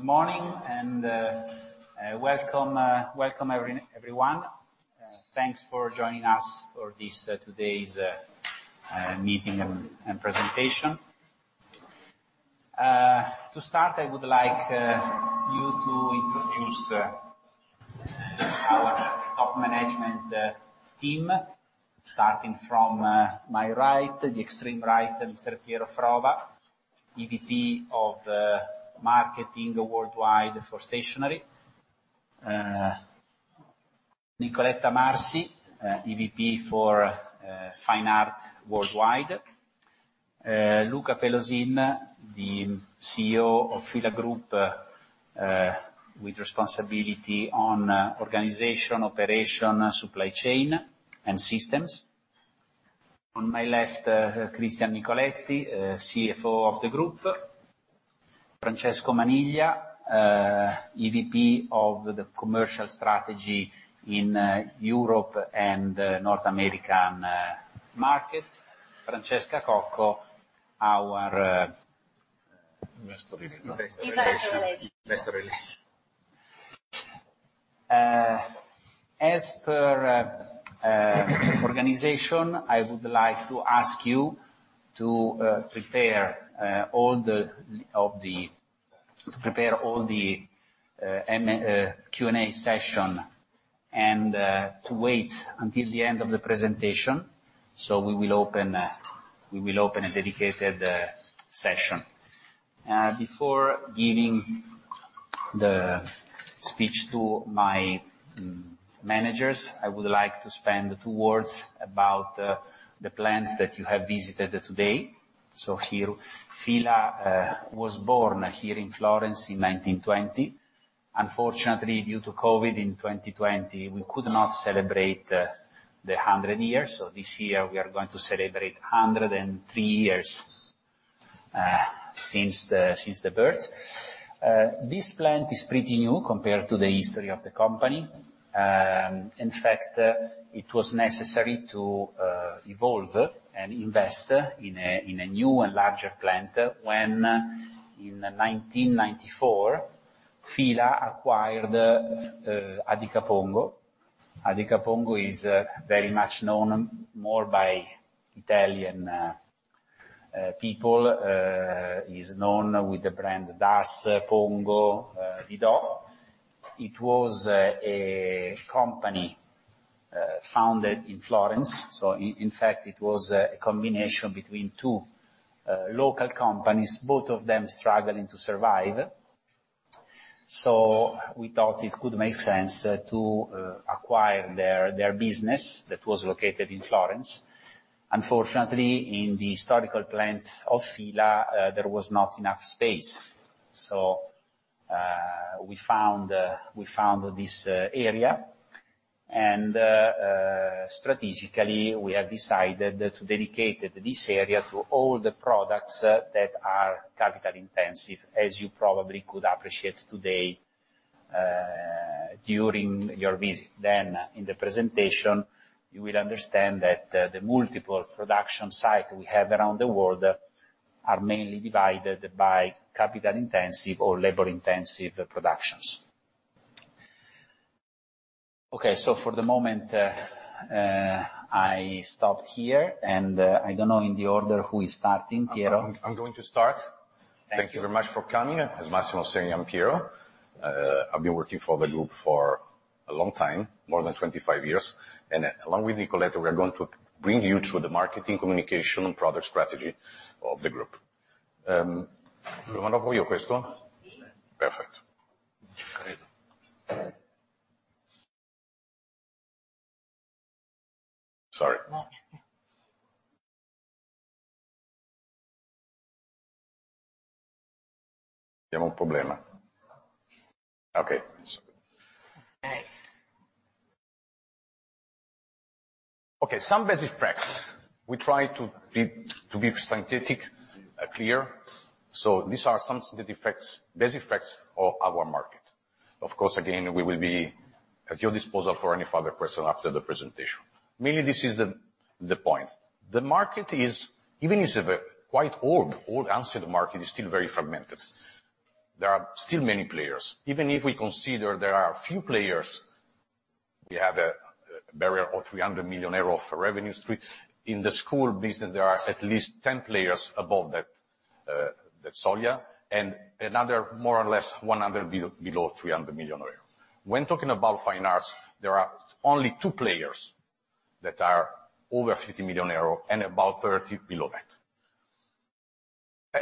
Good morning, welcome, everyone. Thanks for joining us for this today's meeting and presentation. To start, I would like you to introduce our top management team. Starting from my right, the extreme right, Mr. Piero Frova, EVP of Marketing Worldwide for Stationery. Nicoletta Marsi, EVP for Fine Art Worldwide. Luca Pelosin, the CEO of Fila Group, with responsibility on organization, operation, supply chain, and systems. On my left, Cristian Nicoletti, CFO of the group. Francesco Maniglia, EVP of the Commercial Strategy in Europe and North American market. Francesca Cocco, our. Investor Relations. Investor Relations. Investor Relations. As per organization, I would like to ask you to prepare all the Q&A session and to wait until the end of the presentation. We will open a dedicated session. Before giving the speech to my managers, I would like to spend two words about the plans that you have visited today. Here, F.I.L.A. was born here in Florence in 1920. Unfortunately, due to COVID in 2020, we could not celebrate the 100 years. This year we are going to celebrate 103 years since the birth. This plant is pretty new compared to the history of the company. In fact, it was necessary to evolve and invest in a new and larger plant when in 1994, F.I.L.A. acquired Adica Pongo. Adica Pongo is very much known more by Italian people. Is known with the brand DAS, Pongo, Vividel. It was a company founded in Florence, in fact, it was a combination between two local companies, both of them struggling to survive. We thought it could make sense to acquire their business that was located in Florence. Unfortunately, in the historical plant of F.I.L.A., there was not enough space. We found this area, and strategically, we have decided to dedicate this area to all the products that are capital intensive, as you probably could appreciate today during your visit. In the presentation, you will understand that the multiple production site we have around the world are mainly divided by capital intensive or labor intensive productions. For the moment, I stop here, and I don't know in the order who is starting. Piero? I'm going to start. Thank you. Thank you very much for coming. As Massimo saying, I'm Piero. I've been working for the group for a long time, more than 25 years, along with Nicoletta, we are going to bring you through the marketing, communication, and product strategy of the group. Perfect. Sorry. No. Okay. Okay. Some basic facts. We try to be synthetic, clear. These are some basic facts of our market. Again, we will be at your disposal for any further question after the presentation. Mainly, this is the point. The market is, even it's a quite old answer, the market is still very fragmented. There are still many players. Even if we consider there are a few players, we have a barrier of 300 million euro of revenue street. In the school business, there are at least 10 players above that soglia, and another more or less 100 below 300 million euros. When talking about fine arts, there are only two players that are over 50 million euro and about 30 below that.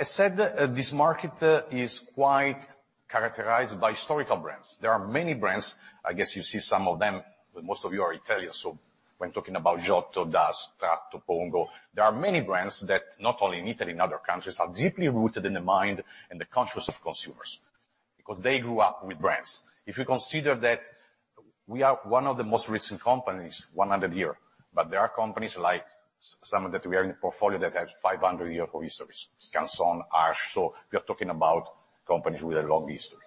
I said, this market is quite characterized by historical brands. There are many brands, I guess you see some of them, but most of you are Italian, so when talking about Giotto, DAS, Tratto, Pongo, there are many brands that, not only in Italy, in other countries, are deeply rooted in the mind and the conscious of consumers because they grew up with brands. If you consider that we are one of the most recent companies, 100 year, but there are companies, like some of that we are in the portfolio, that have 500 year of history, Canson, Arches. We are talking about companies with a long history.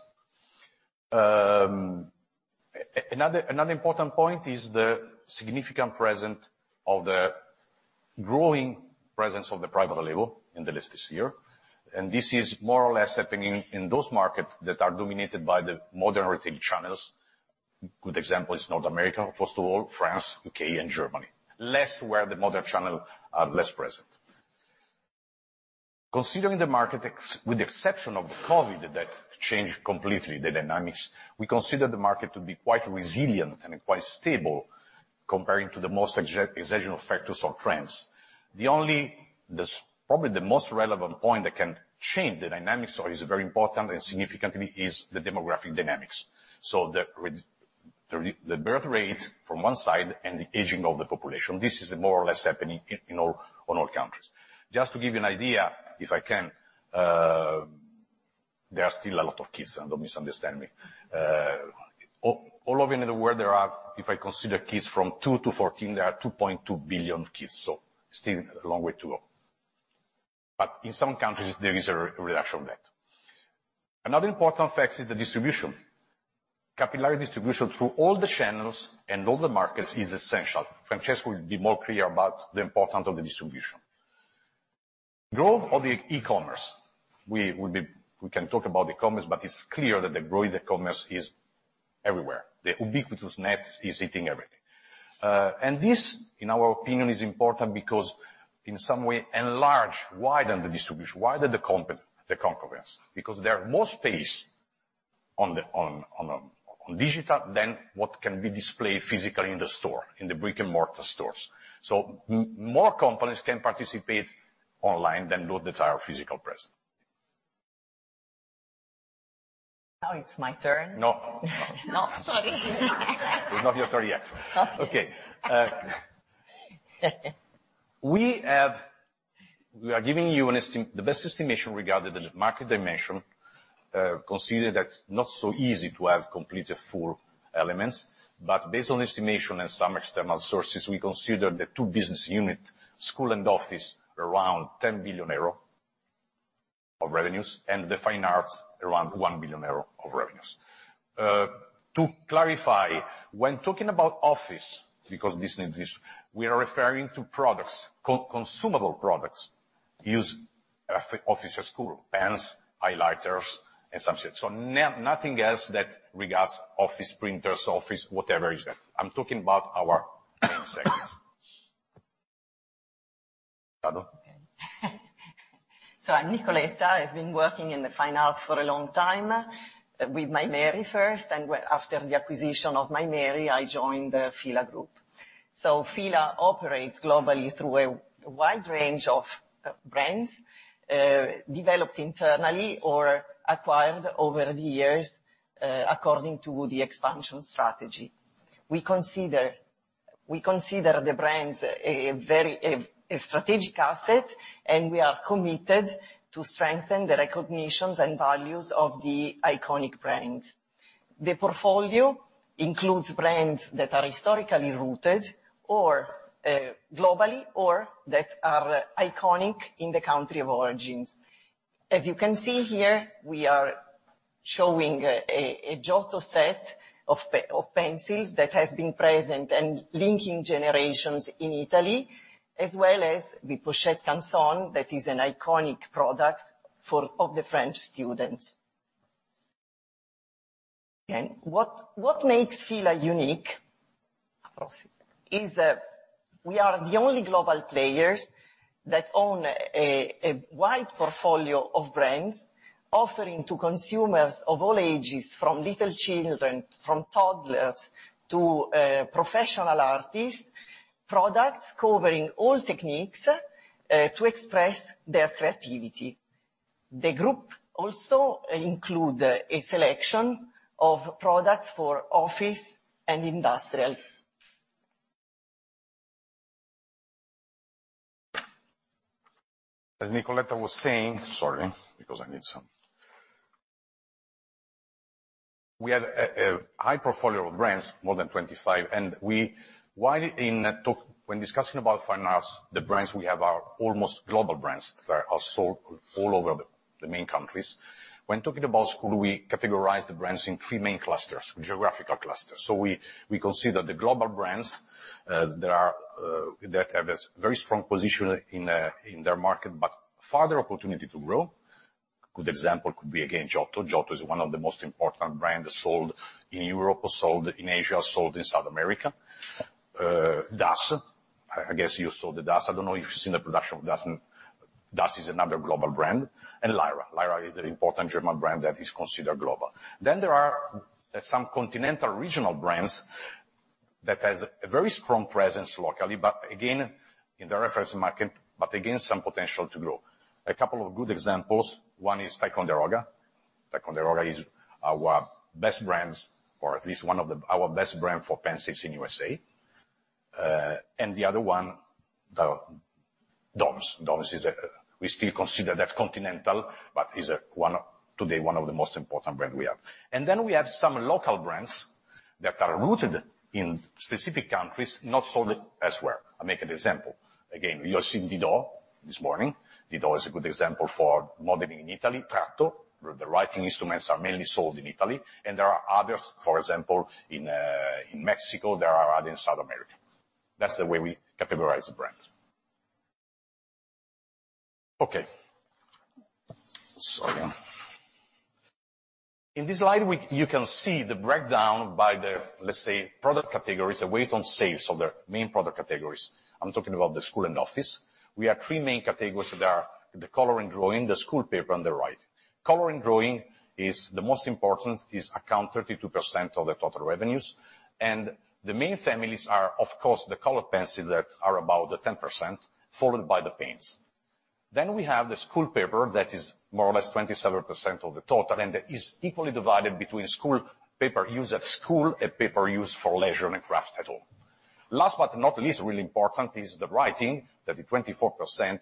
Another important point is the significant presence of the growing presence of the private label in the list this year, and this is more or less happening in those markets that are dominated by the modern retail channels. Good example is North America, first of all, France, U.K., and Germany. Less where the modern channel are less present. Considering the market with the exception of the COVID, that changed completely the dynamics, we consider the market to be quite resilient and quite stable comparing to the most exceptional factors or trends. The only, probably the most relevant point that can change the dynamics, or is very important and significantly, is the demographic dynamics. The birth rate from one side and the aging of the population, this is more or less happening on all countries. Just to give you an idea, if I can, there are still a lot of kids, don't misunderstand me. All over in the world there are, if I consider kids from two to 14, there are 2.2 billion kids, still a long way to go. In some countries, there is a reduction of that. Another important fact is the distribution. Capillary distribution through all the channels and all the markets is essential. Francesco will be more clear about the importance of the distribution. Growth of the e-commerce. We can talk about e-commerce, it's clear that the growth of e-commerce is everywhere. The ubiquitous net is hitting everything. This, in our opinion, is important because in some way enlarge, widen the distribution, widen the concurrence, because there are more space on the digital than what can be displayed physically in the store, in the brick-and-mortar stores. More companies can participate online than those that are physical present. Now it's my turn? No. No, sorry. It's not your turn yet. Okay. Okay, we are giving you the best estimation regarding the market dimension, considering that's not so easy to have complete a full elements. Based on estimation and some external sources, we consider the two business unit, school and office, around 10 billion euro of revenues, and the fine arts around 1 billion euro of revenues. To clarify, when talking about office, because this need, we are referring to products, consumable products, used office and school: pens, highlighters, and some such. nothing else that regards office printers, office, whatever is that. I'm talking about our own products. Pardon. I'm Nicoletta. I've been working in the fine arts for a long time, with Maimeri first, and after the acquisition of Maimeri, I joined the F.I.L.A. Group. F.I.L.A. operates globally through a wide range of brands developed internally or acquired over the years according to the expansion strategy. We consider the brands a very strategic asset, and we are committed to strengthen the recognitions and values of the iconic brands. The portfolio includes brands that are historically rooted or globally, or that are iconic in the country of origins. As you can see here, we are showing a Giotto set of pencils that has been present and linking generations in Italy, as well as the Pochette Canson, that is an iconic product of the French students. What makes F.I.L.A. unique, across it, is, we are the only global players that own a wide portfolio of brands, offering to consumers of all ages, from little children, from toddlers to professional artists, products covering all techniques to express their creativity. The Group also include a selection of products for office and industrial. As Nicoletta was saying... Sorry, because I need some. We have a high portfolio of brands, more than 25, when discussing about fine arts, the brands we have are almost global brands, that are sold all over the main countries. When talking about school, we categorize the brands in three main clusters, geographical clusters. We consider the global brands, there are that have a very strong position in their market, but farther opportunity to grow. Good example could be, again, Giotto. Giotto is one of the most important brands sold in Europe, or sold in Asia, or sold in South America. Das, I guess you saw the Das. I don't know if you've seen the production of Das. Das is another global brand, and Lyra. Lyra is an important German brand that is considered global. There are some continental regional brands that has a very strong presence locally, but again, in the reference market, some potential to grow. A couple of good examples, one is Ticonderoga. Ticonderoga is our best brands, or at least one of our best brand for pencils in USA. The other one, DOMS. DOMS is we still consider that continental, but is a one, today, one of the most important brand we have. We have some local brands that are rooted in specific countries, not sold elsewhere. I'll make an example. You see Didò? This morning, it was a good example for modeling in Italy, Tratto, where the writing instruments are mainly sold in Italy. There are others, for example, in Mexico. There are others in South America. That's the way we categorize the brand. Okay. Sorry. In this slide, you can see the breakdown by the, let's say, product categories, the weight on sales of the main product categories. I'm talking about the school and office. We have three main categories that are the color and drawing, the school paper, and the writing. Color and drawing is the most important, is account 32% of the total revenues, and the main families are, of course, the color pencils that are about 10%, followed by the paints. We have the school paper that is more or less 27% of the total, and that is equally divided between school paper used at school and paper used for leisure and craft at all. Last but not least, really important is the writing, that is 24%,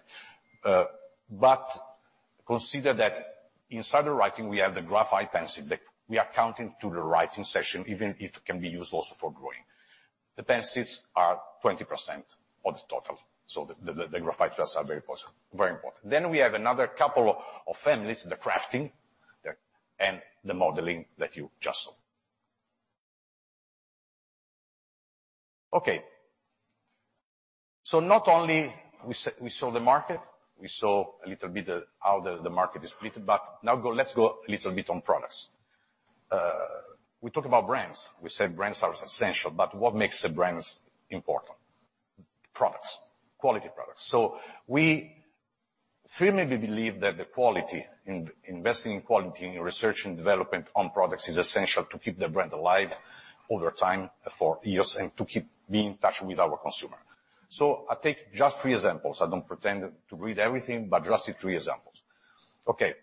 but consider that inside the writing, we have the graphite pencil, that we are counting to the writing session, even if it can be used also for drawing. The pencils are 20% of the total, so the graphite are very important. We have another couple of families, the crafting, and the modeling that you just saw. Okay. Not only we saw the market, we saw a little bit of how the market is split, but now let's go a little bit on products. We talk about brands. We said brands are essential, but what makes the brands important? Products. Quality products. We firmly believe that the quality, in investing in quality, in research and development on products is essential to keep the brand alive over time, for years, and to keep being in touch with our consumer. I take just three examples. I don't pretend to read everything, but just the three examples. Okay,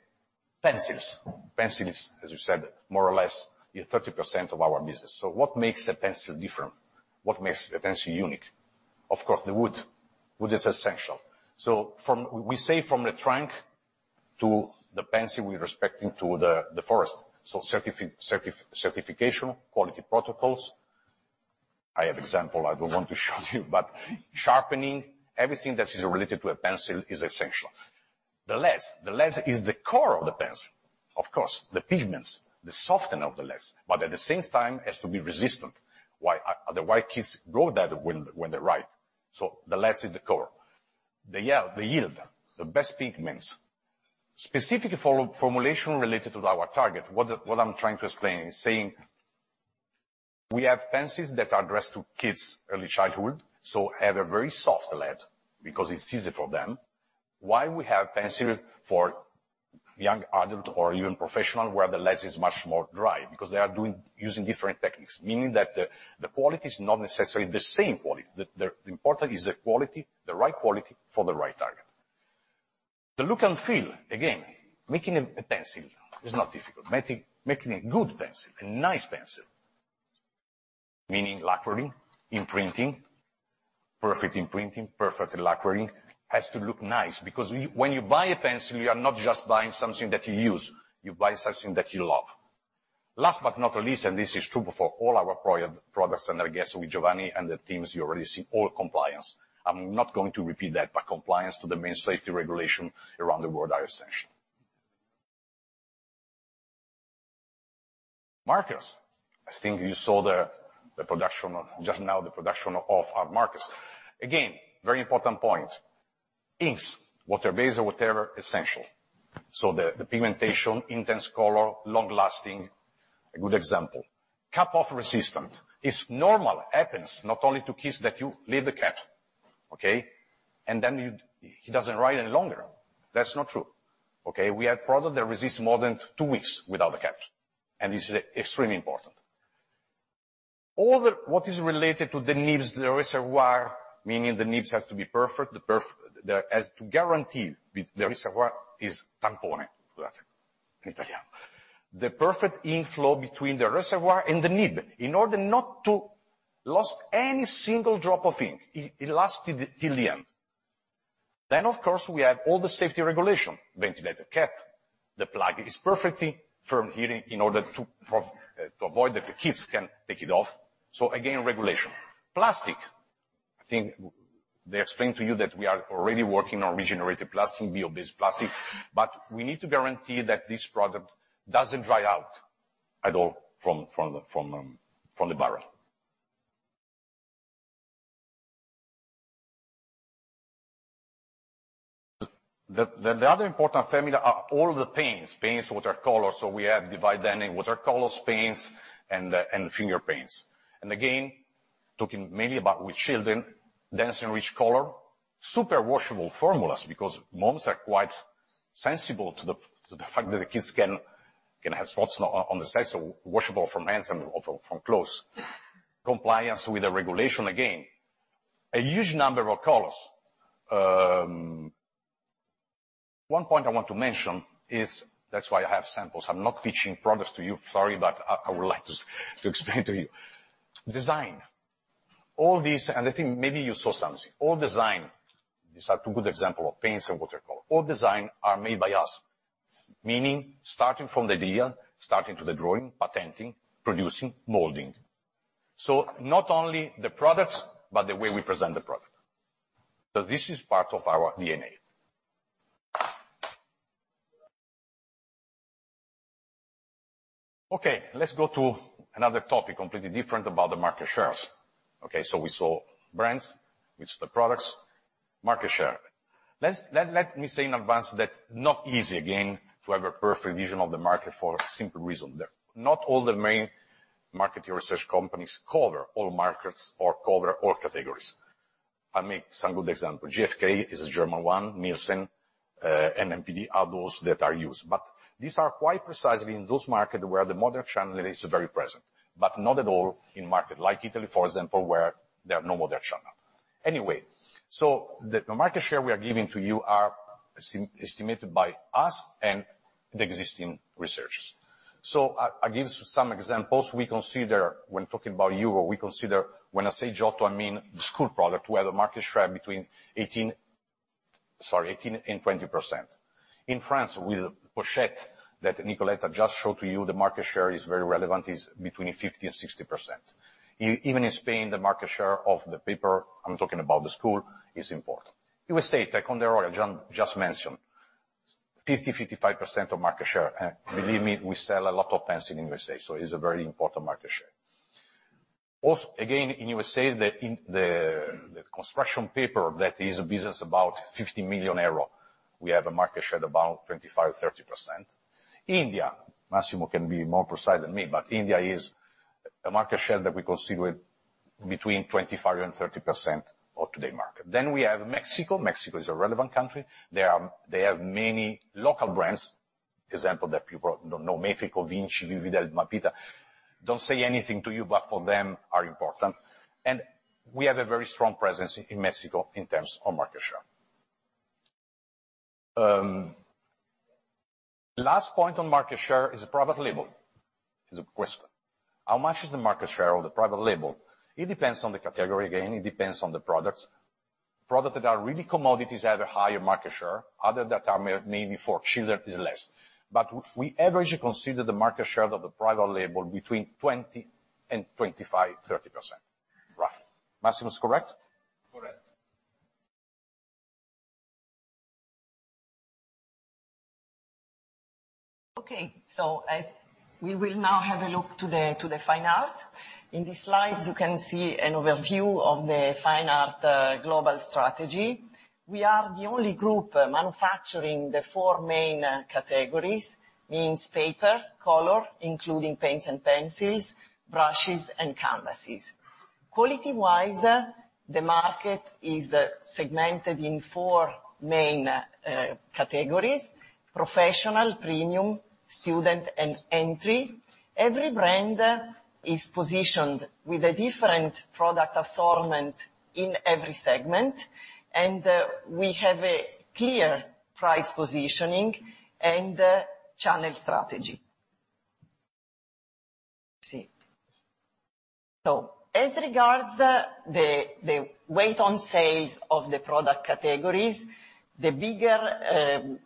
pencils. Pencils, as you said, more or less, is 30% of our business. What makes a pencil different? What makes a pencil unique? Of course, the wood. Wood is essential. From... We say from the trunk to the pencil, we're respecting to the forest. Certification, quality protocols. I have example I don't want to show you, but sharpening, everything that is related to a pencil is essential. The lead. The lead is the core of the pencil, of course, the pigments, the soften of the leads. At the same time, it has to be resistant, the way kids go that when they write. The lead is the core. The yield, the best pigments. Specific for formulation related to our target, what I'm trying to explain is saying we have pencils that are addressed to kids early childhood, have a very soft lead because it's easy for them. We have pencil for young adult or even professional, where the lead is much more dry? Because they are using different techniques, meaning that the quality is not necessarily the same quality. The important is the quality, the right quality for the right target. The look and feel, again, making a pencil is not difficult. Making a good pencil, a nice pencil, meaning lacquering, imprinting, perfect imprinting, perfect lacquering, has to look nice, because when you buy a pencil, you are not just buying something that you use, you buy something that you love. Last but not least, this is true for all our products, I guess with Giovanni and the teams, you already see all compliance. I'm not going to repeat that, compliance to the main safety regulation around the world are essential. Markers. I think you saw the production of our markers. Very important point, inks, water-based or whatever, essential. The pigmentation, intense color, long-lasting, a good example. Cap-off resistant. It's normal, happens not only to kids, that you leave the cap, okay, and then it doesn't write any longer. That's not true, okay? We have product that resists more than two weeks without a cap. This is extremely important. What is related to the nibs, the reservoir, meaning the nibs has to be perfect. There has to guarantee the reservoir is tampone, that in Italian. The perfect ink flow between the reservoir and the nib, in order not to lost any single drop of ink, it lasted till the end. Of course, we have all the safety regulation, ventilated cap. The plug is perfectly firm herein in order to avoid that the kids can take it off. Again, regulation. Plastic. I think they explained to you that we are already working on regenerated plastic, bio-based plastic, but we need to guarantee that this product doesn't dry out at all from the barrel. The other important family are all the paints, watercolors. We have divide them in watercolors, paints, and finger paints. Again, talking mainly about with children, dense and rich color, super washable formulas, because moms are quite sensible to the fact that the kids can have spots on the side, so washable from hands and also from clothes. Compliance with the regulation, again, a huge number of colors. One point I want to mention is. That's why I have samples. I'm not pitching products to you. Sorry, but I would like to explain to you. Design. All these, I think maybe you saw something, all design, these are two good example of paints and watercolor. All design are made by us, meaning starting from the idea, starting to the drawing, patenting, producing, molding. Not only the products, but the way we present the product. This is part of our DNA. Let's go to another topic, completely different, about the market shares. We saw brands, we saw the products, market share. Let me say in advance that not easy, again, to have a perfect vision of the market for a simple reason, that not all the main market research companies cover all markets or cover all categories. I'll make some good example. GfK is a German one, Nielsen and NPD are those that are used, but these are quite precisely in those markets where the modern channel is very present, but not at all in market, like Italy, for example, where there are no modern channel. The market share we are giving to you are estimated by us and the existing researches. I give some examples. We consider when talking about you, or we consider when I say Giotto, I mean the school product, we have a market share between 18% and 20%. In France, with Pochette, that Nicoletta just showed to you, the market share is very relevant, is between 50% and 60%. Even in Spain, the market share of the paper, I'm talking about the school, is important. U.S., Ticonderoga, I just mentioned, 50%-55% of market share. Believe me, we sell a lot of pens in U.S. It's a very important market share. Again, in U.S., the construction paper, that is a business about 50 million euro, we have a market share at about 25%-30%. India, Massimo can be more precise than me, but India is a market share that we consider it between 25% and 30% of today market. We have Mexico. Mexico is a relevant country. They have many local brands. Example, that people know, Metrico, Vinci, Vividel, Mapita. Don't say anything to you, but for them, are important. We have a very strong presence in Mexico in terms of market share. Last point on market share is a private label, is a question. How much is the market share of the private label? It depends on the category, again, it depends on the products. Products that are really commodities have a higher market share, other that are maybe for children is less. We average consider the market share of the private label between 20% and 25%, 30%, roughly. Massimo, is correct? Correct. We will now have a look to the fine art. In these slides, you can see an overview of the fine art global strategy. We are the only group manufacturing the four main categories, means paper, color, including paints and pencils, brushes, and canvases. Quality-wise, the market is segmented in four main categories: professional, premium, student, and entry. Every brand is positioned with a different product assortment in every segment, we have a clear price positioning and channel strategy. See. As regards the weight on sales of the product categories, the bigger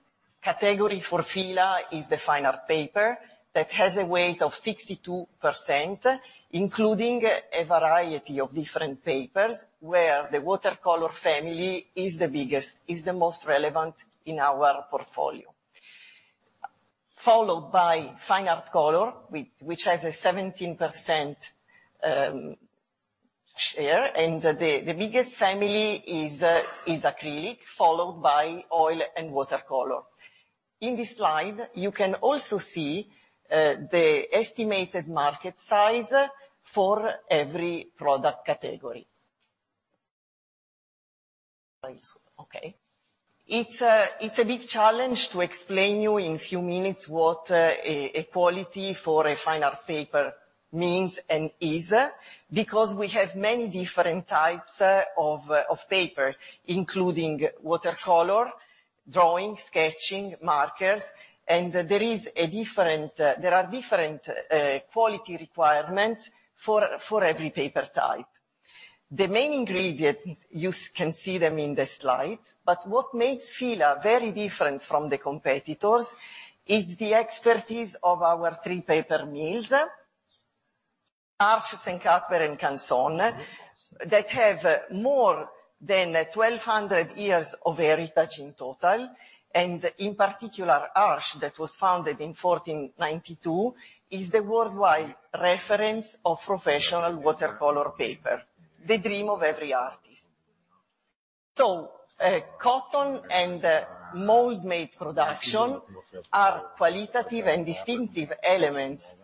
category for F.I.L.A. is the fine art paper, that has a weight of 62%, including a variety of different papers, where the watercolor family is the biggest, the most relevant in our portfolio. Followed by fine art color, which has a 17% share, and the biggest family is acrylic, followed by oil and watercolor. In this slide, you can also see the estimated market size for every product category. Okay. It's a big challenge to explain you in few minutes what a quality for a fine art paper means and is, because we have many different types of paper, including watercolor, drawing, sketching, markers, and there is a different. There are different quality requirements for every paper type. The main ingredients, you can see them in the slide, but what makes F.I.L.A. very different from the competitors, is the expertise of our three paper mills, Arches, St Cuthbert's, and Canson, that have more than 1,200 years of heritage in total, and in particular, Arches, that was founded in 1492, is the worldwide reference of professional watercolor paper, the dream of every artist. Cotton and mold-made production are qualitative and distinctive elements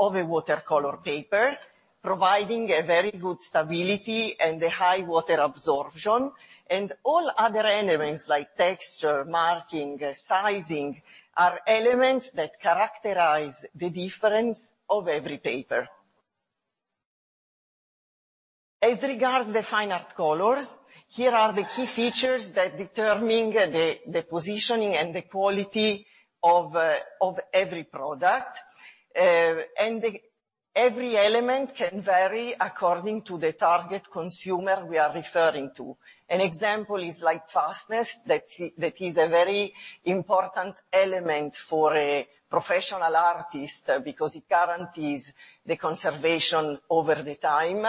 of a watercolor paper, providing a very good stability and a high water absorption, and all other elements, like texture, marking, sizing, are elements that characterize the difference of every paper. As regards the fine art colors, here are the key features that determine the positioning and the quality of every product, every element can vary according to the target consumer we are referring to. An example is lightfastness, that is a very important element for a professional artist, because it guarantees the conservation over the time....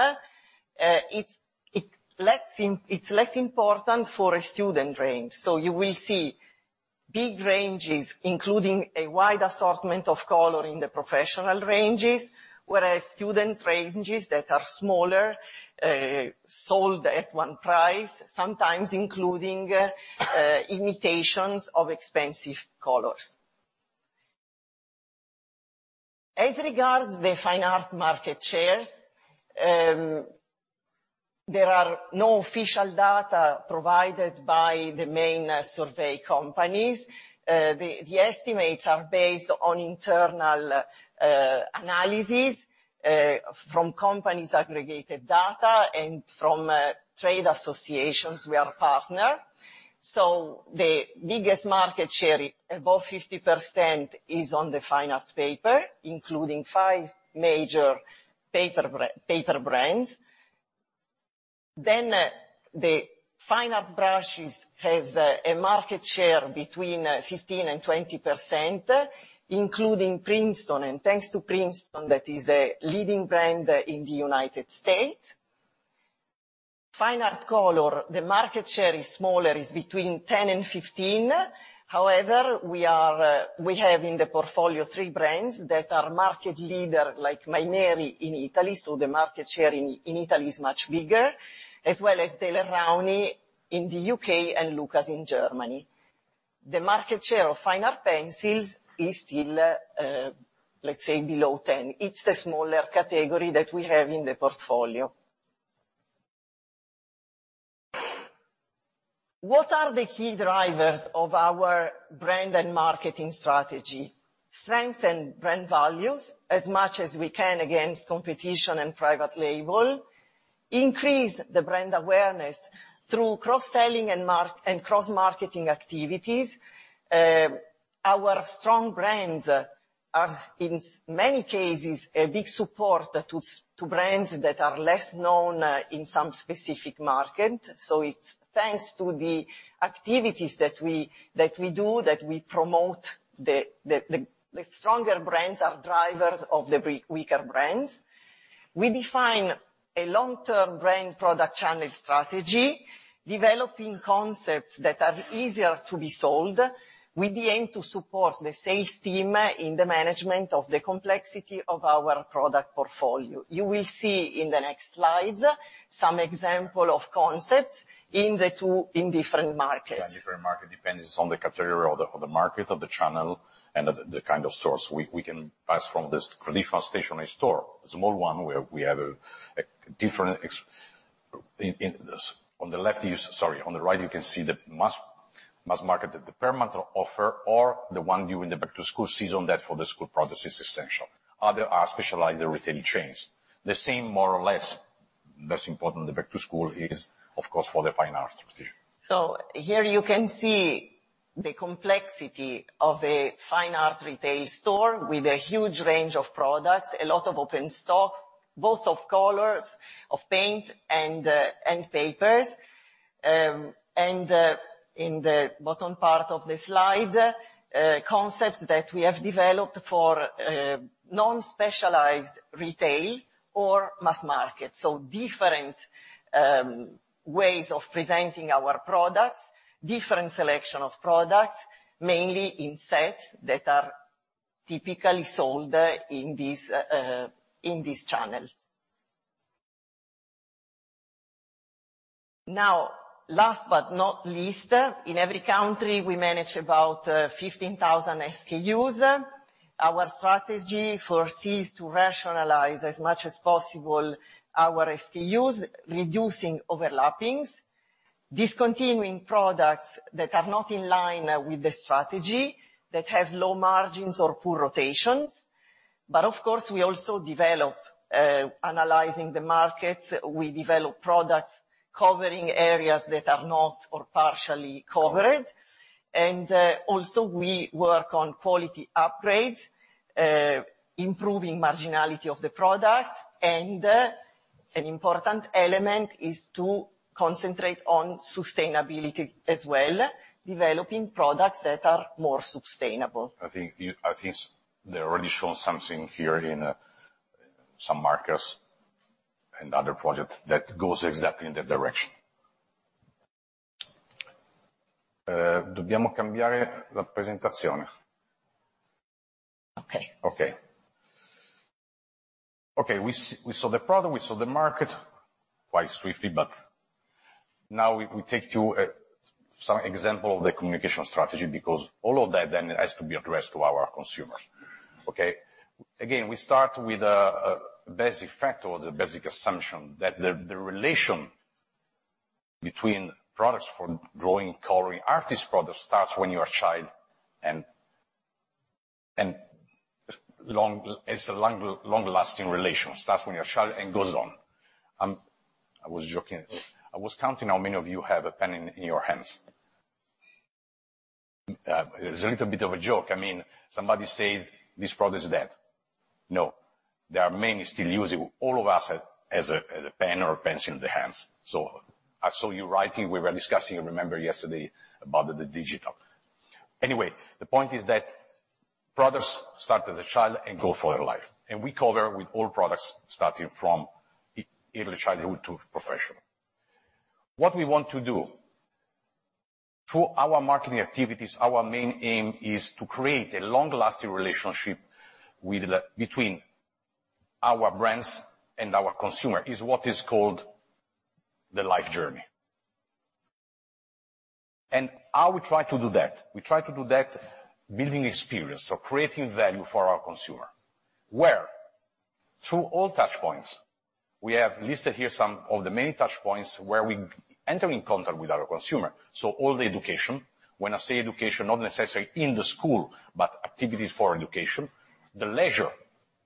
It's less important for a student range. You will see big ranges, including a wide assortment of color in the professional ranges, whereas student ranges that are smaller, sold at one price, sometimes including imitations of expensive colors. As regards the fine art market shares, there are no official data provided by the main survey companies. The estimates are based on internal analysis from companies' aggregated data and from trade associations we are partnered. The biggest market share, above 50%, is on the fine art paper, including five major paper brands. The fine art brushes has a market share between 15% and 20%, including Princeton, and thanks to Princeton, that is a leading brand in the United States. Fine art color, the market share is smaller, is between 10% and 15%. We have in the portfolio three brands that are market leader, like Maimeri in Italy, so the market share in Italy is much bigger, as well as Daler-Rowney in the U.K., and LUKAS in Germany. The market share of fine art pencils is still below 10%. It's the smaller category that we have in the portfolio. What are the key drivers of our brand and marketing strategy? Strengthen brand values as much as we can against competition and private label, increase the brand awareness through cross-selling and cross-marketing activities. Our strong brands are, in many cases, a big support to brands that are less known in some specific market. It's thanks to the activities that we do, that we promote, the stronger brands are drivers of the weaker brands. We define a long-term brand product channel strategy, developing concepts that are easier to be sold, with the aim to support the sales team in the management of the complexity of our product portfolio. You will see in the next slides, some example of concepts in different markets. Different market depends on the category or the market, or the channel, and the kind of stores. We can pass from this. For different stationery store, a small one, where we have a different in this. On the left. Sorry, on the right, you can see the mass market, the permanent offer, or the one during the back-to-school season that for the school products is essential. Other are specialized retail chains. The same, more or less, most important, the back-to-school is, of course, for the fine arts position. Here you can see the complexity of a fine art retail store with a huge range of products, a lot of open stock, both of colors, of paint, and papers. In the bottom part of the slide, concepts that we have developed for non-specialized retail or mass market. Different ways of presenting our products, different selection of products, mainly in sets that are typically sold in these channels. Now, last but not least, in every country, we manage about 15,000 SKUs. Our strategy foresees to rationalize as much as possible our SKUs, reducing overlappings, discontinuing products that are not in line with the strategy, that have low margins or poor rotations. Of course, we also develop, analyzing the markets, we develop products covering areas that are not or partially covered. Also, we work on quality upgrades, improving marginality of the products. An important element is to concentrate on sustainability as well, developing products that are more sustainable. I think they're already shown something here in some markers and other projects that goes exactly in that direction. Okay. Okay. We saw the product, we saw the market, quite swiftly. Now we take you, some example of the communication strategy, because all of that then has to be addressed to our consumers. Okay? We start with a basic factor or the basic assumption that the relation between products for drawing, coloring, artist products starts when you are a child, and it's a long-lasting relation. Starts when you're a child and goes on. I was joking. I was counting how many of you have a pen in your hands. It's a little bit of a joke. I mean, somebody says this product is dead. There are many still using, all of us, as a pen or a pencil in their hands. I saw you writing, we were discussing, remember yesterday, about the digital. Anyway, the point is that. Products start as a child and go for their life, and we cover with all products starting from e-early childhood to professional. What we want to do, through our marketing activities, our main aim is to create a long-lasting relationship with the between our brands and our consumer, is what is called the life journey. How we try to do that? We try to do that building experience, so creating value for our consumer. Where? Through all touch points. We have listed here some of the many touch points where we enter in contact with our consumer. All the education, when I say education, not necessarily in the school, but activities for education. The leisure,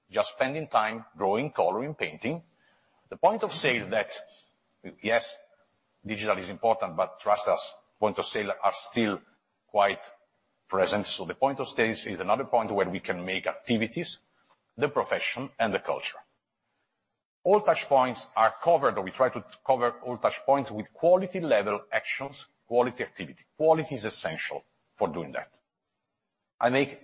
just spending time drawing, coloring, painting. The point of sale that. Yes, digital is important, but trust us, point of sale are still quite present. The point of sales is another point where we can make activities, the profession, and the culture. All touch points are covered, or we try to cover all touch points with quality level actions, quality activity. Quality is essential for doing that.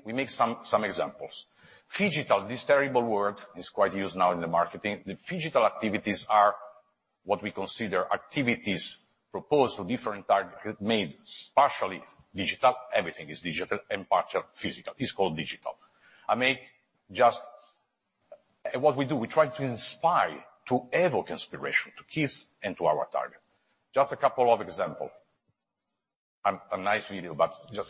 We make some examples. Phygital, this terrible word, is quite used now in the marketing. The phygital activities are what we consider activities proposed to different target, made partially digital, everything is digital, and partial physical. It's called digital. What we do, we try to inspire, to evoke inspiration, to kids and to our target. Just a couple of example. A nice video, What will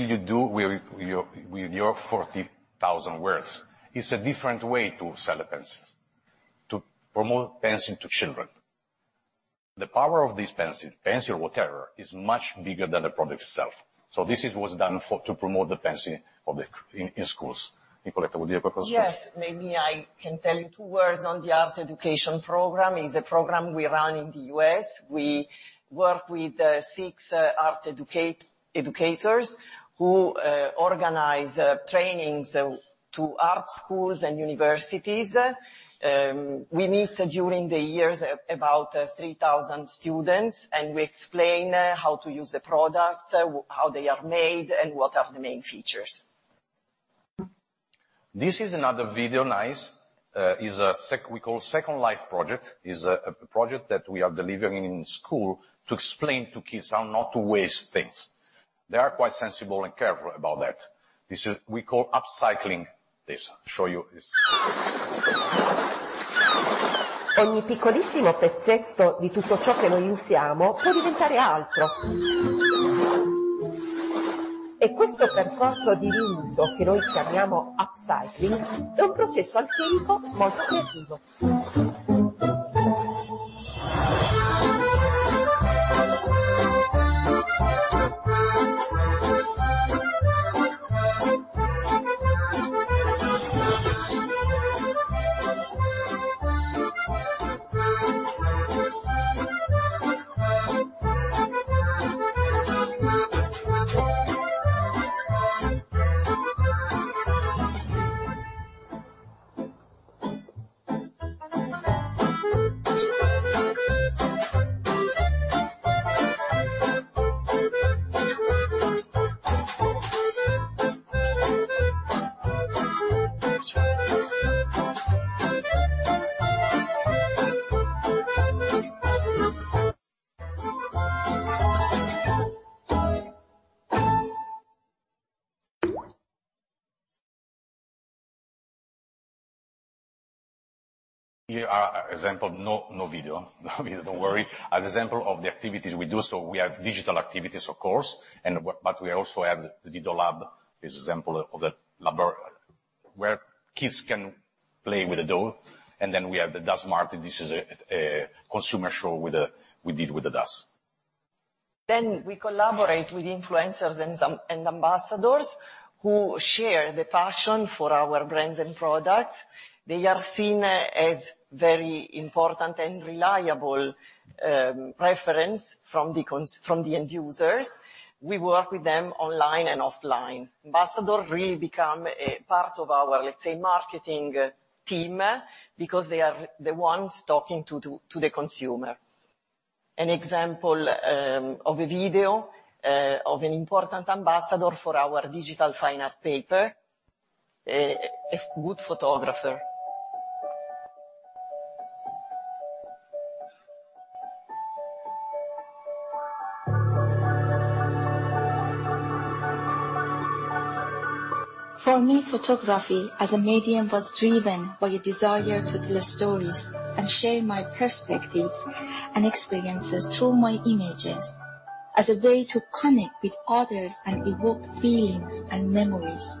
you do with your 40,000 words? It's a different way to sell a pencil, to promote pencil to children. The power of this pencil or whatever, is much bigger than the product itself. This is what's done to promote the pencil of the in schools. Nicoletta, would you like to continue? Maybe I can tell you two words on the art education program. Is a program we run in the U.S. We work with six educators, who organize trainings to art schools and universities. We meet during the years about 3,000 students, we explain how to use the products, how they are made, and what are the main features. This is another video, nice. We call Second Life Project, is a project that we are delivering in school to explain to kids how not to waste things. They are quite sensible and careful about that. This is we call upcycling this. Show you this. Here are example, no video. Don't worry. An example of the activities we do. We have digital activities, of course, and but we also have the Didò lab, is example of the where kids can play with the dough, and then we have the DAS market. This is a consumer show with a with the DAS. We collaborate with influencers and ambassadors, who share the passion for our brands and products. They are seen as very important and reliable reference from the end users. We work with them online and offline. Ambassador really become a part of our, let's say, marketing team, because they are the ones talking to the consumer. An example of a video of an important ambassador for our digital fine art paper, a good photographer. For me, photography as a medium was driven by a desire to tell stories and share my perspectives and experiences through my images, as a way to connect with others and evoke feelings and memories.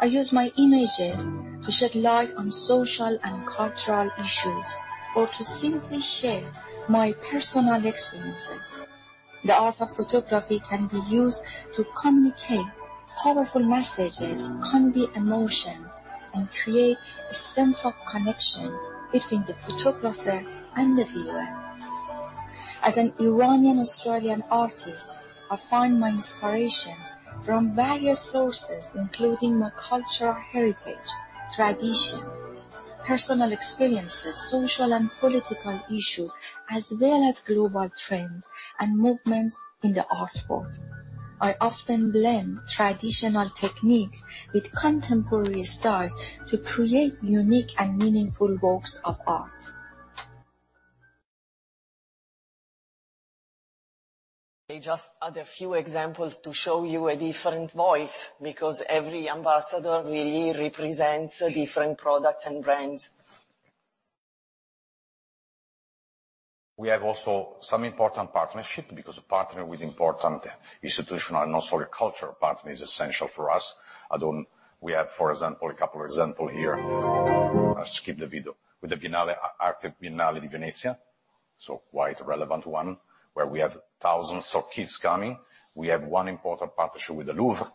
I use my images to shed light on social and cultural issues, or to simply share my personal experiences. The art of photography can be used to communicate powerful messages, convey emotion, and create a sense of connection between the photographer and the viewer. As an Iranian Australian artist, I find my inspirations from various sources, including my cultural heritage, tradition, personal experiences, social and political issues, as well as global trends and movements in the art world. I often blend traditional techniques with contemporary styles to create unique and meaningful works of art. We just add a few examples to show you a different voice, because every ambassador really represents a different product and brands. We have also some important partnership, because a partner with important institutional, not only cultural partner, is essential for us. We have, for example, a couple of example here. I skip the video. With La Biennale Arte di Venezia, so quite relevant one, where we have thousands of kids coming. We have one important partnership with the Louvre,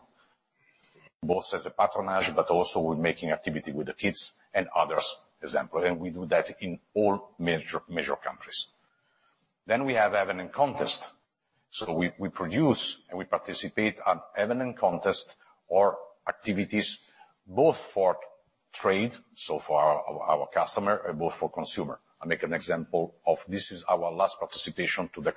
both as a patronage, but also with making activity with the kids and others, example, and we do that in all major countries. We have event and contest. We produce and we participate at event and contest or activities, both for trade, so for our customer, and both for consumer. I make an example of this is our last participation to the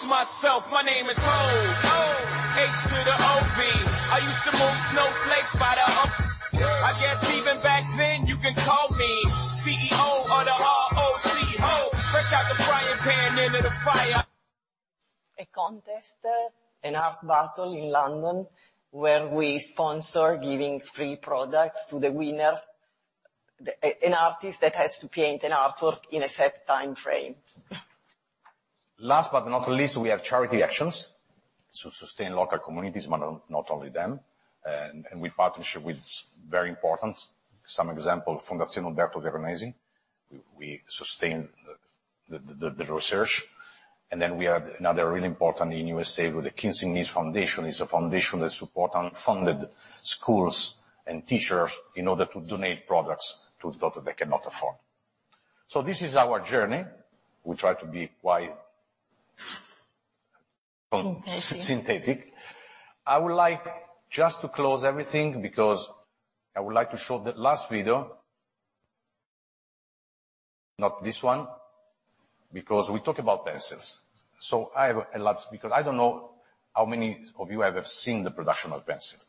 Creativeworld last year. A contest, an art battle in London, where we sponsor giving free products to the winner. An artist that has to paint an artwork in a set time frame. Last but not least, we have charity actions to sustain local communities, but not only them, and we partnership with very important. Some example, Fondazione Umberto Veronesi. We sustain the research. We have another really important in USA, with the Kids In Need Foundation. It's a foundation that support unfunded schools and teachers in order to donate products to those that they cannot afford. This is our journey. We try to be quite- Synthetic. Synthetic. I would like just to close everything, because I would like to show the last video. Not this one, because we talk about pencils, so I have a lot... Because I don't know how many of you have seen the production of pencil?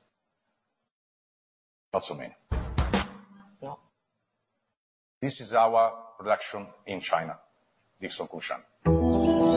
Not so many. No. This is our production in China, Dixon Kushan. Okay. Thank you very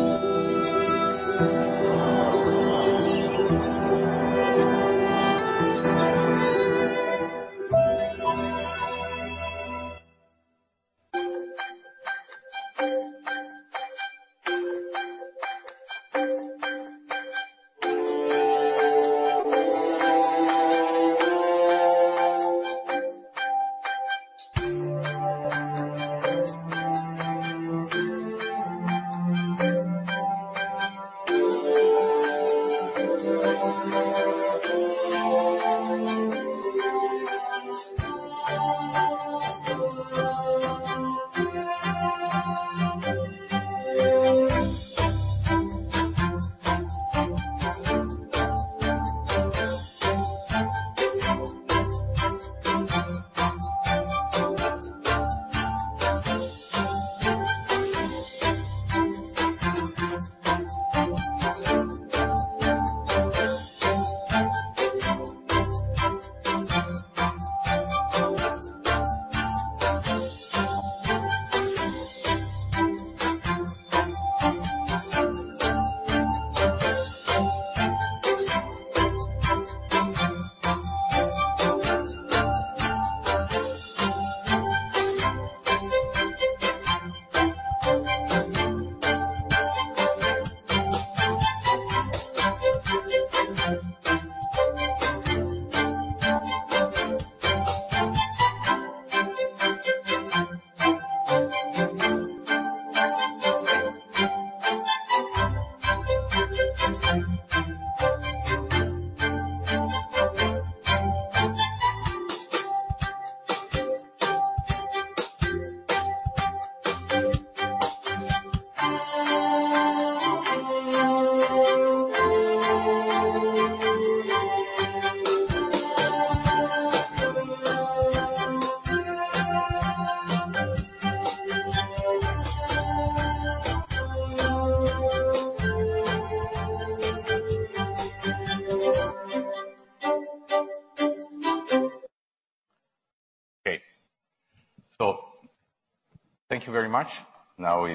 much.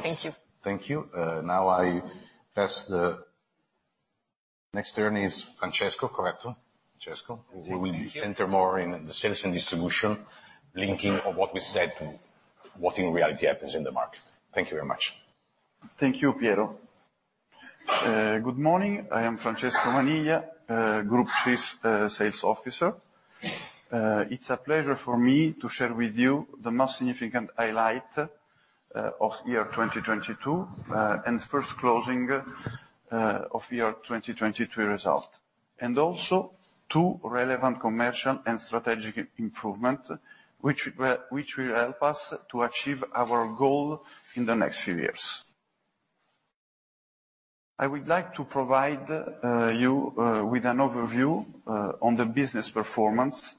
Thank you. Thank you. Now I pass the next turn is Francesco, correct? Francesco, we will enter more in the sales and distribution, linking of what we said, what in reality happens in the market. Thank you very much. Thank you, Piero. Good morning. I am Francesco Maniglia, Group Chief Sales Officer. It's a pleasure for me to share with you the most significant highlight of year 2022 and first closing of year 2023 result. Also, two relevant commercial and strategic improvement, which will help us to achieve our goal in the next few years. I would like to provide you with an overview on the business performance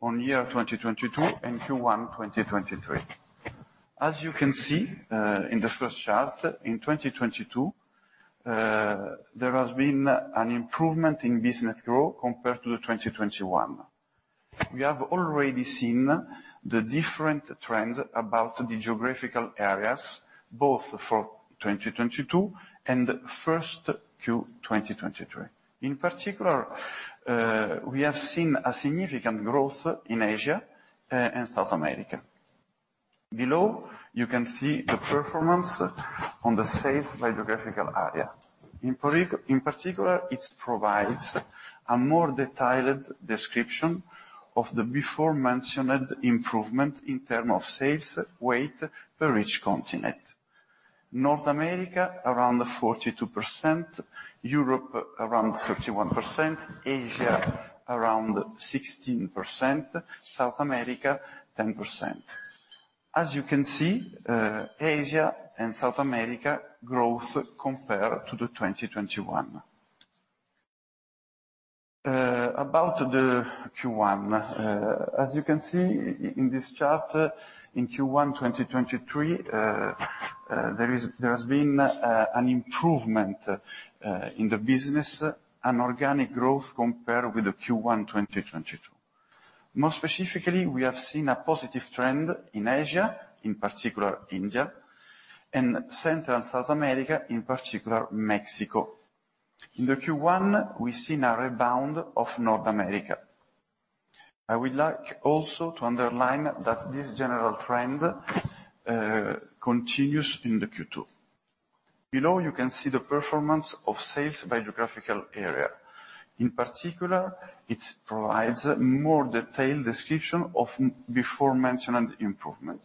on year 2022 and Q1, 2023. As you can see, in the first chart, in 2022, there has been an improvement in business growth compared to the 2021. We have already seen the different trends about the geographical areas, both for 2022 and first Q, 2023. In particular, we have seen a significant growth in Asia and South America. Below, you can see the performance on the sales by geographical area. In particular, it provides a more detailed description of the before mentioned improvement in term of sales weight per each continent. North America, around 42%, Europe around 31%, Asia around 16%, South America, 10%. As you can see, Asia and South America growth compared to the 2021. About the Q1, as you can see in this chart, in Q1 2023, there has been an improvement in the business and organic growth compared with the Q1 2022. More specifically, we have seen a positive trend in Asia, in particular India, and Central and South America, in particular Mexico. In the Q1, we've seen a rebound of North America. I would like also to underline that this general trend continues in the Q2. Below, you can see the performance of sales by geographical area. In particular, it provides more detailed description of before mentioned improvement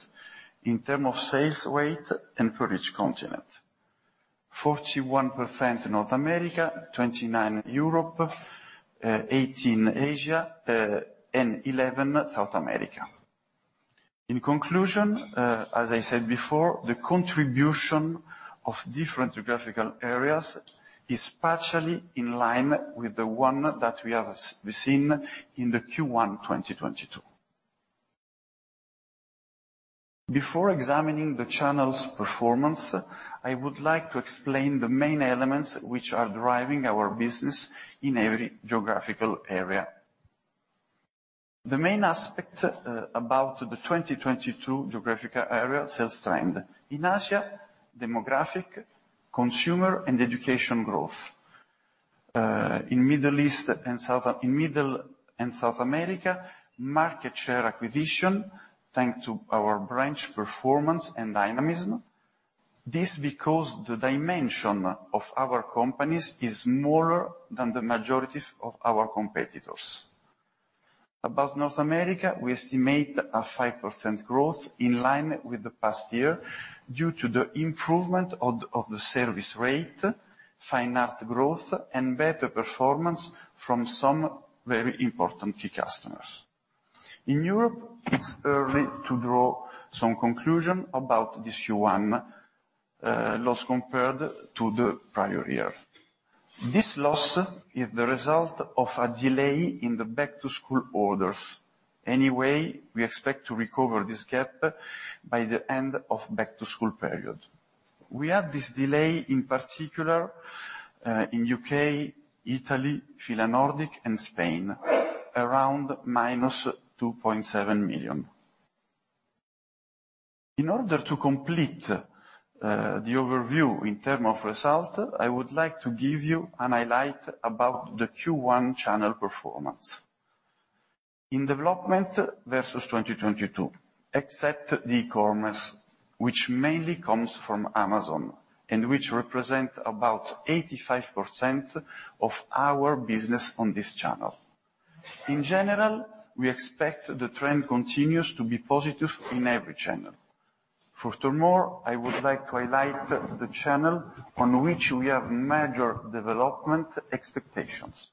in term of sales weight and for each continent. 41% North America, 29% Europe, 18% Asia, and 11% South America. In conclusion, as I said before, the contribution of different geographical areas is partially in line with the one that we have we've seen in the Q1, 2022. Before examining the channel's performance, I would like to explain the main elements which are driving our business in every geographical area. The main aspect about the 2022 geographical area sales trend. In Asia, demographic, consumer, and education growth. In Middle East and South America, market share acquisition, thanks to our branch performance and dynamism. This because the dimension of our companies is smaller than the majority of our competitors. About North America, we estimate a 5% growth in line with the past year, due to the improvement of the service rate, fine art growth, and better performance from some very important key customers. In Europe, it's early to draw some conclusion about this Q1 loss compared to the prior year. This loss is the result of a delay in the back-to-school orders. We expect to recover this gap by the end of back-to-school period. We had this delay, in particular, in U.K., Italy, Finland, Nordic, and Spain, around -2.7 million. In order to complete the overview in term of results, I would like to give you an highlight about the Q1 channel performance. In development versus 2022, except the e-commerce, which mainly comes from Amazon, and which represent about 85% of our business on this channel. In general, we expect the trend continues to be positive in every channel. Furthermore, I would like to highlight the channel on which we have major development expectations.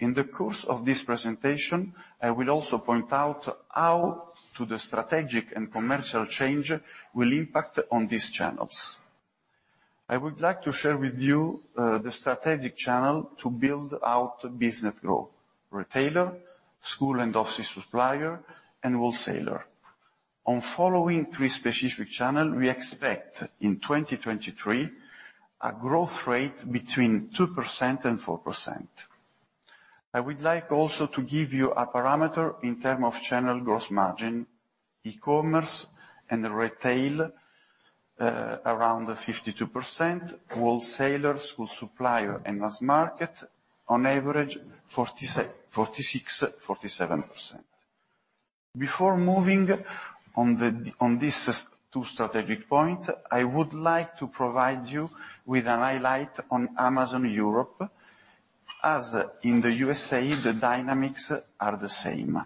In the course of this presentation, I will also point out how to the strategic and commercial change will impact on these channels. I would like to share with you the strategic channel to build out business growth: retailer, school and office supplier, and wholesaler. On following three specific channel, we expect in 2023, a growth rate between 2% and 4%. I would like also to give you a parameter in term of channel gross margin, e-commerce and retail, around 52%, wholesalers, school supplier, and mass market, on average, 46%, 47%. Before moving on these two strategic points, I would like to provide you with a highlight on Amazon Europe. As in the USA, the dynamics are the same.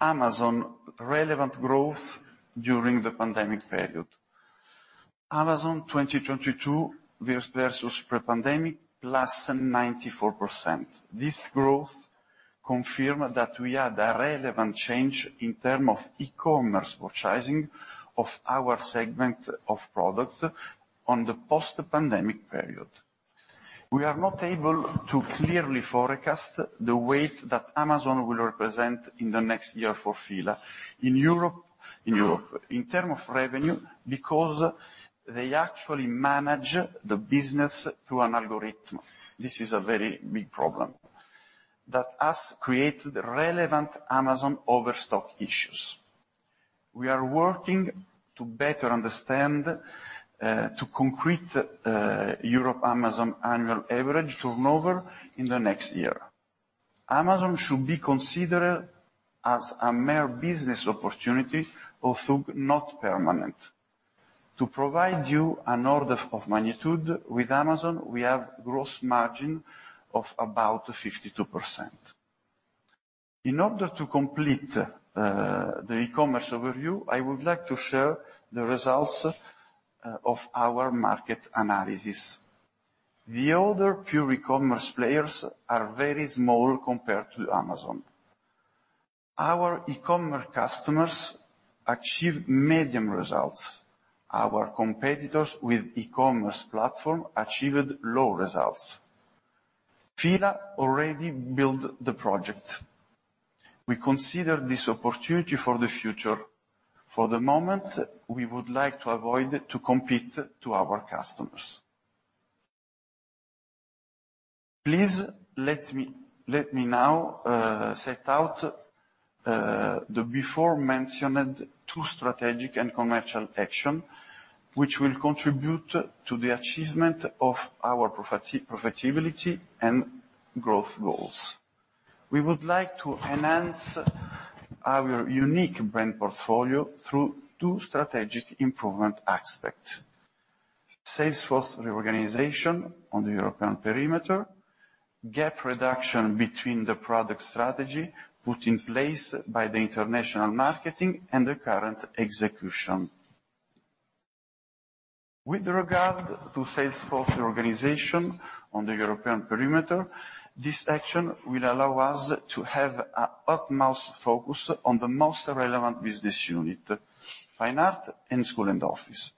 Amazon relevant growth during the pandemic period. Amazon 2022 versus pre-pandemic, +94%. This growth confirm that we had a relevant change in term of e-commerce purchasing of our segment of products on the post-pandemic period. We are not able to clearly forecast the weight that Amazon will represent in the next year for F.I.L.A. In Europe, in term of revenue, because they actually manage the business through an algorithm. This is a very big problem, that has created relevant Amazon overstock issues. We are working to better understand, to concrete, Europe Amazon annual average turnover in the next year. Amazon should be considered as a mere business opportunity, although not permanent. To provide you an order of magnitude, with Amazon, we have gross margin of about 52%. In order to complete the e-commerce overview, I would like to share the results of our market analysis. The other pure e-commerce players are very small compared to Amazon. Our e-commerce customers achieved medium results. Our competitors with e-commerce platform achieved low results. Fila already built the project. We consider this opportunity for the future. For the moment, we would like to avoid to compete to our customers. Please let me now set out the before mentioned two strategic and commercial action, which will contribute to the achievement of our profitability and growth goals. We would like to enhance our unique brand portfolio through two strategic improvement aspect: Salesforce reorganization on the European perimeter, gap reduction between the product strategy put in place by the international marketing and the current execution. With regard to Salesforce organization on the European perimeter, this action will allow us to have a utmost focus on the most relevant business unit, Fine Art and School and Office.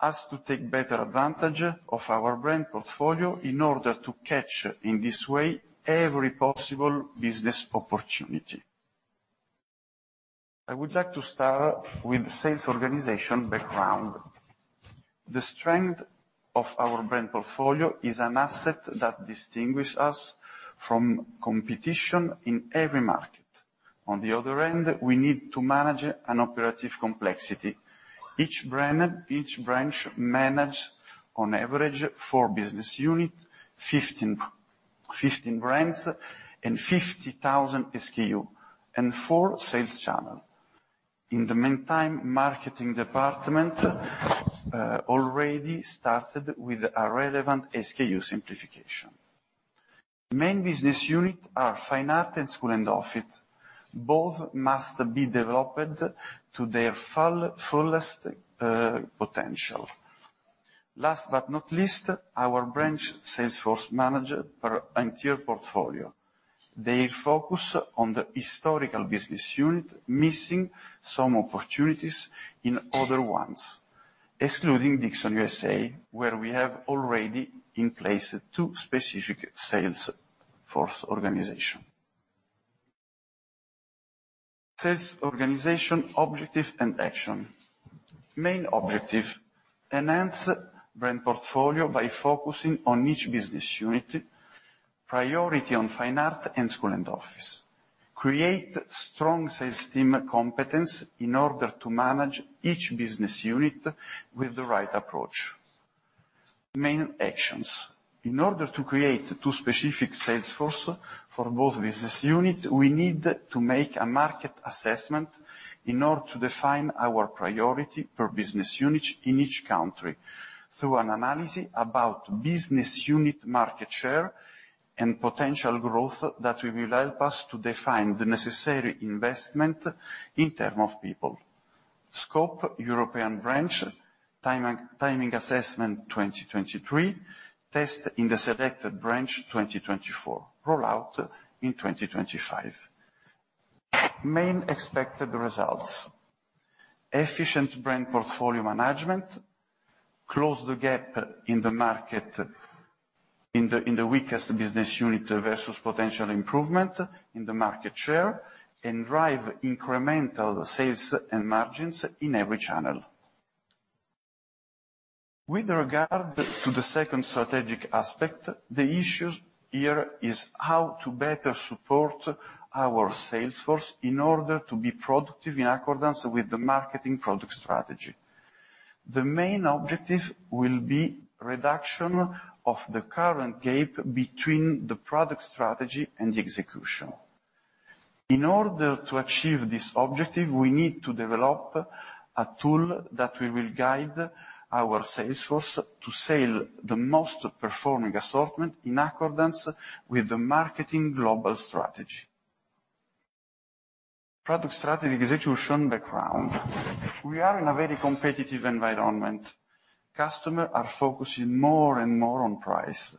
As to take better advantage of our brand portfolio in order to catch, in this way, every possible business opportunity. I would like to start with sales organization background. The strength of our brand portfolio is an asset that distinguish us from competition in every market. On the other end, we need to manage an operative complexity. Each brand, each branch, manage on average four business units, 15 brands, and 50,000 SKUs, and four sales channels. In the meantime, marketing department already started with a relevant SKU simplification. Main business unit are Fine Art and School and Office. Both must be developed to their fullest potential. Last but not least, our branch sales force manage per entire portfolio. They focus on the historical business unit, missing some opportunities in other ones, excluding Dixon, USA, where we have already in place two specific sales force organizations. Sales organization, objective, and action. Main objective: enhance brand portfolio by focusing on each business unit, priority on Fine Art and School and Office. Create strong sales team competence in order to manage each business unit with the right approach. Main actions: In order to create two specific sales force for both business unit, we need to make a market assessment in order to define our priority per business unit in each country, through an analysis about business unit market share and potential growth that will help us to define the necessary investment in term of people. Scope, European branch, time and timing assessment 2023. Test in the selected branch, 2024. Rollout in 2025. Main expected results: efficient brand portfolio management, close the gap in the market in the weakest business unit versus potential improvement in the market share, and drive incremental sales and margins in every channel. With regard to the second strategic aspect, the issue here is how to better support our sales force in order to be productive in accordance with the marketing product strategy. The main objective will be reduction of the current gap between the product strategy and the execution. In order to achieve this objective, we need to develop a tool that will guide our sales force to sell the most performing assortment, in accordance with the marketing global strategy. Product strategy execution background. We are in a very competitive environment. Customers are focusing more and more on price,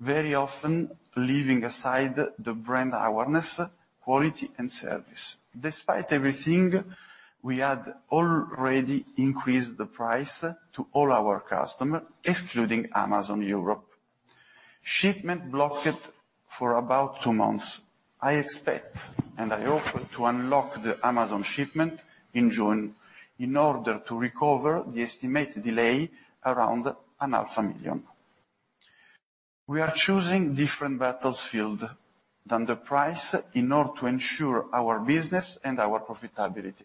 very often leaving aside the brand awareness, quality, and service. Despite everything, we had already increased the price to all our customers, excluding Amazon Europe. Shipment blocked for about two months. I expect, and I hope, to unlock the Amazon shipment in June in order to recover the estimated delay around EUR an half million. We are choosing different battlefield than the price in order to ensure our business and our profitability.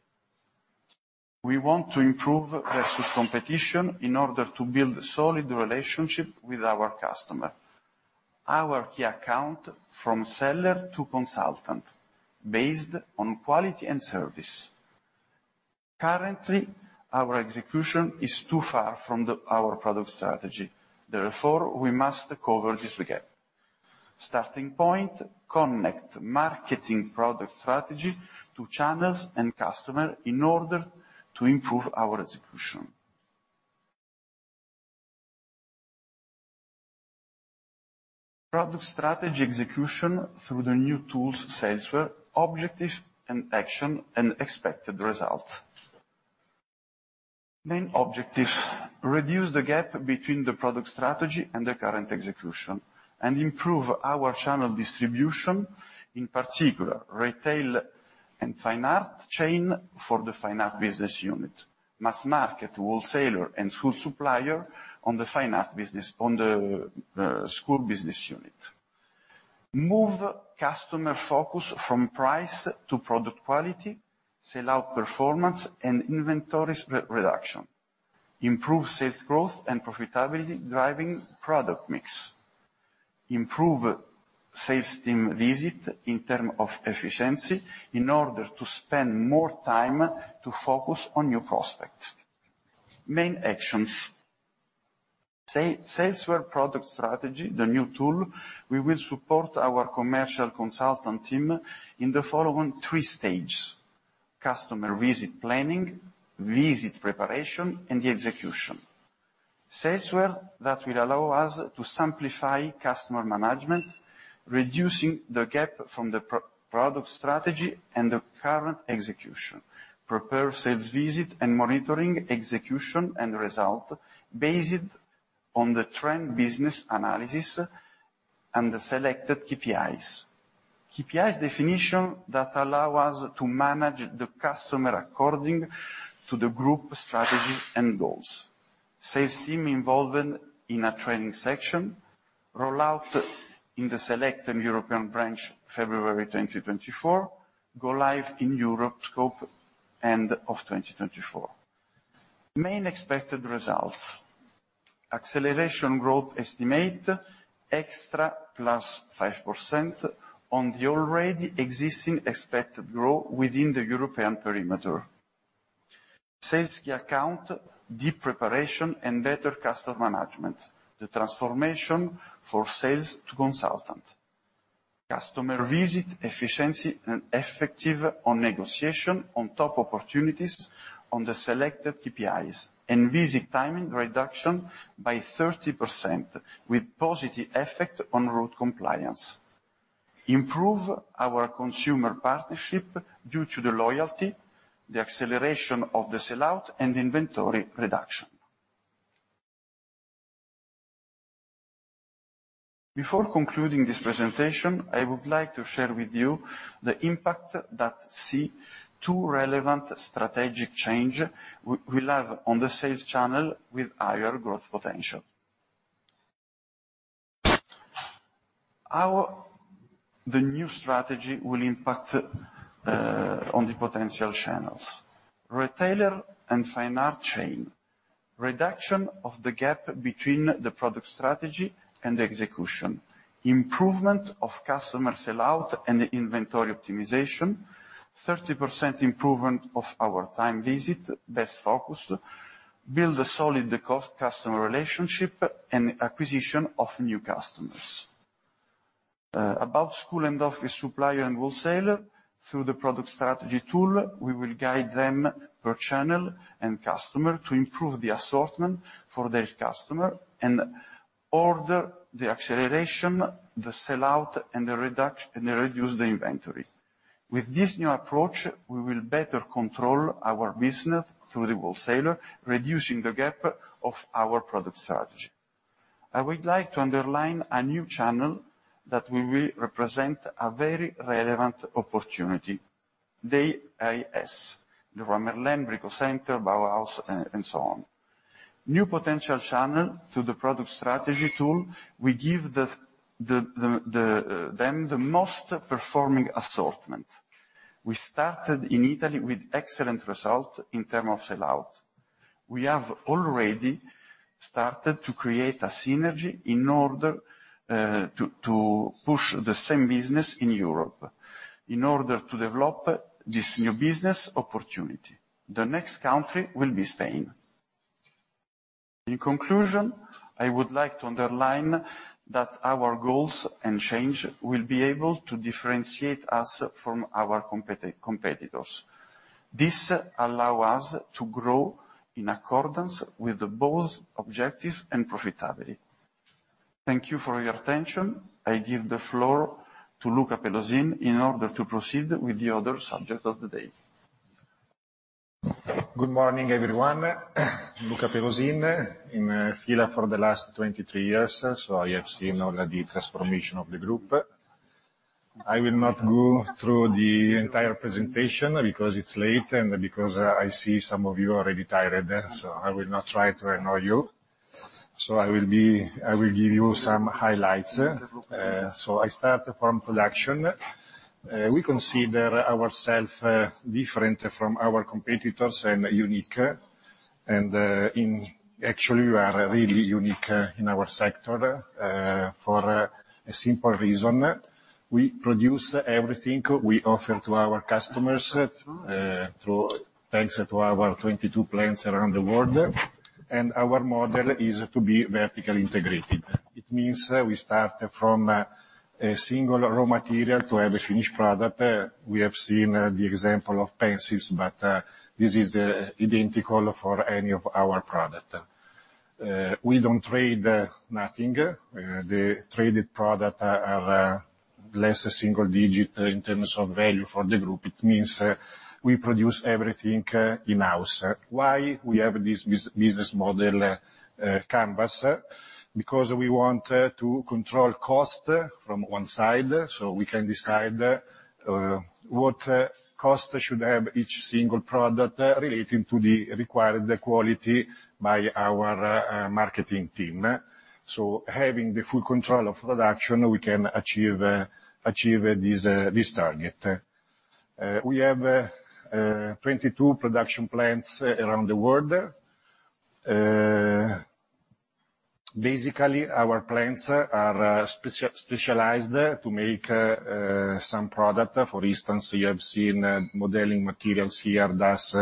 We want to improve versus competition in order to build a solid relationship with our customer, our key account from seller to consultant, based on quality and service. Currently, our execution is too far from our product strategy. Therefore, we must cover this gap. Starting point. Connect marketing product strategy to channels and customer in order to improve our execution. Product strategy execution through the new tools, Salesforce, objectives and action, and expected result. Main objectives: Reduce the gap between the product strategy and the current execution, and improve our channel distribution, in particular, retail and fine art chain for the fine art business unit, mass market, wholesaler, and school supplier on the school business unit. Move customer focus from price to product quality, sell out performance, and inventories re-reduction. Improve sales growth and profitability, driving product mix. Improve sales team visit in term of efficiency, in order to spend more time to focus on new prospects. Main actions. Salesforce product strategy, the new tool, we will support our commercial consultant team in the following three stages: customer visit planning, visit preparation, and the execution. Salesware, that will allow us to simplify customer management, reducing the gap from the product strategy and the current execution. Prepare sales visit and monitoring execution and result, based on the trend business analysis and the selected KPIs. KPIs definition that allow us to manage the customer according to the group strategy and goals. Sales team involvement in a training session, rollout in the select and European branch, February 2024, go live in Europe, scope end of 2024. Main expected results. Acceleration growth estimate, extra +5% on the already existing expected growth within the European perimeter. Sales key account, deep preparation and better customer management, the transformation for sales to consultant. Customer visit efficiency and effective on negotiation, on top opportunities, on the selected KPIs, and visit timing reduction by 30%, with positive effect on route compliance. Improve our consumer partnership due to the loyalty, the acceleration of the sellout, and inventory reduction. Before concluding this presentation, I would like to share with you the impact that see two relevant strategic change will have on the sales channel with higher growth potential. How the new strategy will impact on the potential channels? Retailer and fine art chain, reduction of the gap between the product strategy and the execution, improvement of customer sell-out and inventory optimization, 30% improvement of our time visit, best focus, build a solid customer relationship, and acquisition of new customers.... about school and office supplier and wholesaler, through the product strategy tool, we will guide them per channel and customer to improve the assortment for their customer and order the acceleration, the sell-out, and reduce the inventory. With this new approach, we will better control our business through the wholesaler, reducing the gap of our product strategy. I would like to underline a new channel that will represent a very relevant opportunity. AIS, Leroy Merlin, Brico Dépôt, Bauhaus, and so on. New potential channel through the product strategy tool, we give them the most performing assortment. We started in Italy with excellent result in term of sell-out. We have already started to create a synergy in order to push the same business in Europe, in order to develop this new business opportunity. The next country will be Spain. In conclusion, I would like to underline that our goals and change will be able to differentiate us from our competitors. This allow us to grow in accordance with both objective and profitability. Thank you for your attention. I give the floor to Luca Pelosin in order to proceed with the other subject of the day. Good morning, everyone. Luca Pelosin, in F.I.L.A. for the last 23 years, I have seen all the transformation of the group. I will not go through the entire presentation because it's late and because I see some of you are already tired, I will not try to annoy you. I will give you some highlights. I start from production. We consider ourself different from our competitors and unique, and actually we are really unique in our sector for a simple reason. We produce everything we offer to our customers thanks to our 22 plants around the world, and our model is to be vertically integrated. It means we start from a single raw material to have a finished product. We have seen the example of pencils, but this is identical for any of our product. We don't trade nothing. The traded product are less a single digit in terms of value for the group. It means, we produce everything in-house. Why we have this business model canvas? We want to control cost from one side, so we can decide what cost should have each single product relating to the required quality by our marketing team. Having the full control of production, we can achieve this target. We have 22 production plants around the world. Basically, our plants are specialized to make some product. For instance, you have seen modelling materials here, DAS,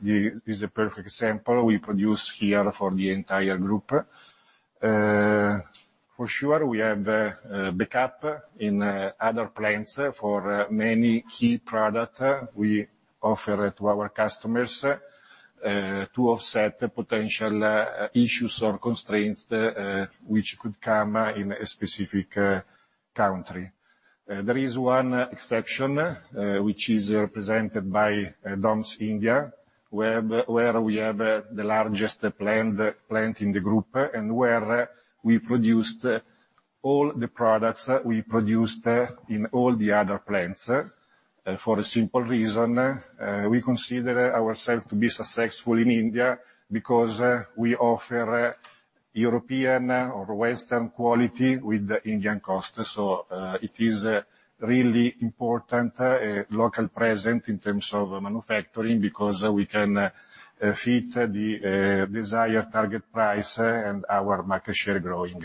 the is a perfect example we produce here for the entire group. For sure, we have backup in other plants for many key product we offer to our customers to offset the potential issues or constraints which could come in a specific country. There is one exception which is represented by DOMS India, where we have the largest plant in the group, and where we produce all the products that we produce in all the other plants. For a simple reason, we consider ourself to be successful in India because we offer European or Western quality with the Indian cost. It is a really important local presence in terms of manufacturing because we can fit the desired target price and our market share growing.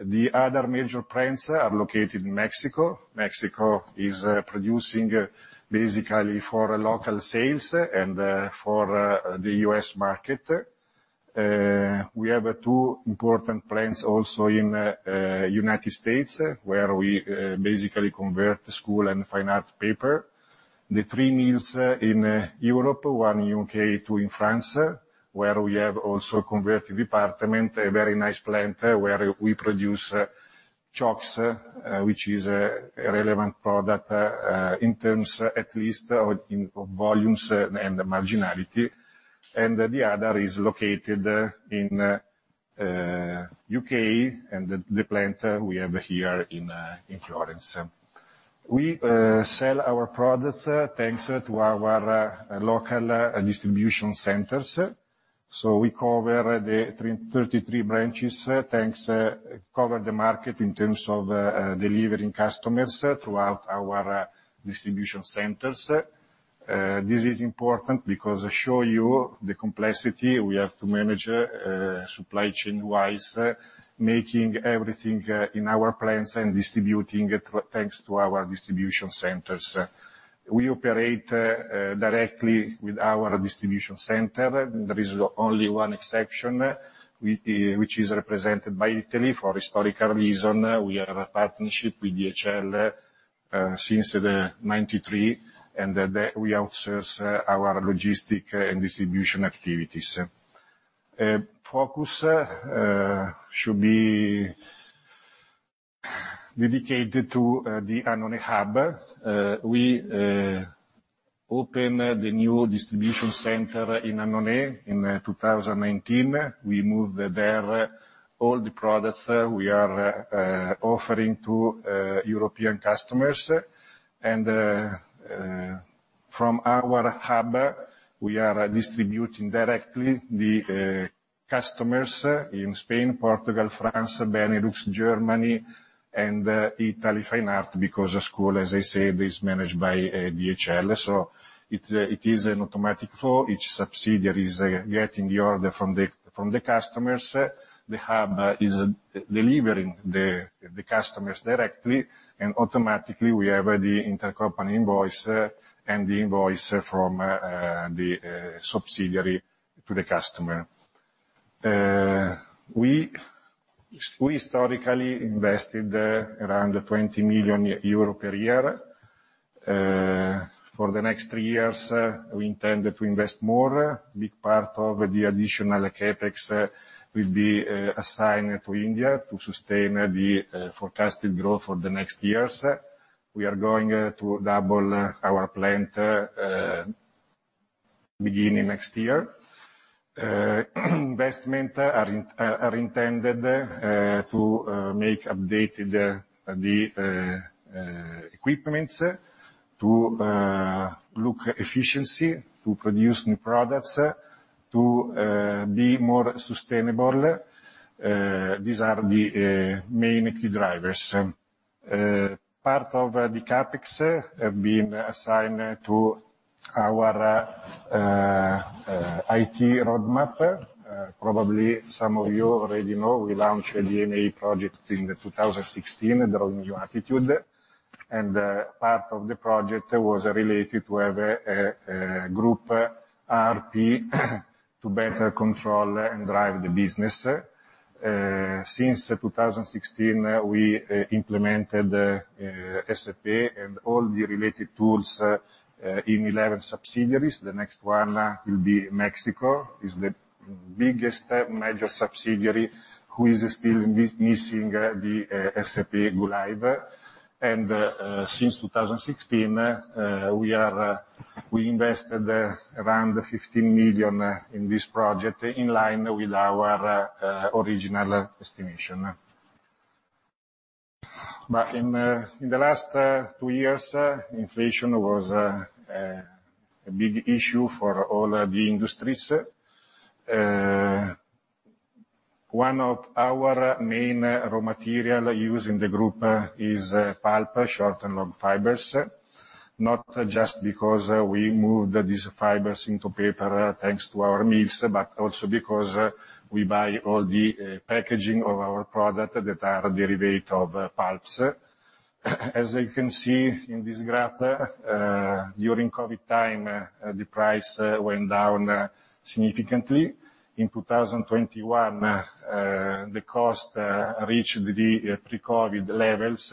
The other major plants are located in Mexico. Mexico is producing basically for local sales and for the U.S. market. We have two important plants also in United States, where we basically convert school and fine art paper. The three mills in Europe, one in U.K., two in France, where we have also converted department, a very nice plant, where we produce chalks, which is a relevant product in terms at least of volumes and marginality. The other is located in U.K., and the plant we have here in Florence. We sell our products thanks to our local distribution centers. We cover the 33 branches, thanks, cover the market in terms of delivering customers throughout our distribution centers. This is important because I show you the complexity we have to manage supply chain-wise, making everything in our plants and distributing it thanks to our distribution centers. We operate directly with our distribution center. There is only one exception, which is represented by Italy. For historical reason, we have a partnership with DHL since 1993, and then there we outsource our logistic and distribution activities. Focus should be dedicated to the Annone hub. We opened the new distribution center in Annone in 2019. We moved there all the products we are offering to European customers. From our hub, we are distributing directly the customers in Spain, Portugal, France, Benelux, Germany, and Italy Fine Art, because the school, as I said, is managed by DHL. It is an automatic flow. Each subsidiary is getting the order from the customers. The hub is delivering the customers directly, and automatically we have the intercompany invoice and the invoice from the subsidiary to the customer. We historically invested around 20 million euro per year. For the next three years, we intend to invest more. A big part of the additional CapEx will be assigned to India to sustain the forecasted growth for the next years. We are going to double our plant beginning next year. re intended to make updated the equipments, to look efficiency, to produce new products, to be more sustainable. These are the main key drivers. Part of the CapEx have been assigned to our IT roadmap. Probably some of you already know, we launched a DNA project in 2016, Drawing New Attitude. Part of the project was related to have a group ERP to better control and drive the business. Since 2016, we implemented SAP and all the related tools in 11 subsidiaries. The next one will be Mexico, is the biggest major subsidiary who is still missing the SAP GoLive. Since 2016, we invested around 15 million in this project, in line with our original estimation. In the last two years, inflation was a big issue for all the industries. One of our main raw material used in the group is pulp, short and long fibers. Not just because we move these fibers into paper, thanks to our mills, but also because we buy all the packaging of our product that are derivative of pulps. As you can see in this graph, during COVID time, the price went down significantly. In 2021, the cost reached the pre-COVID levels,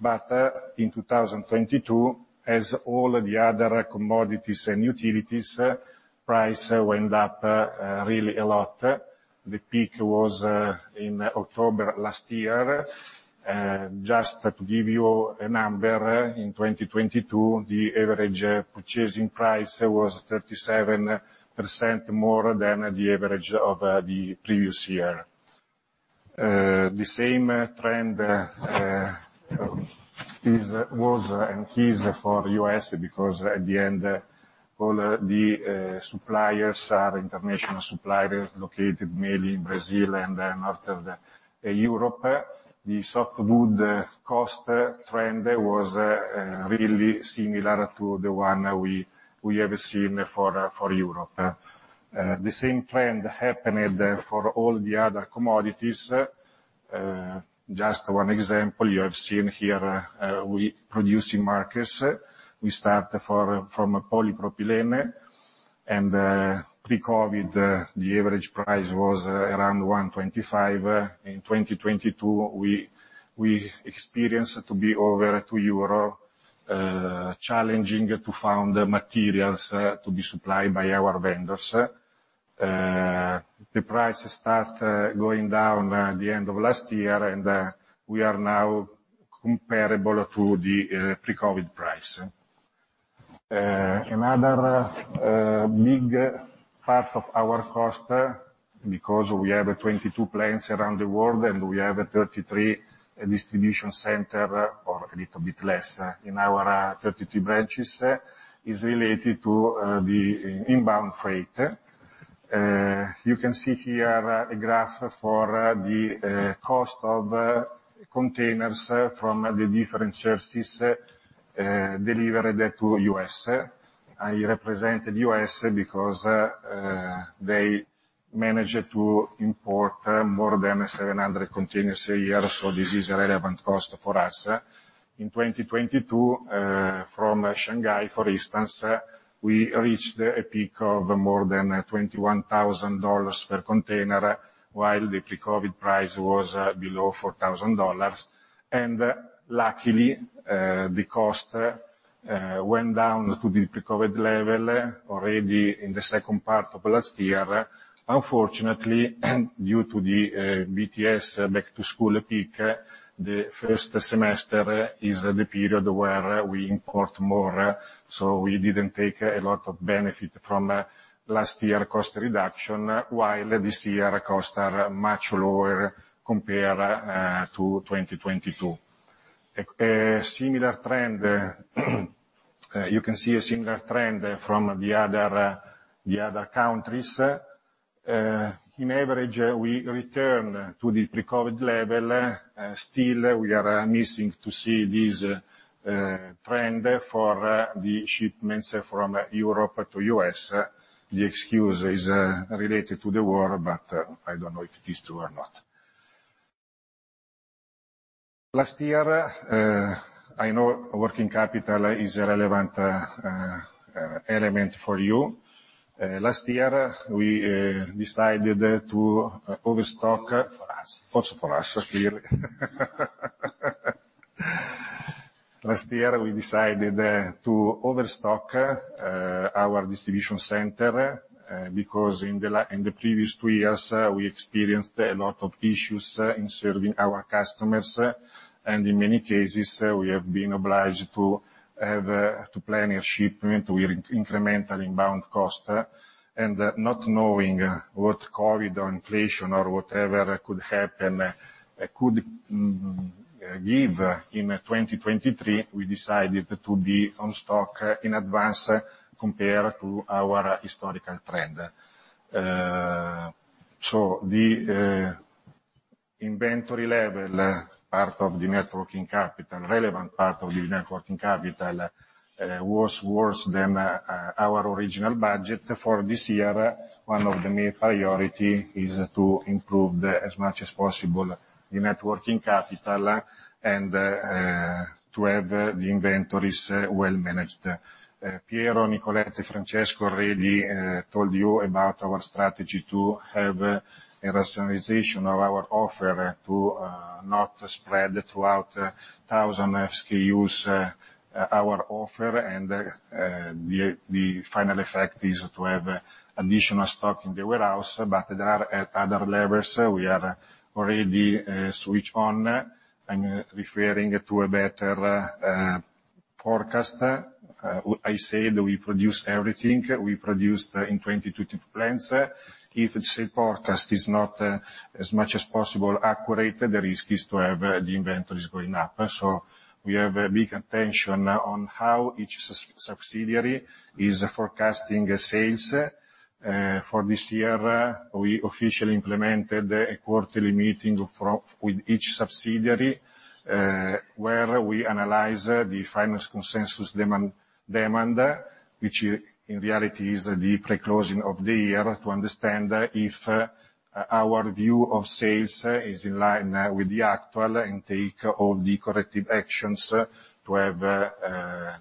but in 2022, as all the other commodities and utilities, price went up really a lot. The peak was in October last year. Just to give you a number, in 2022, the average purchasing price was 37% more than the average of the previous year. The same trend is, was, and is for U.S., because at the end, all the suppliers are international suppliers located mainly in Brazil and then after the Europe. The softwood cost trend was really similar to the one we have seen for Europe. The same trend happened for all the other commodities. Just one example you have seen here, we producing markets. We start from a polypropylene, and pre-COVID, the average price was around 1.25. In 2022, we experienced to be over 2 euro, challenging to find the materials to be supplied by our vendors. The price start going down at the end of last year, we are now comparable to the pre-COVID price. Another big part of our cost, because we have 22 plants around the world, and we have 33 distribution center, or a little bit less, in our 33 branches, is related to the inbound freight. You can see here a graph for the cost of containers from the different sources, delivered to U.S. I represented U.S. because manage to import more than 700 containers a year, this is a relevant cost for us. In 2022, from Shanghai, for instance, we reached a peak of more than $21,000 per container, while the pre-COVID price was below $4,000. Luckily, the cost went down to the pre-COVID level already in the second part of last year. Unfortunately, due to the BTS back-to-school peak, the first semester is the period where we import more, so we didn't take a lot of benefit from last year cost reduction, while this year costs are much lower compared to 2022. Similar trend, you can see a similar trend from the other countries. In average, we return to the pre-COVID level. Still, we are missing to see this trend for the shipments from Europe to U.S. The excuse is related to the war, but I don't know if it is true or not. Last year, I know working capital is a relevant element for you. Last year, we decided to overstock- For us. For us, clearly. Last year, we decided to overstock our distribution center because in the previous two years, we experienced a lot of issues in serving our customers, and in many cases, we have been obliged to have to plan a shipment with incremental inbound cost. Not knowing what COVID, or inflation, or whatever could happen, could give in 2023, we decided to be on stock in advance compared to our historical trend. The inventory level, part of the net working capital, relevant part of the net working capital, was worse than our original budget. For this year, one of the main priority is to improve the, as much as possible, the net working capital and to have the inventories well managed. Piero, Nicoletta, and Francesco already told you about our strategy to have a rationalization of our offer to not spread throughout 1,000 SKUs, our offer, and the final effect is to have additional stock in the warehouse. There are at other levels, we have already switched on. I'm referring to a better forecast. I said we produce everything. We produced in 22 plants. If the sales forecast is not as much as possible accurate, the risk is to have the inventories going up. We have a big attention on how each subsidiary is forecasting sales. For this year, we officially implemented a quarterly meeting for, with each subsidiary, where we analyze the final consensus demand, which in reality is the pre-closing of the year, to understand if our view of sales is in line with the actual, and take all the corrective actions to have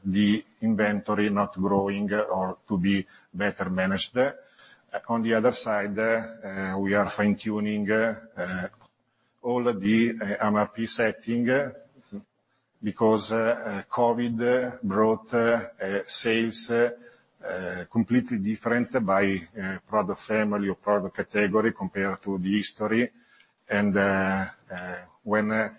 the inventory not growing or to be better managed. On the other side, we are fine-tuning all the MRP setting, because COVID brought sales completely different by product family or product category compared to the history. When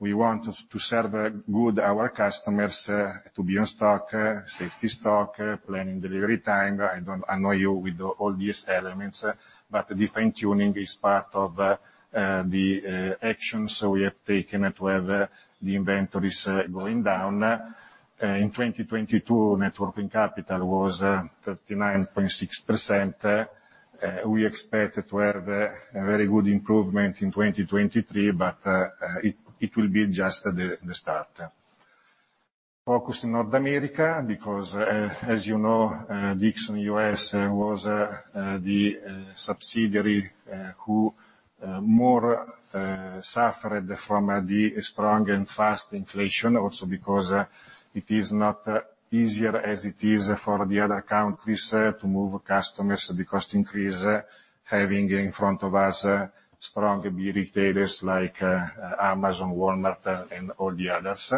we want to serve good our customers, to be on stock, safety stock, planning delivery time, I don't annoy you with all these elements, but the fine-tuning is part of the actions so we have taken to have the inventories going down. In 2022, net working capital was 39.6%. We expect to have a very good improvement in 2023, it will be just the start. Focused in North America, because as you know, Dixon U.S. was the subsidiary who more suffered from the strong and fast inflation. Also because it is not easier as it is for the other countries to move customers, the cost increase, having in front of us strong retailers like Amazon, Walmart, and all the others.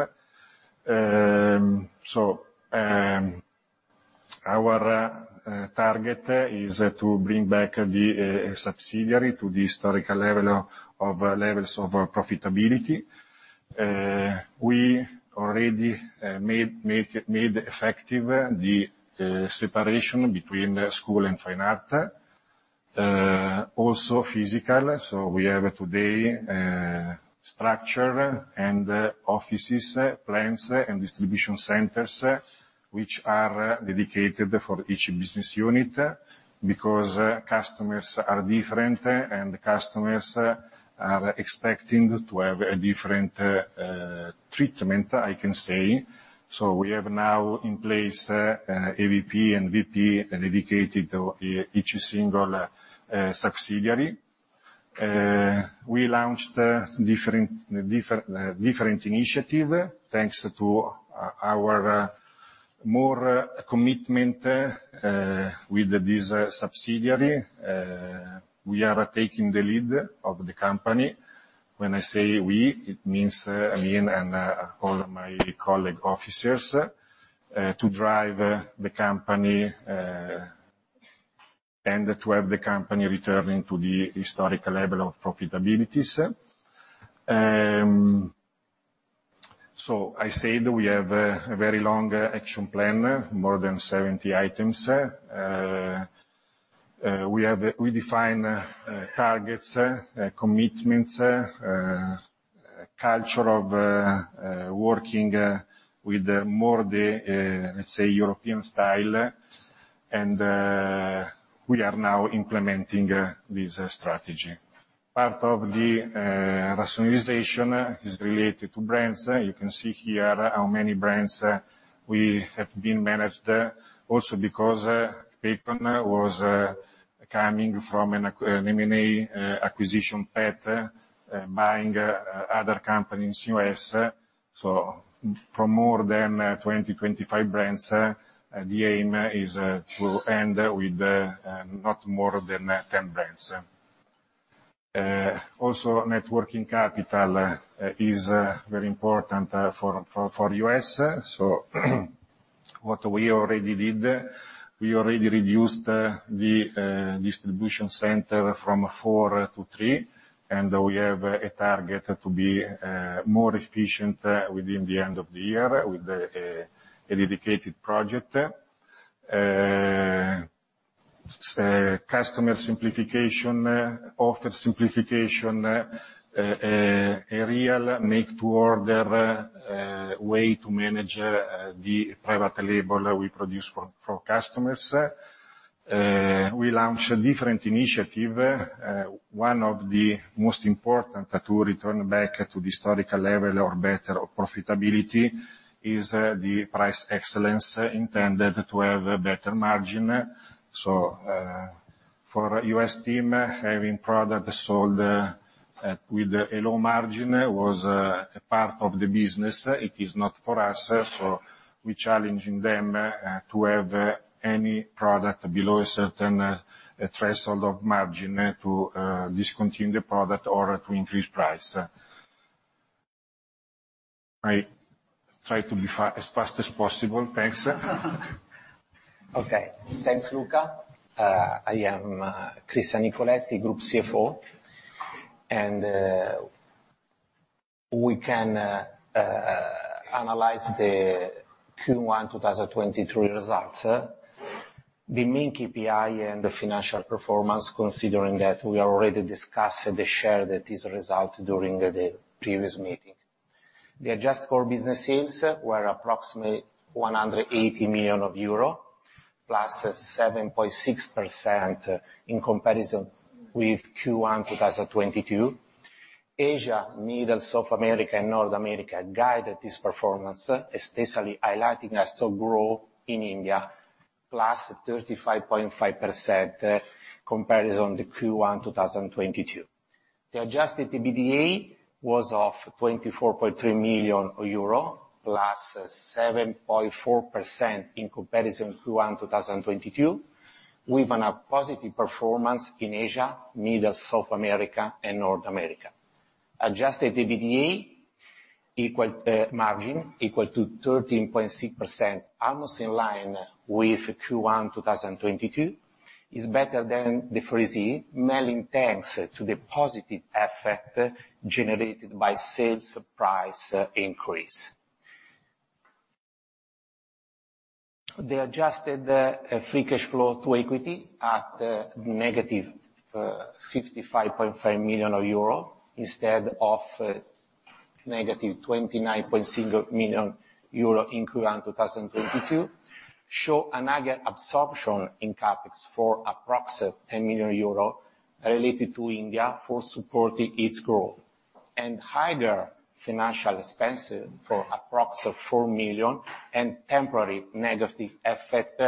Our target is to bring back the subsidiary to the historical levels of profitability. We already made effective the separation between school and fine art. Also physical. We have today structure and offices, plants, and distribution centers, which are dedicated for each business unit, because customers are different, and the customers are expecting to have a different treatment, I can say. We have now in place a VP and VP dedicated to each single subsidiary. We launched a different initiative, thanks to our more commitment with this subsidiary. We are taking the lead of the company. When I say we, it means me and all of my colleague officers, to drive the company and to have the company returning to the historical level of profitabilities. I said we have a very long action plan, more than 70 items. We define targets, commitments, culture of working with more the, let's say, European style. We are now implementing this strategy. Part of the rationalization is related to brands. You can see here how many brands we have been managed, also because Pacon was coming from an M&A acquisition path, buying other companies in U.S. For more than 20-25 brands, the aim is to end with not more than 10 brands. Also, net working capital is very important for U.S. What we already did, we already reduced the distribution center from four to three, and we have a target to be more efficient within the end of the year with a dedicated project. Customer simplification, offer simplification, a real make to order way to manage the private label we produce for customers. We launched a different initiative. One of the most important to return back to the historical level or better of profitability is the price excellence intended to have a better margin. For U.S. team, having product sold with a low margin was a part of the business. It is not for us, so we challenging them, to have any product below a certain threshold of margin, to discontinue the product or to increase price. I try to be as fast as possible. Thanks. Okay. Thanks, Luca. I am Cristian Nicoletti, Group CFO. We can analyze the Q1 2023 results. The main KPI and the financial performance, considering that we already discussed the share that is result during the previous meeting. The adjusted core business sales were approximately 180 million euro, +7.6% in comparison with Q1 2022. Asia, Middle South America, and North America guided this performance, especially highlighting a store growth in India, +35.5% comparison to Q1 2022. The adjusted EBITDA was of 24.3 million euro, +7.4% in comparison to Q1 2022, with a positive performance in Asia, Middle South America, and North America. Adjusted EBITDA equal margin, equal to 13.6%, almost in line with Q1 2022, is better than the foresee, mainly thanks to the positive effect generated by sales price increase. The adjusted free cash flow to equity at -55.5 million euro, instead of -29.6 million euro in Q1 2022, show another absorption in CapEx for approximate 10 million euro related to India for supporting its growth, and higher financial expenses for approx of 4 million and temporary negative effect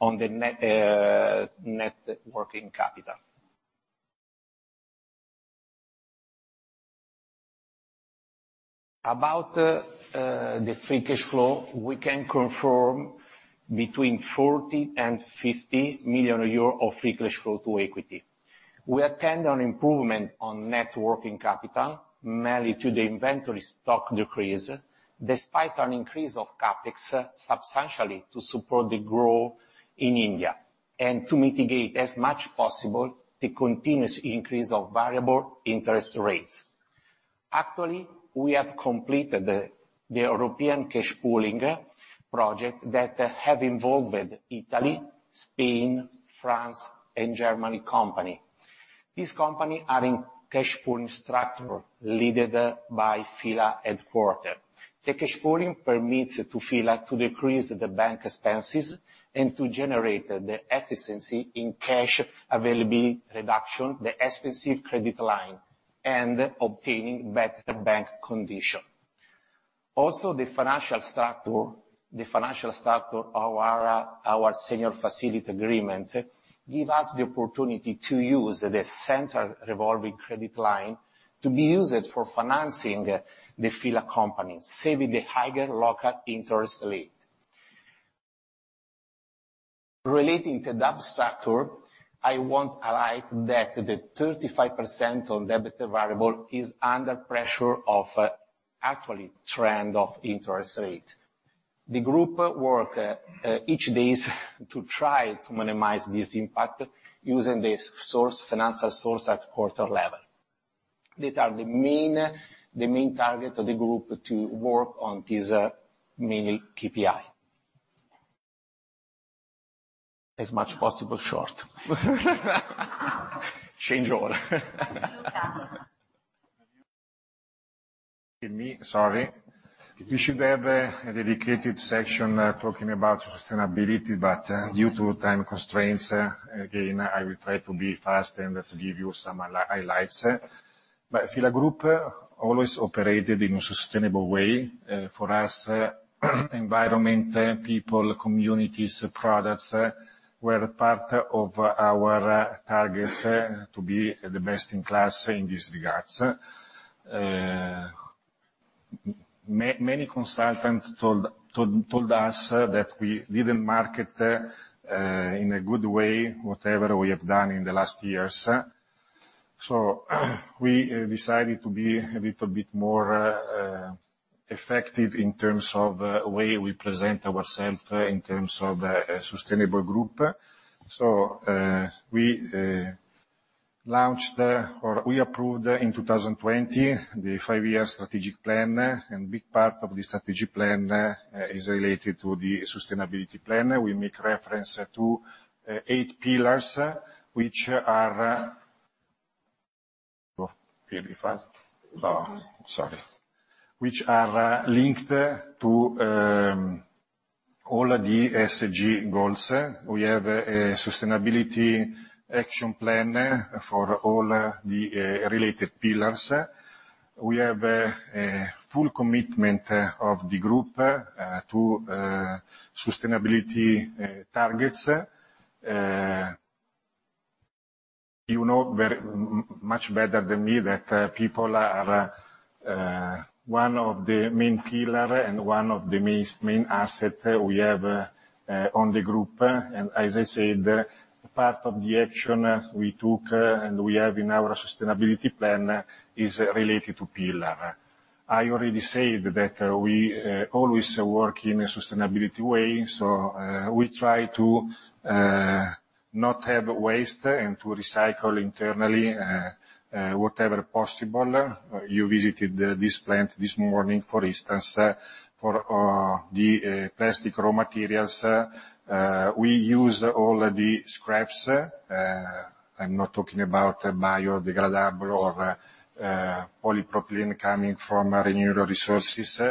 on the net working capital. About the free cash flow, we can confirm between 40 million and 50 million euro of free cash flow to equity. We attend an improvement on net working capital, mainly to the inventory stock decrease, despite an increase of CapEx substantially to support the growth in India, to mitigate as much possible the continuous increase of variable interest rates. Actually, we have completed the European cash pooling project that have involved Italy, Spain, France, and Germany company. These company are in cash pooling structure, led by F.I.L.A. headquarter. The cash pooling permits to F.I.L.A. to decrease the bank expenses and to generate the efficiency in cash availability reduction, the expensive credit line, and obtaining better bank condition. The financial structure of our senior facility agreement give us the opportunity to use the central revolving credit line to be used for financing the F.I.L.A. companies, saving the higher local interest rate. Relating to debt structure, I want to highlight that the 35% on debt variable is under pressure of actually trend of interest rate. The Group work each days to try to minimize this impact using the source, financial source at quarter level. These are the main target of the Group to work on this main KPI. As much possible, short. Change order. Me, sorry. We should have a dedicated section talking about sustainability, but due to time constraints, again, I will try to be fast and to give you some highlights. F.I.L.A. Group always operated in a sustainable way. For us, environment, people, communities, products, were part of our targets to be the best in class in this regard. Many consultants told us that we didn't market in a good way whatever we have done in the last years. We decided to be a little bit more effective in terms of way we present ourselves in terms of a sustainable group. We launched or we approved in 2020 the 5-year strategic plan. Big part of the strategic plan is related to the sustainability plan. We make reference to eight pillars, which are linked to all the ESG goals. We have a sustainability action plan for all the related pillars. We have a full commitment of the group to sustainability targets. You know very much better than me, that people are one of the main pillar and one of the main asset we have on the group. As I said, part of the action we took and we have in our sustainability plan is related to pillar. I already said that we always work in a sustainability way, we try to not have waste and to recycle internally whatever possible. You visited this plant this morning, for instance, for the plastic raw materials, we use all the scraps. I'm not talking about biodegradable or polypropylene coming from renewable resources.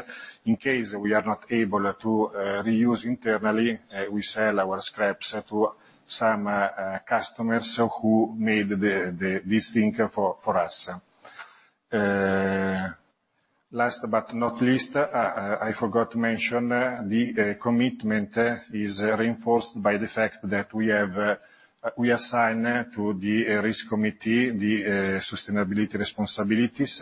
In case we are not able to reuse internally, we sell our scraps to some customers who made this thing for us. Last but not least, I forgot to mention, the commitment is reinforced by the fact that we have, we assign to the risk committee, the sustainability responsibilities.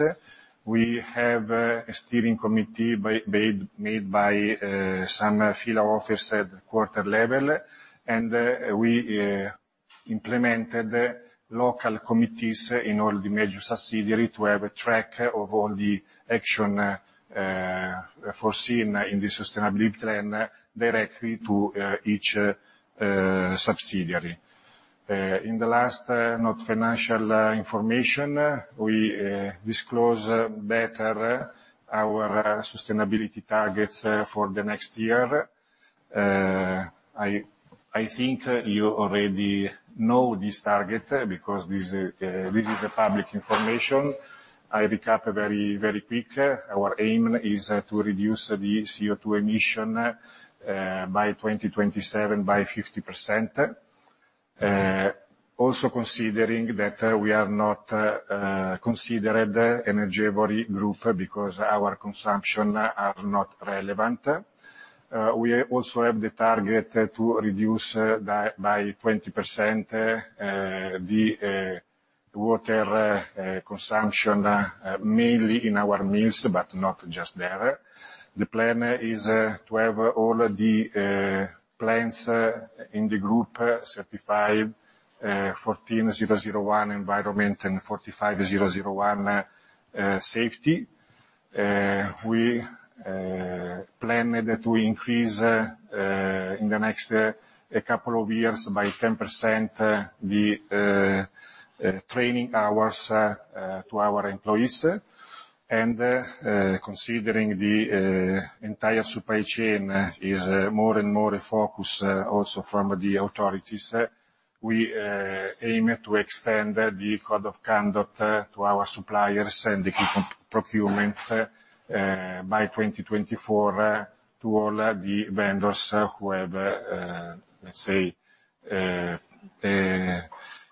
We have a steering committee made by some F.I.L.A. office at quarter level, and we implemented local committees in all the major subsidiary to have a track of all the action foreseen in the sustainability plan directly to each subsidiary. In the last, not financial, information, we disclose better our sustainability targets for the next year. I think you already know this target, because this is, this is a public information. I recap very, very quick. Our aim is to reduce the CO2 emission by 2027, by 50%. Also considering that we are not considered energy group because our consumption are not relevant. We also have the target to reduce by 20%, the water consumption, mainly in our mills, but not just there. The plan is to have all the plants in the group, certified ISO 14001 environment and ISO 45001 safety. We plan to increase in the next couple of years by 10% the training hours to our employees. Considering the entire supply chain is more and more a focus also from the authorities, we aim to extend the code of conduct to our suppliers and the procurement by 2024 to all the vendors who have, let's say. A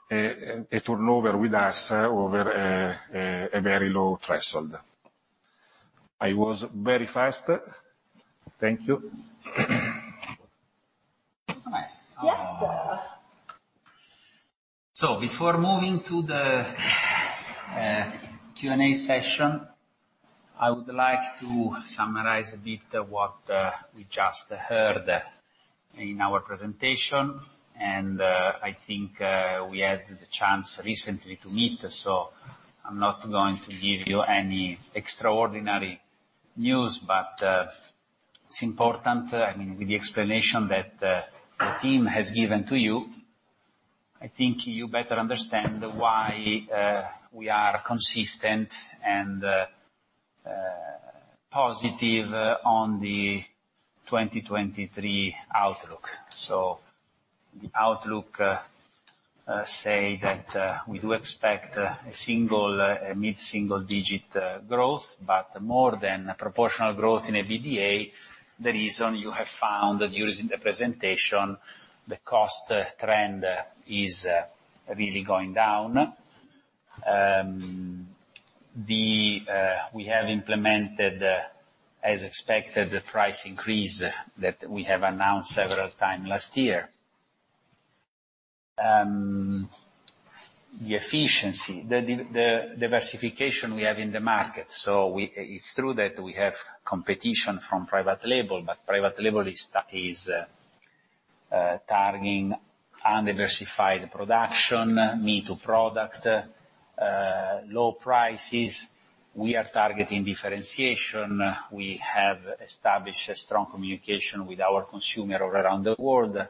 turnover with us over a very low threshold. I was very fast. Thank you. Yes, sir. Before moving to the Q&A session, I would like to summarize a bit what we just heard in our presentation. I think we had the chance recently to meet, I'm not going to give you any extraordinary news. It's important, I mean, with the explanation that the team has given to you, I think you better understand why we are consistent and positive on the 2023 outlook. The outlook say that we do expect a single, a mid-single digit growth, but more than a proportional growth in EBITDA. The reason you have found that using the presentation, the cost trend is really going down. We have implemented, as expected, the price increase that we have announced several time last year. The efficiency, the diversification we have in the market. It's true that we have competition from private label, but private label is targeting undiversified production, me-too product, low prices. We are targeting differentiation. We have established a strong communication with our consumer all around the world,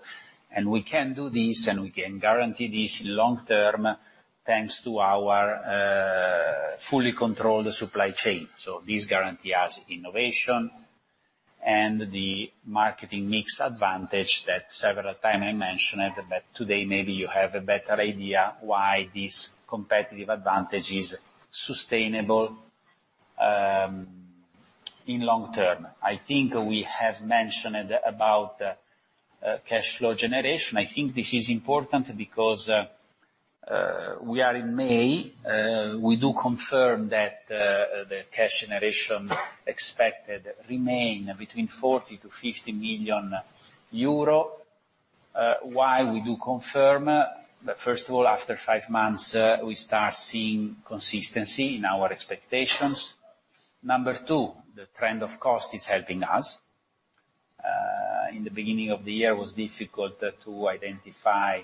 and we can do this, and we can guarantee this long term, thanks to our fully controlled supply chain. This guarantee us innovation and the marketing mix advantage that several time I mentioned, but today maybe you have a better idea why this competitive advantage is sustainable in long term. I think we have mentioned it about cash flow generation. I think this is important because we are in May, we do confirm that the cash generation expected remain between 40 million-50 million euro. Why we do confirm? First of all, after five months, we start seeing consistency in our expectations. Number 2, the trend of cost is helping us. In the beginning of the year, it was difficult to identify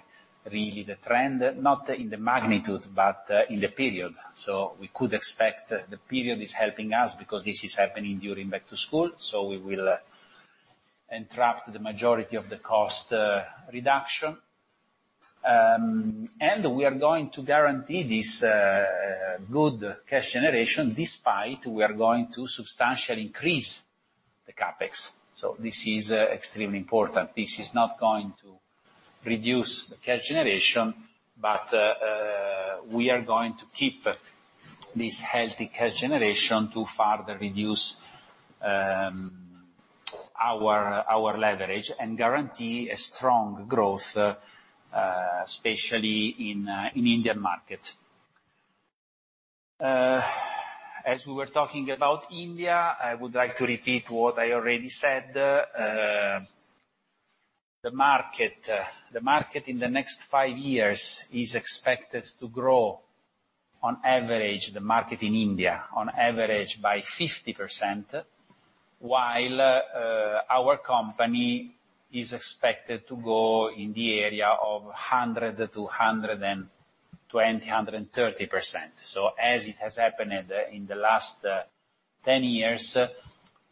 really the trend, not in the magnitude, but in the period. We could expect the period is helping us because this is happening during back to school, we will entrap the majority of the cost reduction. We are going to guarantee this good cash generation, despite we are going to substantially increase the CapEx. This is extremely important. This is not going to reduce the cash generation, but we are going to keep this healthy cash generation to further reduce our leverage and guarantee a strong growth, especially in Indian market. As we were talking about India, I would like to repeat what I already said. The market in the next five years is expected to grow on average, the market in India, on average by 50%, while our company is expected to go in the area of 100% to 120%, 130%. As it has happened in the last 10 years,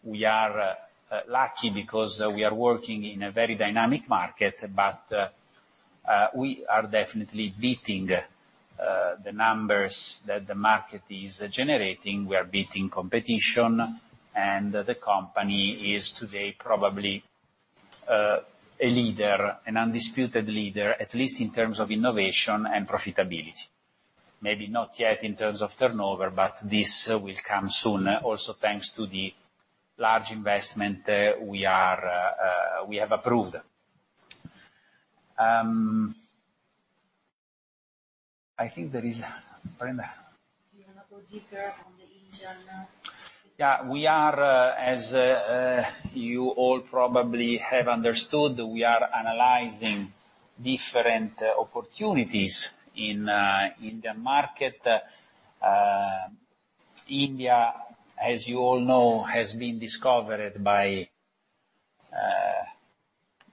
we are lucky because we are working in a very dynamic market, but we are definitely beating the numbers that the market is generating. We are beating competition, and the company is today probably a leader, an undisputed leader, at least in terms of innovation and profitability. Maybe not yet in terms of turnover, but this will come soon. Thanks to the large investment, we have approved. I think there is Brenda. Do you want to go deeper on the Indian? Yeah, we are, as you all probably have understood, we are analyzing different opportunities in Indian market. India, as you all know, has been discovered by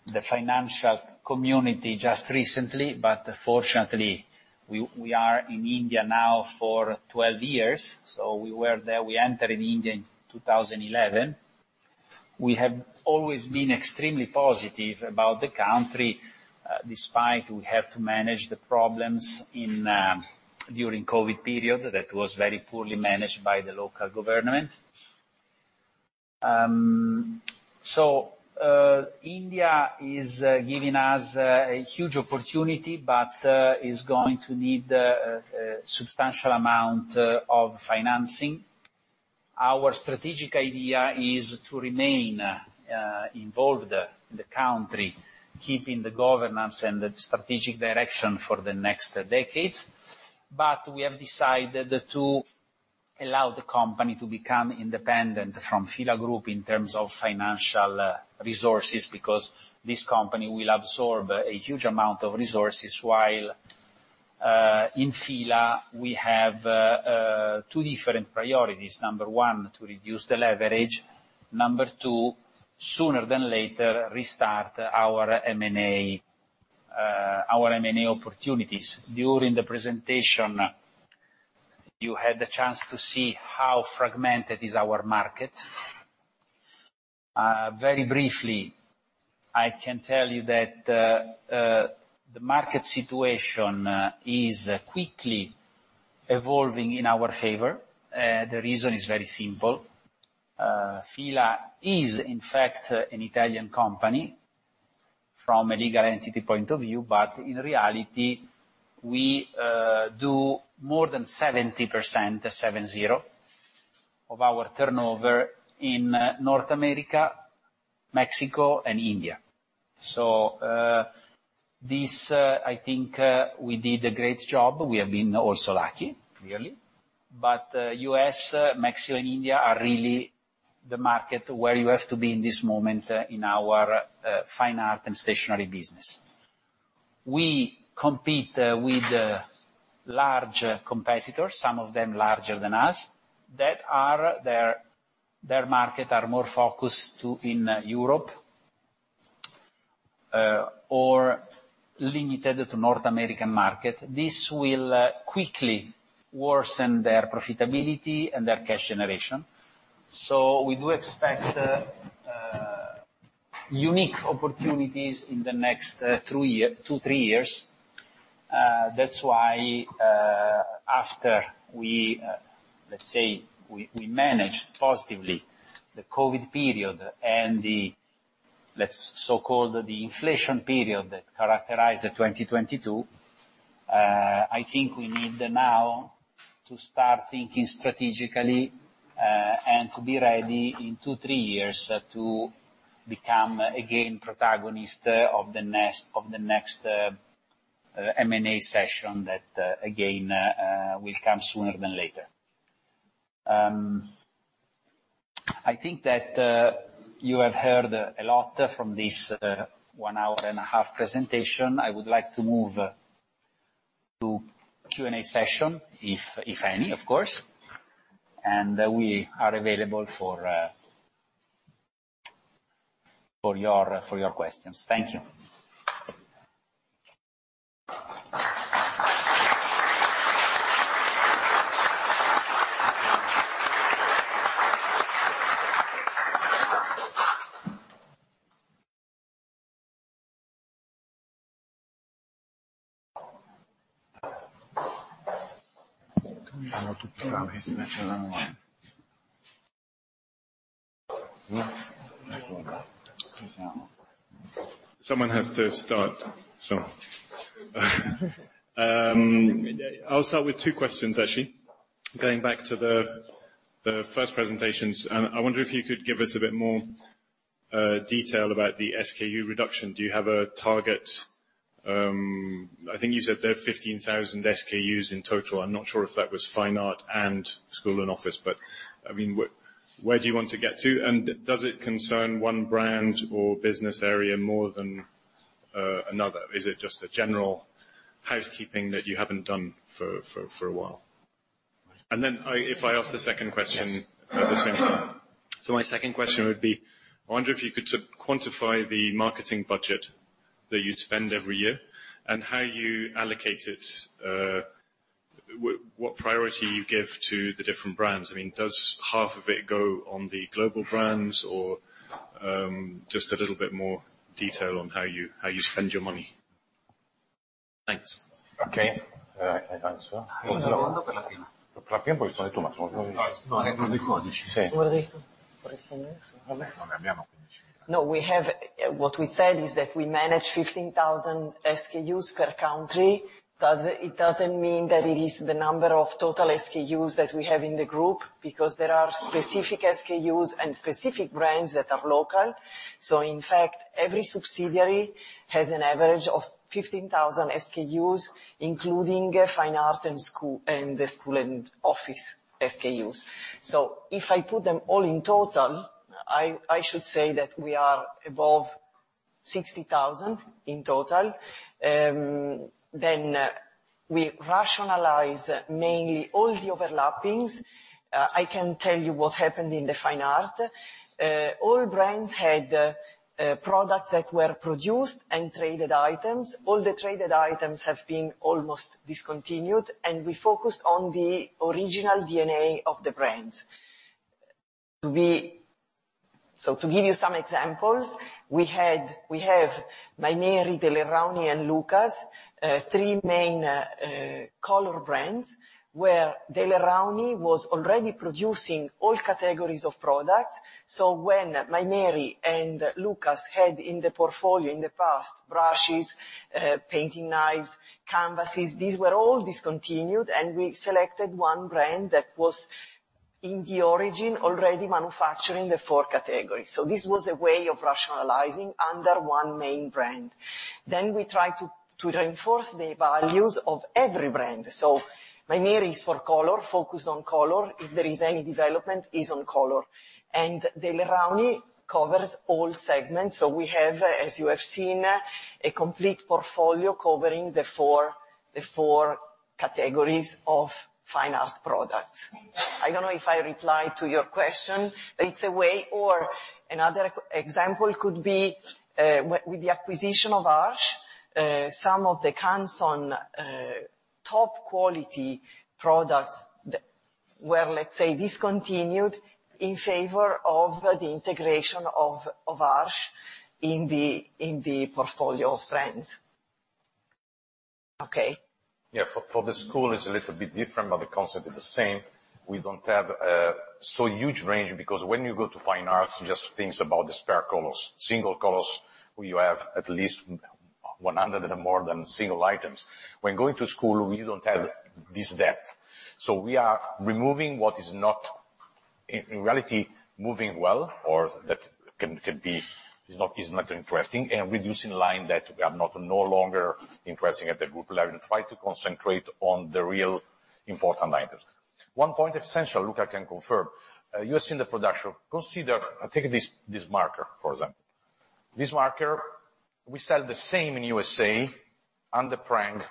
the financial community just recently, but fortunately, we are in India now for 12 years, so we were there. We entered in India in 2011. We have always been extremely positive about the country, despite we have to manage the problems in during COVID period, that was very poorly managed by the local government. India is giving us a huge opportunity, but is going to need a substantial amount of financing. Our strategic idea is to remain involved in the country, keeping the governance and the strategic direction for the next decades. We have decided to allow the company to become independent from F.I.L.A. Group in terms of financial resources, because this company will absorb a huge amount of resources. While in F.I.L.A., we have two different priorities: number one, to reduce the leverage; number two, sooner than later, restart our M&A opportunities. During the presentation, you had the chance to see how fragmented is our market. Very briefly, I can tell you that the market situation is quickly evolving in our favor. The reason is very simple: F.I.L.A. is, in fact, an Italian company from a legal entity point of view, but in reality, we do more than 70% of our turnover in North America, Mexico, and India. This, I think, we did a great job. We have been also lucky, really. U.S., Mexico, and India are really the market where you have to be in this moment in our fine art and stationery business. We compete with large competitors, some of them larger than us, that are... Their market are more focused to in Europe or limited to North American market. This will quickly worsen their profitability and their cash generation. We do expect unique opportunities in the next two, three years. That's why after we managed positively the COVID period and the so-called the inflation period that characterized 2022, I think we need now to start thinking strategically and to be ready in two, three years to become again, protagonist of the next M&A session that again will come sooner than later. I think that you have heard a lot from this 1-hour-and-a-half presentation. I would like to move to Q&A session, if any, of course, and we are available for your questions. Thank you. Someone has to start, I'll start with two questions, actually. Going back to the first presentations, I wonder if you could give us a bit more detail about the SKU reduction. Do you have a target? I think you said there are 15,000 SKUs in total. I'm not sure if that was fine art and school and office, but, I mean, where do you want to get to? Does it concern one brand or business area more than another? Is it just a general housekeeping that you haven't done for a while? If I ask the 2nd question- Yes. At the same time. My second question would be, I wonder if you could sort of quantify the marketing budget that you spend every year and how you allocate it, what priority you give to the different brands. I mean, does half of it go on the global brands? Just a little bit more detail on how you spend your money. Thanks. Okay. I answer. No, we have. What we said is that we manage 15,000 SKUs per country. It doesn't mean that it is the number of total SKUs that we have in the group, because there are specific SKUs and specific brands that are local. In fact, every subsidiary has an average of 15,000 SKUs, including fine art and school, and the school and office SKUs. If I put them all in total, I should say that we are above 60,000 in total. We rationalize mainly all the overlappings. I can tell you what happened in the fine art. All brands had products that were produced and traded items. All the traded items have been almost discontinued, and we focused on the original DNA of the brands. To give you some examples, we have Maimeri, Daler-Rowney, and LUKAS, three main color brands, where Daler-Rowney was already producing all categories of products. When Maimeri and LUKAS had in the portfolio in the past, brushes, painting knives, canvases, these were all discontinued, and we selected one brand that was. In the origin, already manufacturing the four categories. This was a way of rationalizing under one main brand. We tried to reinforce the values of every brand. Maimeri is for color, focused on color. If there is any development, is on color. Daler-Rowney covers all segments, so we have, as you have seen, a complete portfolio covering the four categories of fine art products. I don't know if I replied to your question, but it's a way. Another example could be with the acquisition of Arches, some of the Canson top quality products that were, let's say, discontinued in favor of the integration of Arches in the portfolio of brands. Okay? For the school it's a little bit different, but the concept is the same. We don't have a so huge range, because when you go to fine arts, just things about the spare colors, single colors, where you have at least 100 and more than single items. When going to school, we don't have this depth, so we are removing what is not in reality moving well or that can be is not interesting, and reducing line that we are not no longer interesting at the group level, and try to concentrate on the real important items. One point essential, Luca can confirm, you have seen the production. Take this marker, for example. This marker, we sell the same in USA, and the brand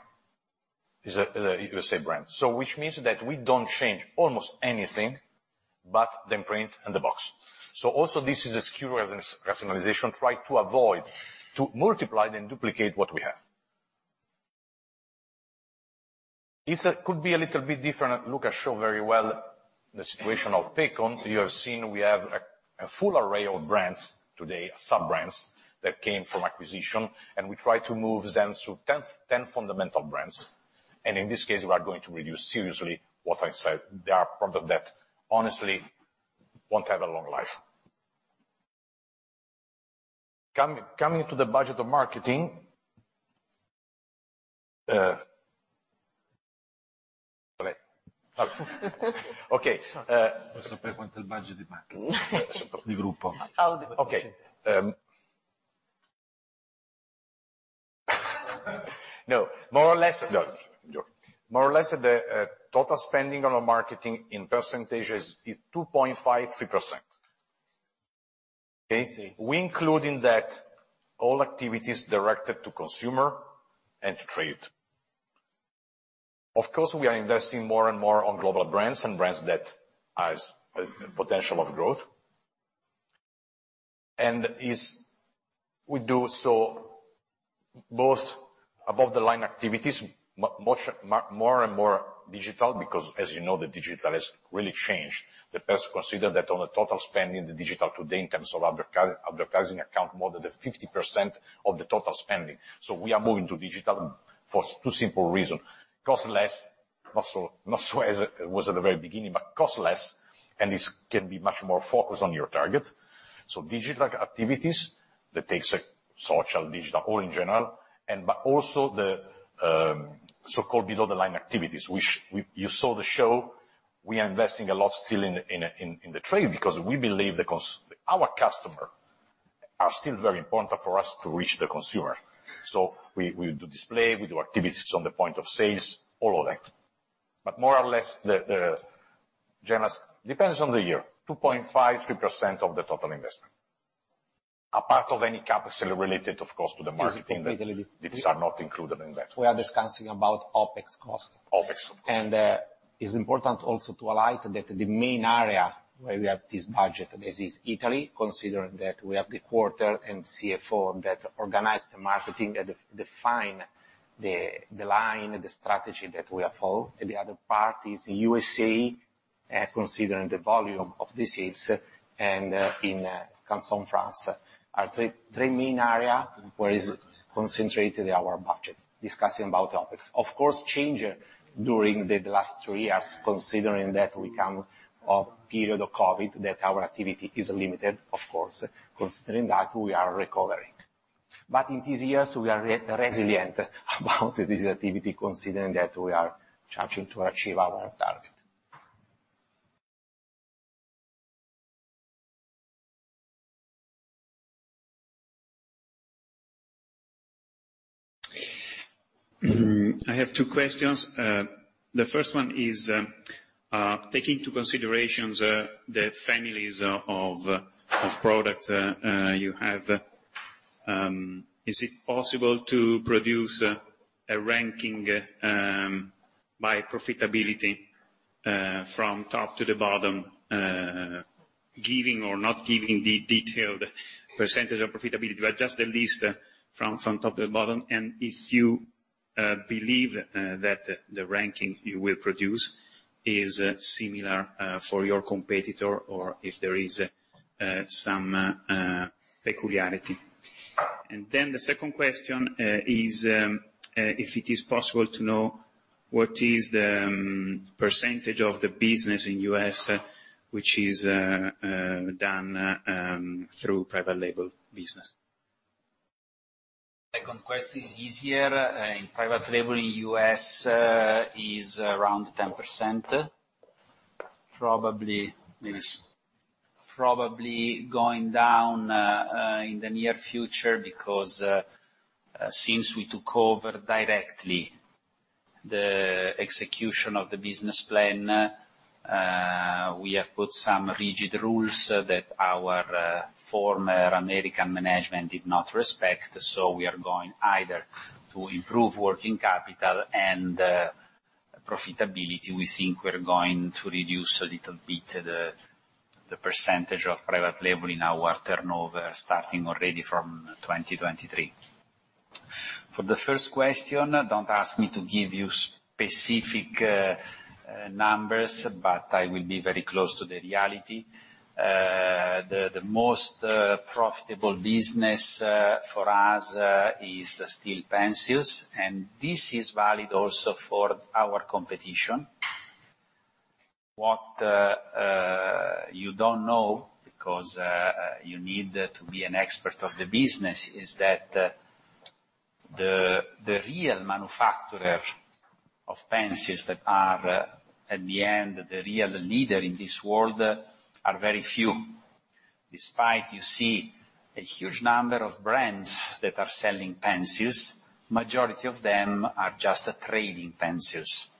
is a USA brand. Which means that we don't change almost anything but the print and the box. Also this is a SKU rationalization, try to avoid, to multiply then duplicate what we have. This could be a little bit different, Luca show very well the situation of Pacon. You have seen we have a full array of brands today, sub-brands, that came from acquisition, and we try to move them to 10 fundamental brands. In this case, we are going to reduce seriously what I said. There are product that honestly won't have a long life. Coming to the budget of marketing, Okay, no, more or less. More or less, the total spending on our marketing in % is 2.5%-3%. Okay? Yes. We include in that all activities directed to consumer and trade. Of course, we are investing more and more on global brands, and brands that has a potential of growth. We do so both above the line activities, much more and more digital, because as you know, the digital has really changed. The best consider that on the total spending, the digital today in terms of advertising account, more than 50% of the total spending. We are moving to digital for two simple reason: cost less, not so as it was at the very beginning, but cost less, and this can be much more focused on your target. Digital activities, that takes a social, digital, all in general, but also the so-called below the line activities, which you saw the show. We are investing a lot still in the trade because we believe our customer are still very important for us to reach the consumer. We do display, we do activities on the point of sales, all of that. More or less, the... Janice, depends on the year, 2.5%, 3% of the total investment. A part of any capital related, of course, to the marketing- Completely. These are not included in that. We are discussing about OpEx cost. OpEx, of course. It's important also to highlight that the main area where we have this budget, this is Italy, considering that we have the quarter and CFO that organize the marketing and define the line and the strategy that we follow. The other parties, USA, considering the volume of the sales and in Canson, France. Our three main area where is concentrated our budget, discussing about topics. Change during the last three years, considering that we come from a period of Covid, that our activity is limited, of course, considering that we are recovering. In these years, we are resilient about this activity, considering that we are trying to achieve our target. I have two questions. The first one is, taking into considerations the families of products you have, is it possible to produce a ranking by profitability from top to the bottom, giving or not giving the detailed percentage of profitability, but just the list from top to bottom? And if you believe that the ranking you will produce is similar for your competitor, or if there is some peculiarity? The second question is, if it is possible to know what is the percentage of the business in U.S. which is done through private label business? Question is easier, in private label in U.S., is around 10%. Probably going down in the near future because since we took over directly the execution of the business plan, we have put some rigid rules that our former American management did not respect. We are going either to improve working capital and profitability. We think we're going to reduce a little bit the percentage of private label in our turnover, starting already from 2023. For the first question, don't ask me to give you specific numbers, but I will be very close to the reality. The most profitable business for us is still pencils, and this is valid also for our competition. What you don't know, because you need to be an expert of the business, is that the real manufacturer of pencils that are at the end, the real leader in this world, are very few. Despite you see a huge number of brands that are selling pencils, majority of them are just trading pencils.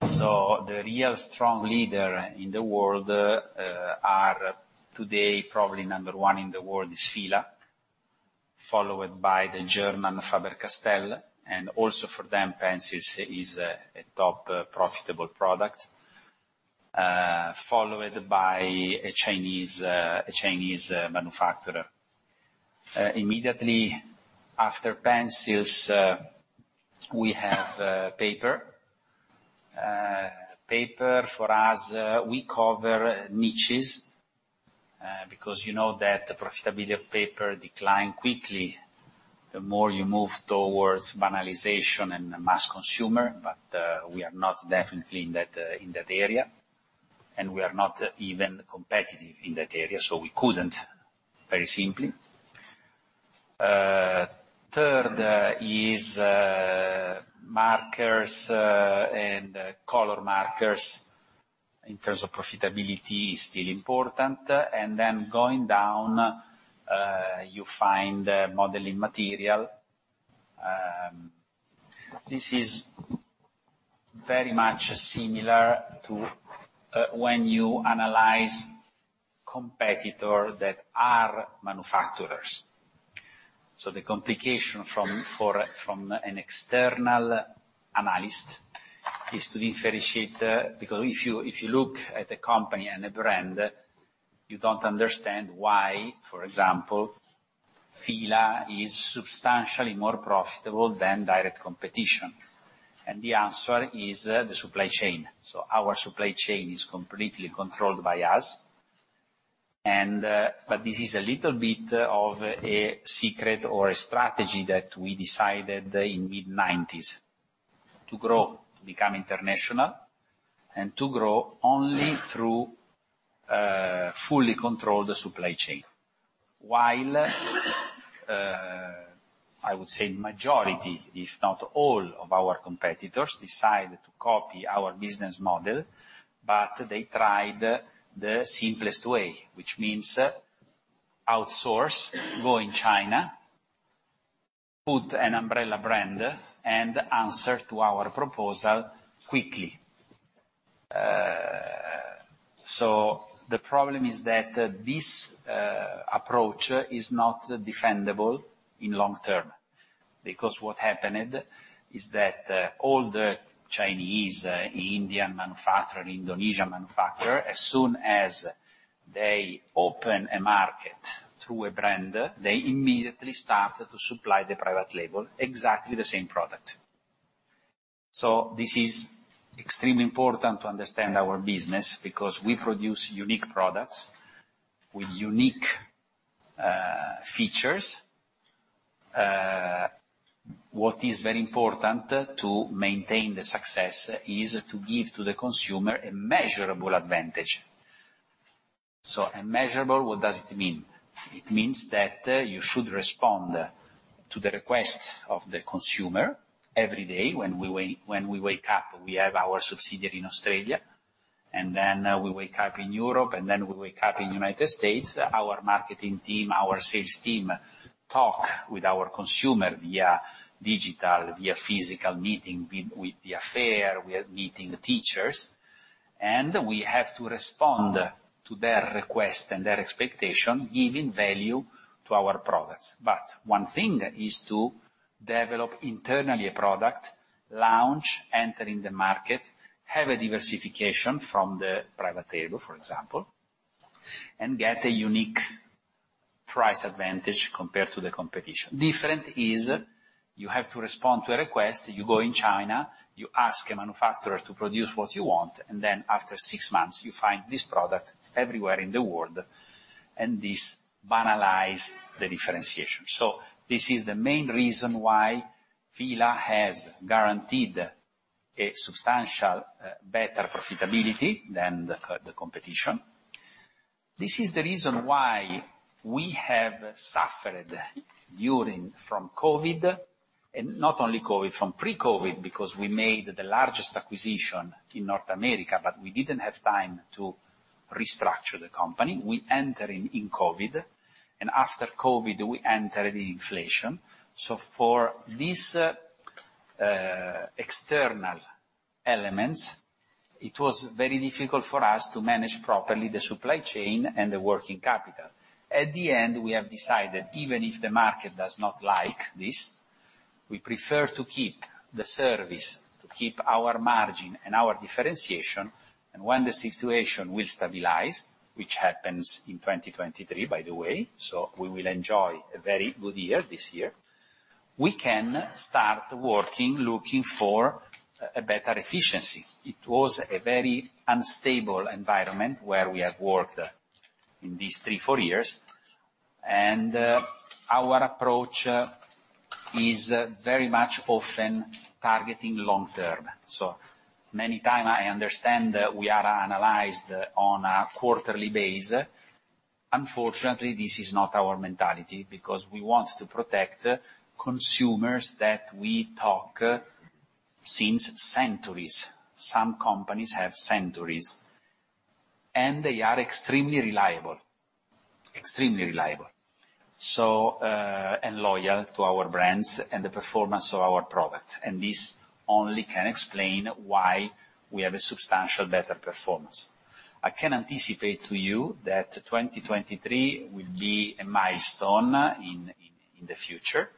The real strong leader in the world are today, probably number one in the world is F.I.L.A., followed by the German Faber-Castell, and also for them, pencils is a top profitable product, followed by a Chinese manufacturer. Immediately after pencils, we have paper. Paper for us, we cover niches, because you know that the profitability of paper decline quickly the more you move towards banalization and mass consumer, but we are not definitely in that, in that area, and we are not even competitive in that area, so we couldn't, very simply. Third is markers, and color markers in terms of profitability, is still important. Then going down, you find modeling material. This is very much similar to when you analyze competitor that are manufacturers. So the complication from an external analyst is to differentiate, because if you, if you look at a company and a brand, you don't understand why, for example, F.I.L.A. is substantially more profitable than direct competition. The answer is the supply chain. Our supply chain is completely controlled by us, and, but this is a little bit of a secret or a strategy that we decided in mid-nineties to grow, to become international, and to grow only through fully controlled supply chain. While I would say majority, if not all of our competitors, decided to copy our business model, but they tried the simplest way, which means outsource, go in China, put an umbrella brand, and answer to our proposal quickly. The problem is that this approach is not defendable in long term, because what happened is that all the Chinese, Indian manufacturer, and Indonesian manufacturer, as soon as they open a market through a brand, they immediately start to supply the private label exactly the same product. This is extremely important to understand our business, because we produce unique products with unique features. What is very important to maintain the success is to give to the consumer a measurable advantage. A measurable, what does it mean? It means that you should respond to the request of the consumer every day. When we wake up, we have our subsidiary in Australia, and then we wake up in Europe, and then we wake up in United States. Our marketing team, our sales team, talk with our consumer via digital, via physical meeting, with the fair, we are meeting teachers, and we have to respond to their request and their expectation, giving value to our products. One thing is to develop internally a product, launch, enter in the market, have a diversification from the private label, for example, and get a unique price advantage compared to the competition. Different is you have to respond to a request, you go in China, you ask a manufacturer to produce what you want, and then after six months, you find this product everywhere in the world, and this banalize the differentiation. This is the main reason why F.I.L.A. has guaranteed a substantial better profitability than the competition. This is the reason why we have suffered from COVID, and not only COVID, from pre-COVID, because we made the largest acquisition in North America, but we didn't have time to restructure the company. We enter in COVID, and after COVID, we enter the inflation. For these external elements, it was very difficult for us to manage properly the supply chain and the working capital. At the end, we have decided, even if the market does not like this, we prefer to keep the service, to keep our margin and our differentiation, and when the situation will stabilize, which happens in 2023, by the way, so we will enjoy a very good year this year, we can start working, looking for a better efficiency. It was a very unstable environment where we have worked in these three, four years, and our approach is very much often targeting long term. Many time I understand that we are analyzed on a quarterly basis. Unfortunately, this is not our mentality, because we want to protect consumers that we talk since centuries. Some companies have centuries, and they are extremely reliable. Loyal to our brands and the performance of our product, and this only can explain why we have a substantial better performance. I can anticipate to you that 2023 will be a milestone in the future,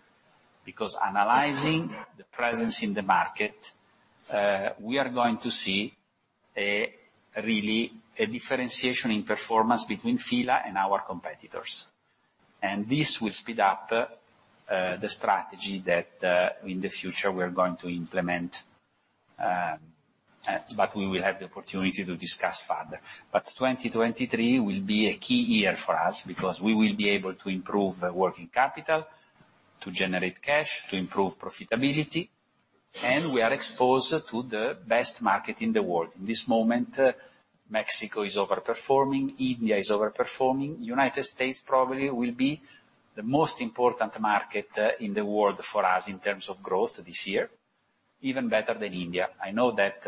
because analyzing the presence in the market, we are going to see a, really, a differentiation in performance between Fila and our competitors. This will speed up the strategy that in the future we're going to implement, but we will have the opportunity to discuss further. 2023 will be a key year for us, because we will be able to improve working capital, to generate cash, to improve profitability, and we are exposed to the best market in the world. In this moment, Mexico is overperforming, India is overperforming, United States probably will be the most important market in the world for us in terms of growth this year, even better than India. I know that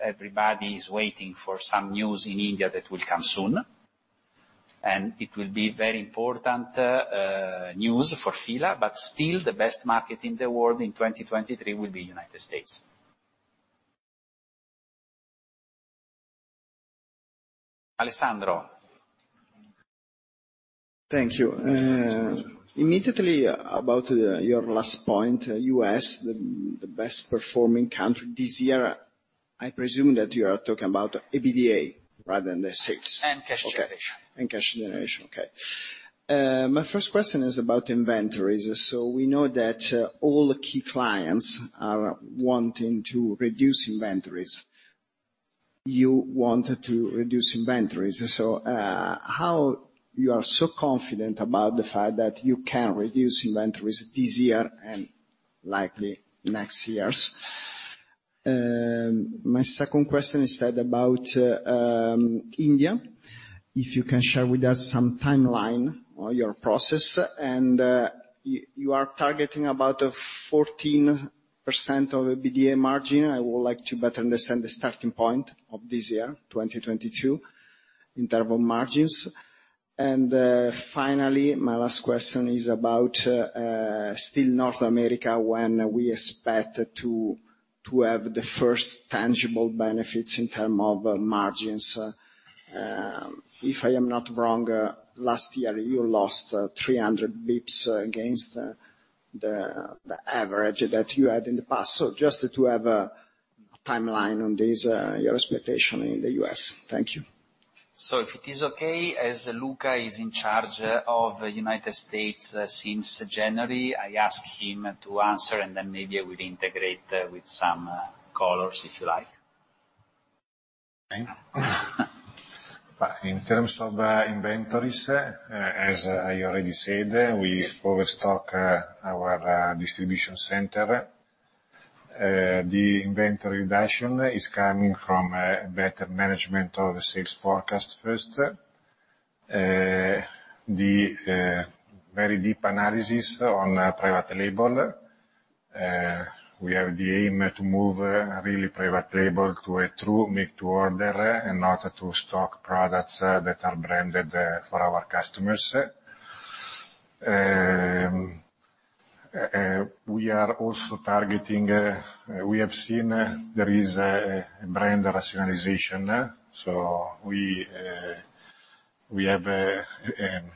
everybody is waiting for some news in India that will come soon, and it will be very important news for F.I.L.A., but still, the best market in the world in 2023 will be United States. Alessandro? Thank you. Immediately, about your last point, U.S., the best performing country this year, I presume that you are talking about EBITDA rather than the sales? Cash generation. Cash generation. My first question is about inventories. We know that all the key clients are wanting to reduce inventories. You want to reduce inventories, how you are so confident about the fact that you can reduce inventories this year and likely next years? My second question is that about India, if you can share with us some timeline on your process, you are targeting about a 14% of EBITDA margin. I would like to better understand the starting point of this year, 2022, in terms of margins. Finally, my last question is about still North America, when we expect to have the first tangible benefits in term of margins. If I am not wrong, last year, you lost 300 basis points against the average that you had in the past. Just to have a timeline on this, your expectation in the U.S. Thank you. If it is okay, as Luca is in charge of the United States since January, I ask him to answer, and then maybe I will integrate with some colors, if you like. Okay. In terms of inventories, as I already said, we overstock our distribution center. The inventory reduction is coming from better management of sales forecast first. The very deep analysis on private label, we have the aim to move really private label to a true make to order and not to stock products that are branded for our customers. We are also targeting. We have seen there is a brand rationalization, we have a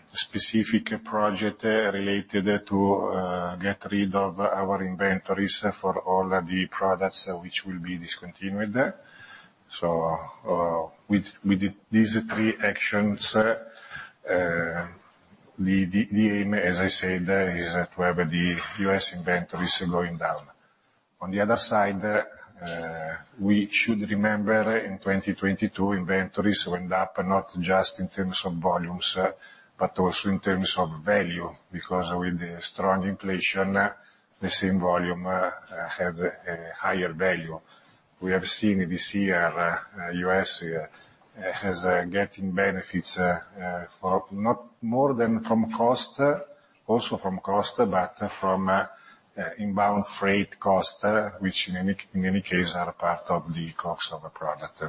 specific project related to get rid of our inventories for all the products which will be discontinued. With these three actions, the aim, as I said, is to have the U.S. inventories going down. On the other side, we should remember, in 2022, inventories went up, not just in terms of volumes, but also in terms of value, because with the strong inflation, the same volume have a higher value. We have seen this year, U.S. has getting benefits for not more than also from cost, but from inbound freight cost, which in any case, are part of the cost of a product.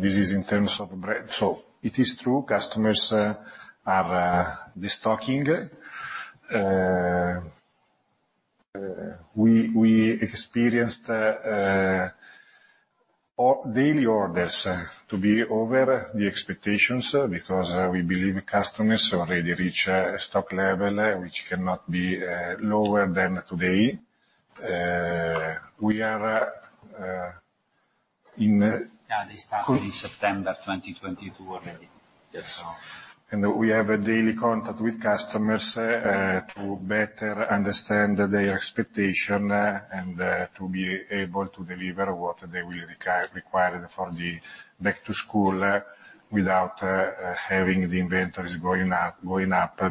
This is in terms of bread. It is true, customers are destocking. We experienced daily orders to be over the expectations, because we believe customers already reach a stock level which cannot be lower than today. We are in. Yeah, they started in September 2022 already. Yes. So- We have a daily contact with customers, to better understand their expectation, and to be able to deliver what they will require, required for the back to school, without having the inventories going up,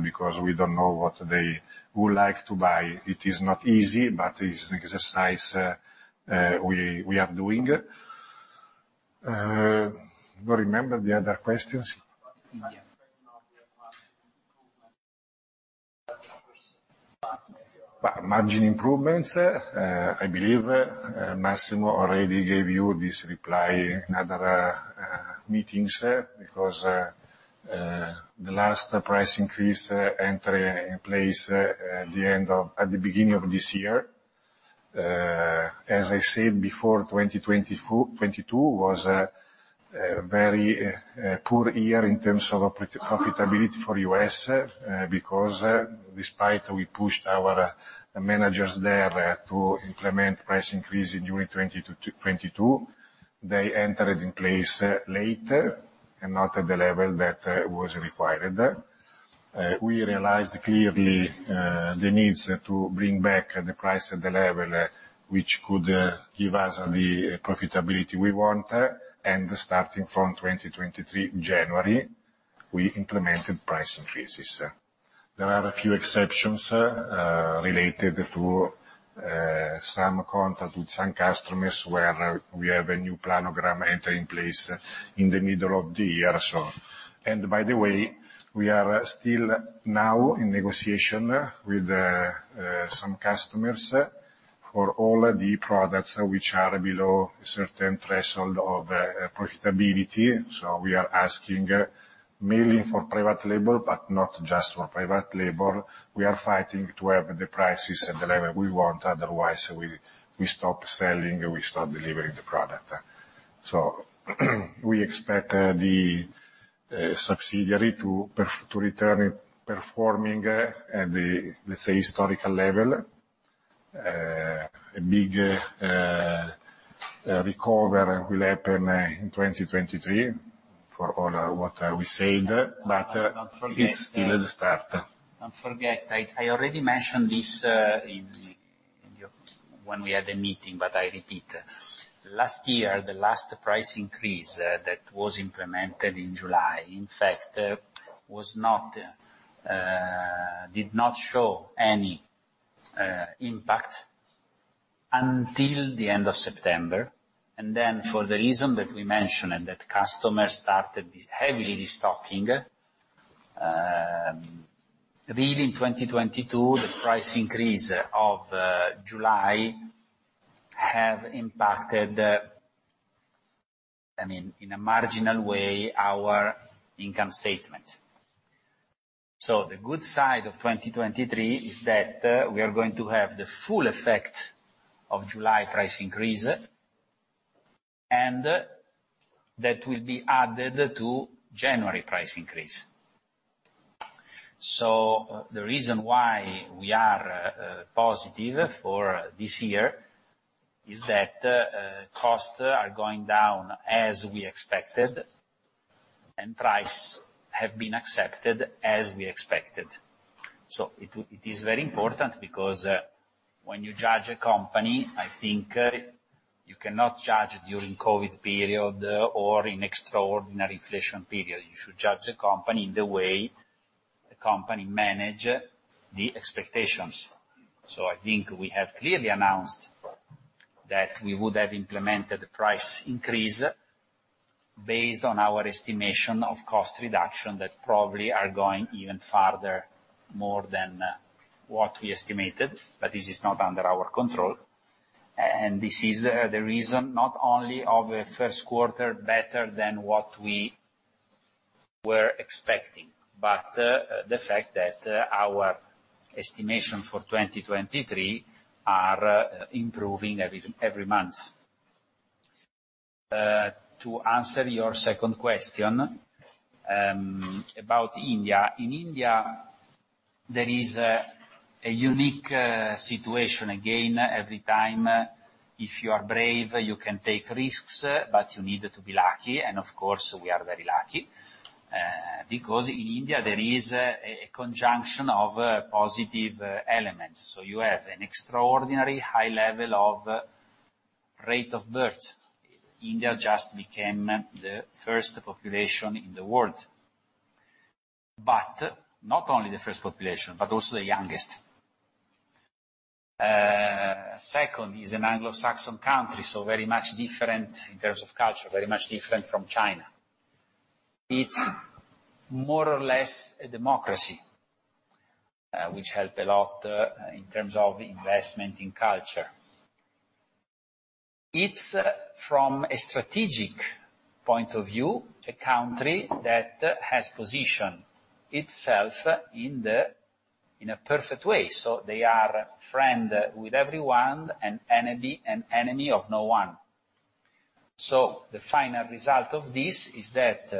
because we don't know what they would like to buy. It is not easy, but it's an exercise, we are doing. You remember the other questions? Yeah. Margin improvements, I believe Massimo already gave you this reply in other meetings. The last price increase entry in place at the beginning of this year. As I said before, 2024, 2022 was a very poor year in terms of profitability for U.S., despite we pushed our managers there to implement price increase in during 20 to 2022, they entered in place later and not at the level that was required. We realized clearly the needs to bring back the price at the level which could give us the profitability we want. Starting from 2023, January, we implemented price increases. There are a few exceptions, related to, some contacts with some customers, where we have a new planogram entering place in the middle of the year or so. By the way, we are still now in negotiation with, some customers for all the products which are below a certain threshold of, profitability. We are asking mainly for private label, but not just for private label. We are fighting to have the prices at the level we want, otherwise we stop selling, we stop delivering the product. We expect, the, subsidiary to return performing at the, let's say, historical level. A big, recover will happen in 2023 for all what we said, but- Don't forget. It's still at the start. Don't forget, I already mentioned this in your... when we had a meeting. I repeat. Last year, the last price increase that was implemented in July, in fact, did not show any impact until the end of September. For the reason that we mentioned, and that customers started heavily restocking, really 2022, the price increase of July have impacted, I mean, in a marginal way, our income statement. The good side of 2023 is that we are going to have the full effect of July price increase, and that will be added to January price increase. The reason why we are positive for this year is that costs are going down as we expected, and price have been accepted as we expected. It is very important because when you judge a company, I think, you cannot judge during COVID period or in extraordinary inflation period. You should judge a company in the way the company manage the expectations. I think we have clearly announced that we would have implemented the price increase based on our estimation of cost reduction, that probably are going even farther, more than what we estimated, but this is not under our control. And this is the reason, not only of a first quarter, better than what we were expecting, but the fact that our estimation for 2023 are improving every month. To answer your second question, about India. In India, there is a unique situation. Again, every time, if you are brave, you can take risks, but you need to be lucky. Of course, we are very lucky because in India there is a conjunction of positive elements. You have an extraordinary high level of rate of birth. India just became the first population in the world, but not only the first population, but also the youngest. Second, is an Anglo-Saxon country, so very much different in terms of culture, very much different from China. It's more or less a democracy, which help a lot in terms of investment in culture. It's, from a strategic point of view, a country that has positioned itself in the, in a perfect way. They are friend with everyone, and enemy, and enemy of no one. The final result of this is that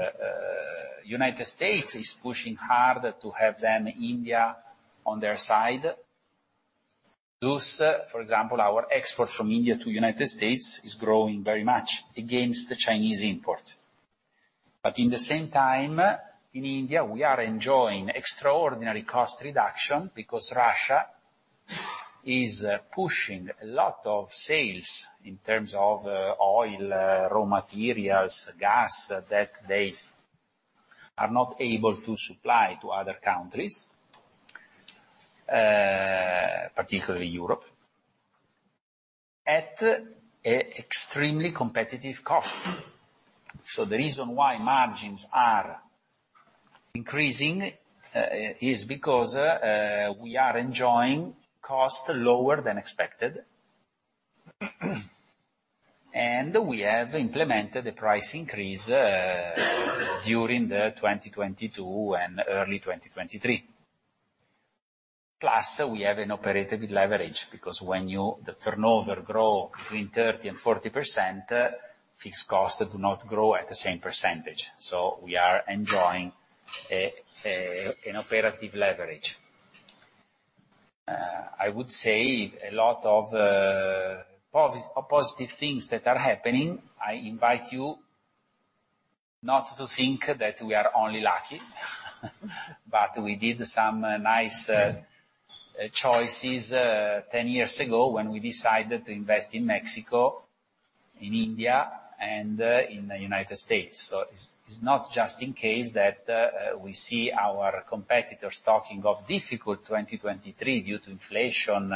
United States is pushing hard to have then India on their side. Those, for example, our exports from India to United States is growing very much against the Chinese import. In the same time, in India, we are enjoying extraordinary cost reduction because Russia is pushing a lot of sales in terms of oil, raw materials, gas, that they are not able to supply to other countries, particularly Europe, at a extremely competitive cost. The reason why margins are increasing is because we are enjoying cost lower than expected, and we have implemented a price increase during 2022 and early 2023. Plus, we have an operative leverage, because when the turnover grow between 30%-40%, fixed costs do not grow at the same percentage. We are enjoying an operative leverage. I would say a lot of positive things that are happening, I invite you not to think that we are only lucky, but we did some nice choices 10 years ago when we decided to invest in Mexico, in India, and in the United States. It's not just in case that we see our competitors talking of difficult 2023 due to inflation,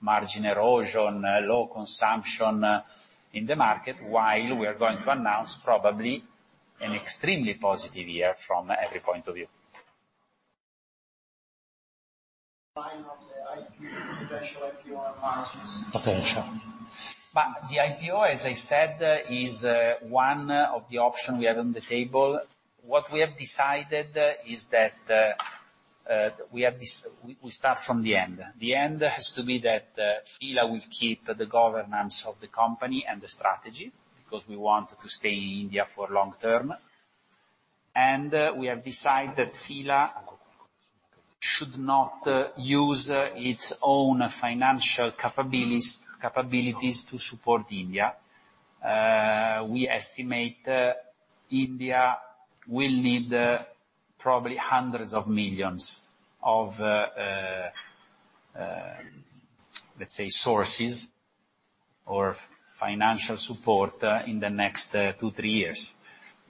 margin erosion, low consumption in the market, while we are going to announce probably an extremely positive year from every point of view. Of the IPO, potential IPO on margins? Potential. The IPO, as I said, is one of the option we have on the table. What we have decided is that we start from the end. The end has to be that F.I.L.A. will keep the governance of the company and the strategy, because we want to stay in India for long term. We have decided that F.I.L.A. should not use its own financial capabilities to support India. We estimate India will need probably hundreds of millions of EUR, let's say, sources or financial support in the next two, three years.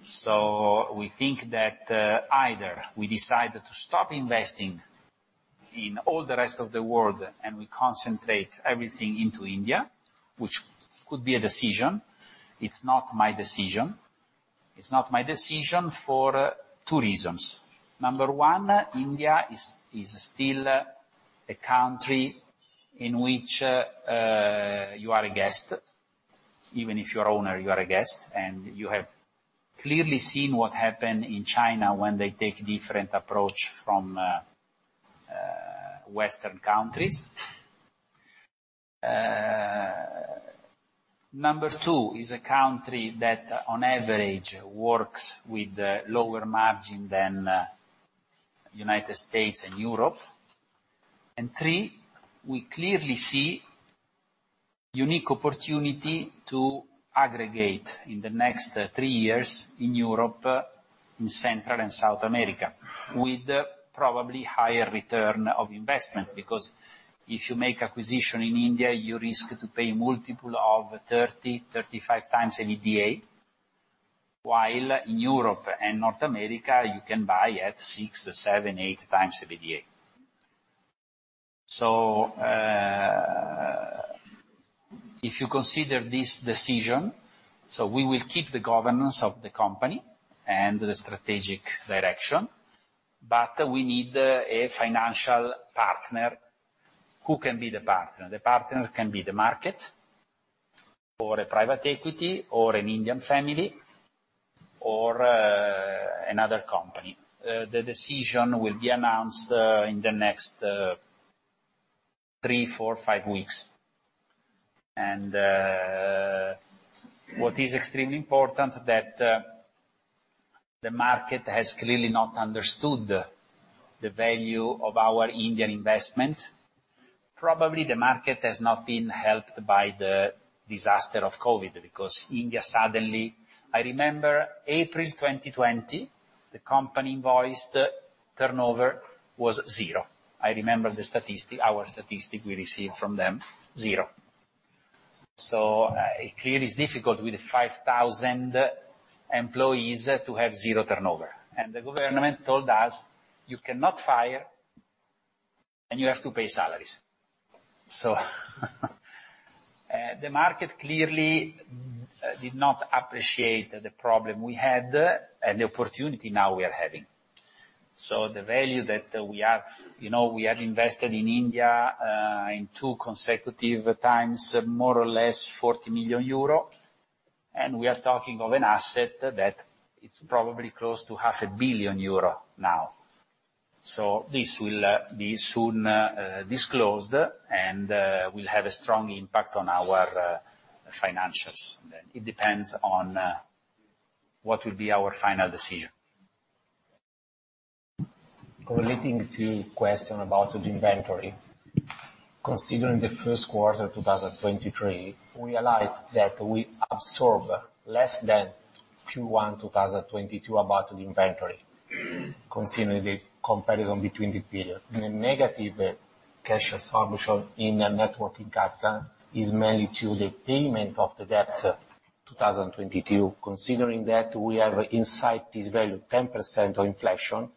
We think that either we decide to stop investing in all the rest of the world, and we concentrate everything into India, which could be a decision. It's not my decision. It's not my decision for twi reasons. Number one, India is still a country in which you are a guest. Even if you're owner, you are a guest, and you have clearly seen what happened in China when they take different approach from Western countries. Number two, is a country that, on average, works with lower margin than United States and Europe. Three, we clearly see unique opportunity to aggregate in the next three years in Europe, in Central and South America, with probably higher return of investment, because if you make acquisition in India, you risk to pay multiple of 30x-35x EBITDA, while in Europe and North America, you can buy at 6x, 7x, 8x EBITDA. If you consider this decision, we will keep the governance of the company and the strategic direction, but we need a financial partner. Who can be the partner? The partner can be the market, or a private equity, or an Indian family, or another company. The decision will be announced in the next three, four, five weeks. What is extremely important that the market has clearly not understood the value of our Indian investment. Probably, the market has not been helped by the disaster of COVID, because India suddenly... I remember April 2020, the company invoice turnover was zero. I remember the statistic, our statistic we received from them, zero. It clearly is difficult with 5,000 employees to have zero turnover. The government told us, "You cannot fire, and you have to pay salaries." The market clearly did not appreciate the problem we had, and the opportunity now we are having. The value that we have, you know, we have invested in India, in two consecutive times, more or less 40 million euro, and we are talking of an asset that it's probably close to half a billion euro now. This will be soon disclosed, and will have a strong impact on our financials. It depends on what will be our final decision. Correlating to question about the inventory, considering the first quarter of 2023, we aligned that we absorb less than Q1 2022, about the inventory, considering the comparison between the period. The negative cash establishment in the net working capital is mainly to the payment of the debt 2022. Considering that we are inside this value, 10% of inflation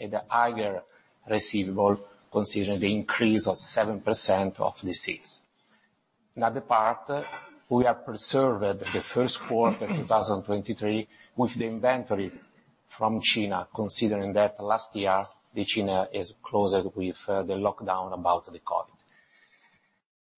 and higher receivable, considering the increase of 7% of the sales. In other part, we have preserved the first quarter 2023, with the inventory from China, considering that last year, the China is closed with the lockdown about the COVID.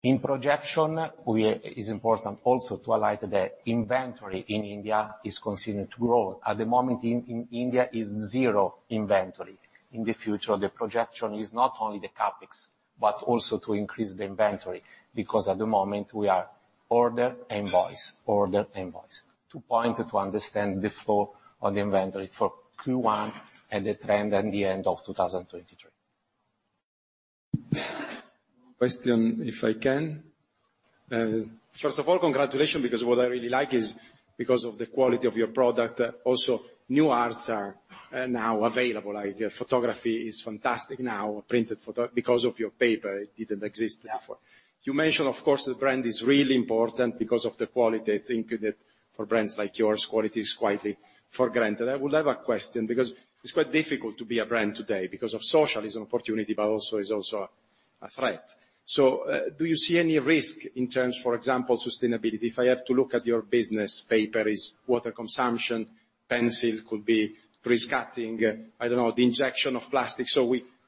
In projection, is important also to highlight that inventory in India is continuing to grow. At the moment, in India is zero inventory. In the future, the projection is not only the CapEx, but also to increase the inventory, because at the moment we are order, invoice, order, invoice. To point, to understand the flow of the inventory for Q1 and the trend at the end of 2023. Question, if I can. First of all, congratulations, because what I really like is because of the quality of your product. New arts are now available. Photography is fantastic now, printed photo. Because of your paper, it didn't exist, therefore. You mentioned, of course, the brand is really important because of the quality. I think that for brands like yours, quality is quietly for granted. I will have a question, because it's quite difficult to be a brand today because of social is an opportunity, but also is a threat. Do you see any risk in terms, for example, sustainability? If I have to look at your business, paper is water consumption, pencil could be risk cutting, I don't know, the injection of plastic.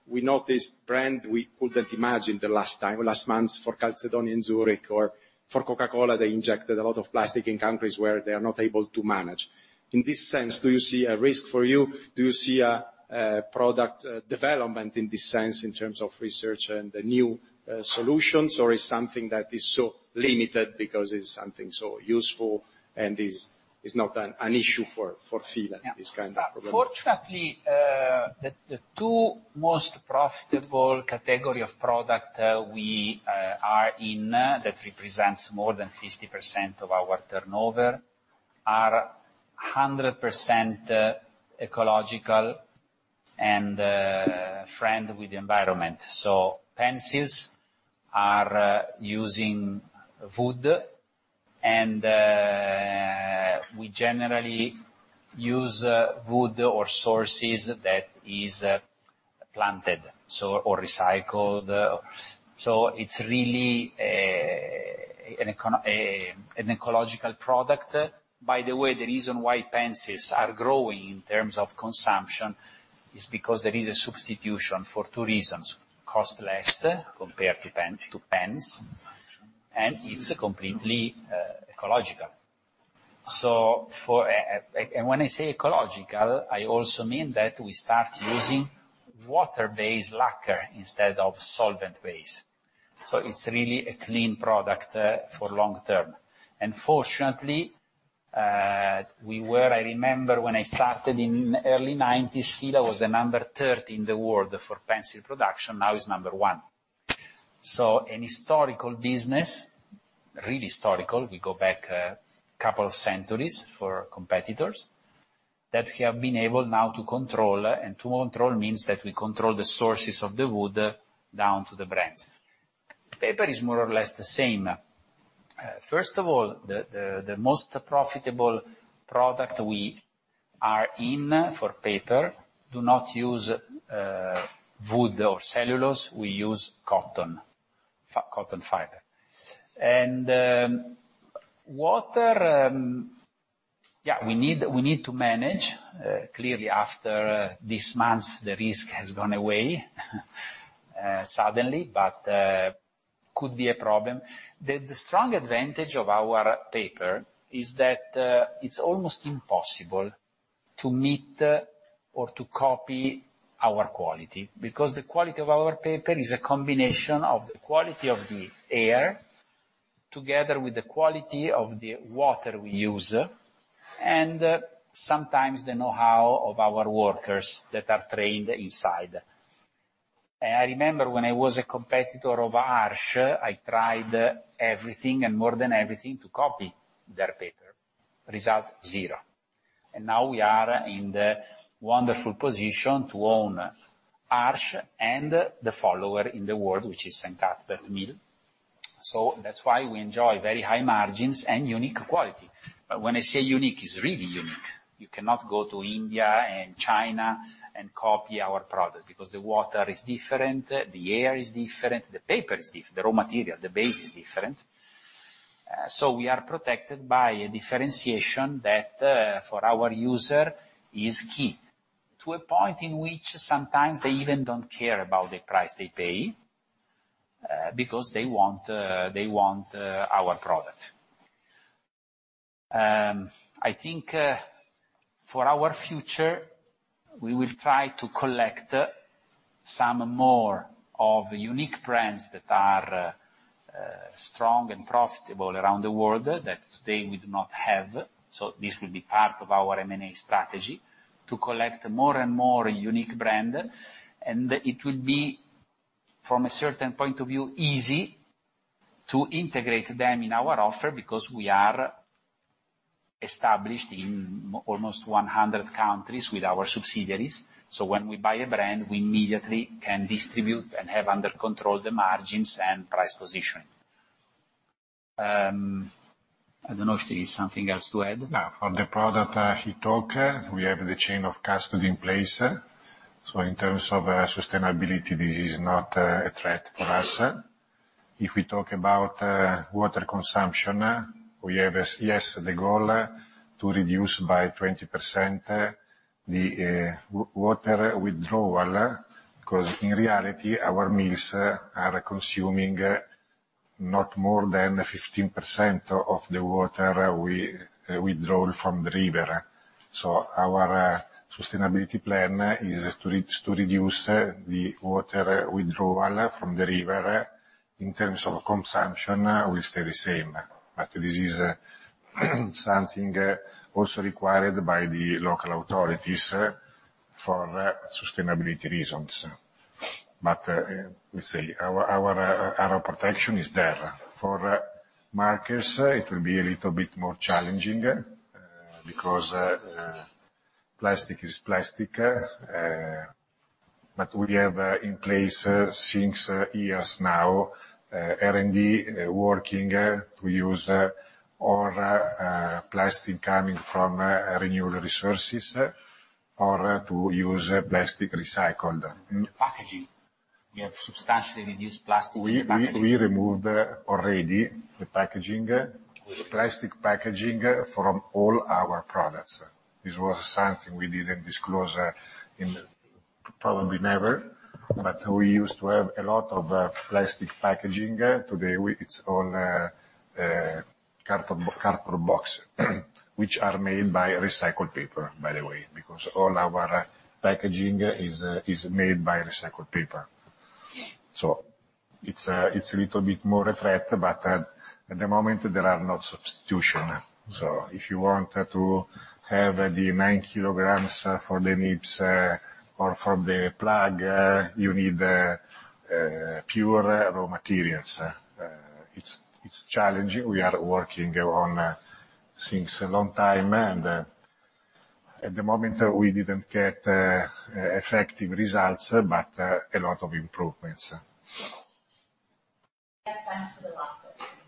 We noticed brand we couldn't imagine the last time, last month for Calzedonia in Zurich or for Coca-Cola, they injected a lot of plastic in countries where they are not able to manage. In this sense, do you see a risk for you? Do you see a product development in this sense in terms of research and the new solutions, or is something that is so limited because it's something so useful and is, it's not an issue for Fila, this kind of problem? Yeah. Fortunately, the two most profitable category of product we are in, that represents more than 50% of our turnover, are 100% ecological and friend with the environment. Pencils are using wood, and we generally use wood or sources that is planted or recycled. It's really an ecological product. By the way, the reason why pencils are growing in terms of consumption is because there is a substitution for two reasons: cost less compared to pens, and it's completely ecological. When I say ecological, I also mean that we start using water-based lacquer instead of solvent-based. It's really a clean product for long term. Fortunately, I remember when I started in early 1990s, F.I.L.A. was the number 13 in the world for pencil production, now is number one. An historical business, really historical, we go back a couple of centuries for competitors, that we have been able now to control. To control means that we control the sources of the wood down to the brands. Paper is more or less the same. First of all, the most profitable product we are in for paper do not use wood or cellulose, we use cotton fiber. Water, yeah, we need to manage. Clearly, after this month, the risk has gone away suddenly, but could be a problem. The strong advantage of our paper is that it's almost impossible to meet or to copy our quality, because the quality of our paper is a combination of the quality of the air, together with the quality of the water we use, and sometimes the know-how of our workers that are trained inside. I remember when I was a competitor of Arjomari, I tried everything and more than everything to copy their paper. Result, zero. Now we are in the wonderful position to own Arches and the follower in the world, which is St Cuthbert's Mill. That's why we enjoy very high margins and unique quality. When I say unique, it's really unique. You cannot go to India and China and copy our product, because the water is different, the air is different, the paper is different, the raw material, the base is different. We are protected by a differentiation that for our user is key, to a point in which sometimes they even don't care about the price they pay, because they want our product. I think for our future, we will try to collect some more of unique brands that are strong and profitable around the world that today we do not have. This will be part of our M&A strategy, to collect more and more unique brand. It will be, from a certain point of view, easy to integrate them in our offer, because we are established in almost 100 countries with our subsidiaries. When we buy a brand, we immediately can distribute and have under control the margins and price positioning. I don't know if there is something else to add? For the product, we have the chain of custody in place, in terms of sustainability, this is not a threat for us. If we talk about water consumption, we have the goal to reduce by 20% the water withdrawal. In reality, our mills are consuming not more than 15% of the water we withdraw from the river. Our sustainability plan is to reduce the water withdrawal from the river. In terms of consumption, will stay the same. This is something also required by the local authorities for sustainability reasons. We say our protection is there. For markers, it will be a little bit more challenging because plastic is plastic. We have in place six years now, R&D working to use all plastic coming from renewable resources, or to use plastic recycled. Packaging. We have substantially reduced plastic in packaging. We removed already the packaging, plastic packaging from all our products. This was something we didn't disclose in... probably never, but we used to have a lot of plastic packaging. Today, it's all carton box, which are made by recycled paper, by the way, because all our packaging is made by recycled paper. It's a little bit more a threat, but at the moment there are no substitution. If you want to have the 9 kilograms for the nibs or for the plug, you need pure raw materials. It's challenging. We are working on since a long time, and at the moment we didn't get effective results, but a lot of improvements. We have time for the last question.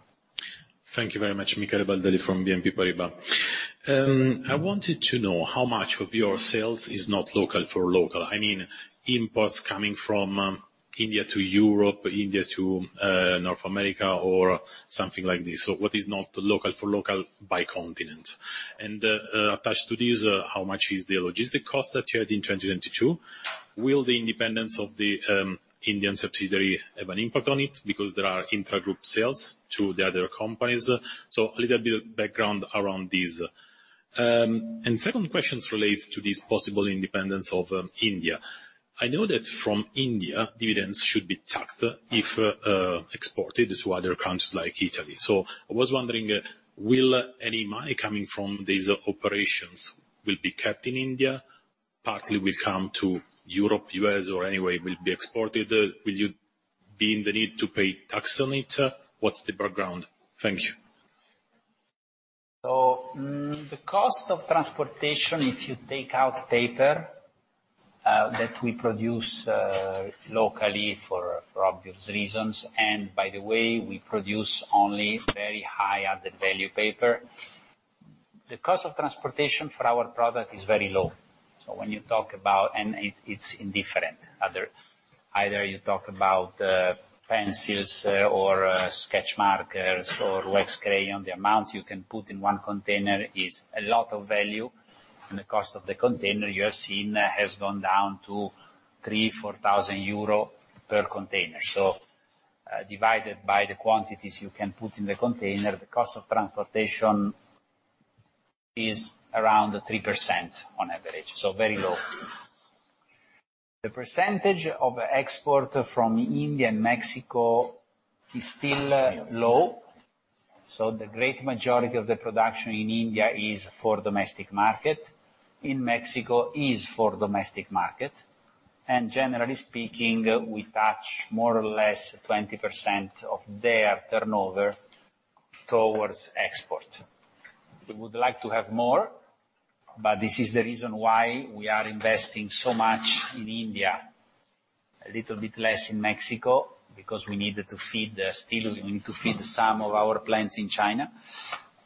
Thank you very much. Michele Baldelli from BNP Paribas. I wanted to know how much of your sales is not local for local. I mean, imports coming from India to Europe, India to North America, or something like this. What is not local for local by continent? Attached to this, how much is the logistic cost that you had in 2022? Will the independence of the Indian subsidiary have an impact on it? There are intragroup sales to the other companies. A little bit of background around this. Second question relates to this possible independence of India. I know that from India, dividends should be taxed if exported to other countries like Italy. I was wondering, will any money coming from these operations will be kept in India, partly will come to Europe, U.S., or anyway, will be exported? Will you be in the need to pay taxes on it? What's the background? Thank you. The cost of transportation, if you take out paper, that we produce locally for obvious reasons, and by the way, we produce only very high added value paper. The cost of transportation for our product is very low. When you talk about... it's indifferent, either you talk about pencils, or sketch markers, or wax crayons, the amount you can put in one container is a lot of value, and the cost of the container, you have seen, has gone down to 3,000-4,000 euro per container. Divided by the quantities you can put in the container, the cost of transportation is around 3% on average, so very low. The percentage of export from India and Mexico is still low. The great majority of the production in India is for domestic market, in Mexico is for domestic market. Generally speaking, we touch more or less 20% of their turnover towards export. We would like to have more, this is the reason why we are investing so much in India. A little bit less in Mexico, because we needed to feed, still we need to feed some of our plants in China.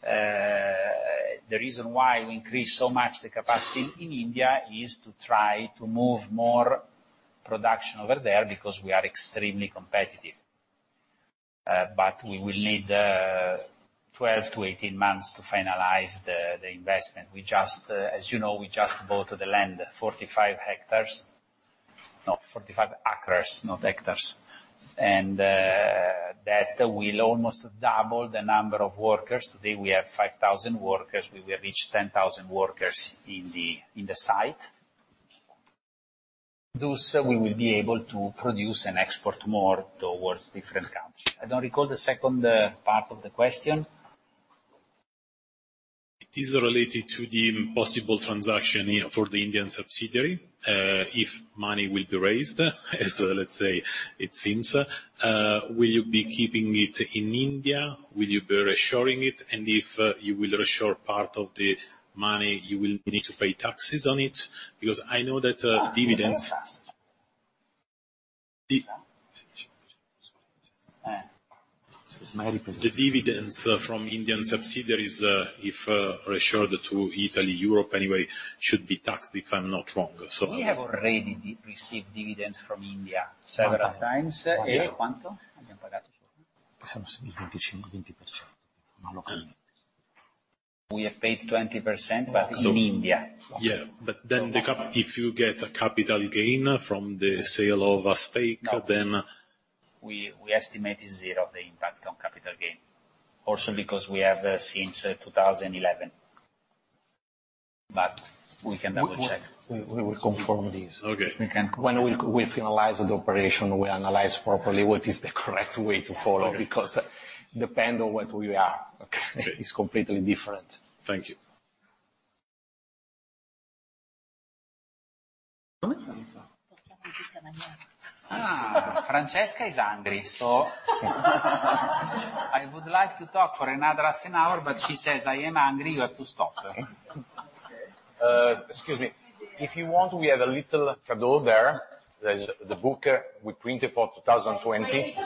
The reason why we increase so much the capacity in India is to try to move more production over there, because we are extremely competitive. We will need 12-18 months to finalize the investment. We just, as you know, we just bought the land, 45 hectares. No, 45 acres, not hectares. That will almost double the number of workers. Today, we have 5,000 workers. We will reach 10,000 workers in the site. Thus, we will be able to produce and export more towards different countries. I don't recall the second part of the question. It is related to the possible transaction here for the Indian subsidiary. If money will be raised, as let's say, it seems, will you be keeping it in India? Will you be reshoring it? If, you will reshore part of the money, you will need to pay taxes on it? I know that, dividends... Okay. The dividends from Indian subsidiaries, if reshored to Italy, Europe anyway, should be taxed, if I'm not wrong. We have already re-received dividends from India several times. Yeah. We have paid 20%, but in India. Yeah, if you get a capital gain from the sale of a stake. No. Then. We estimate it's zero, the impact on capital gain. Because we have since 2011. We can double-check. We will confirm this. Okay. We can- When we finalize the operation, we analyze properly what is the correct way to. Okay. Depend on what we are, okay? Okay. It's completely different. Thank you. Francesca is hungry, so I would like to talk for another half an hour, but she says, "I am hungry, you have to stop. Excuse me. If you want, we have a little cadeau there. There's the book we printed for 2020.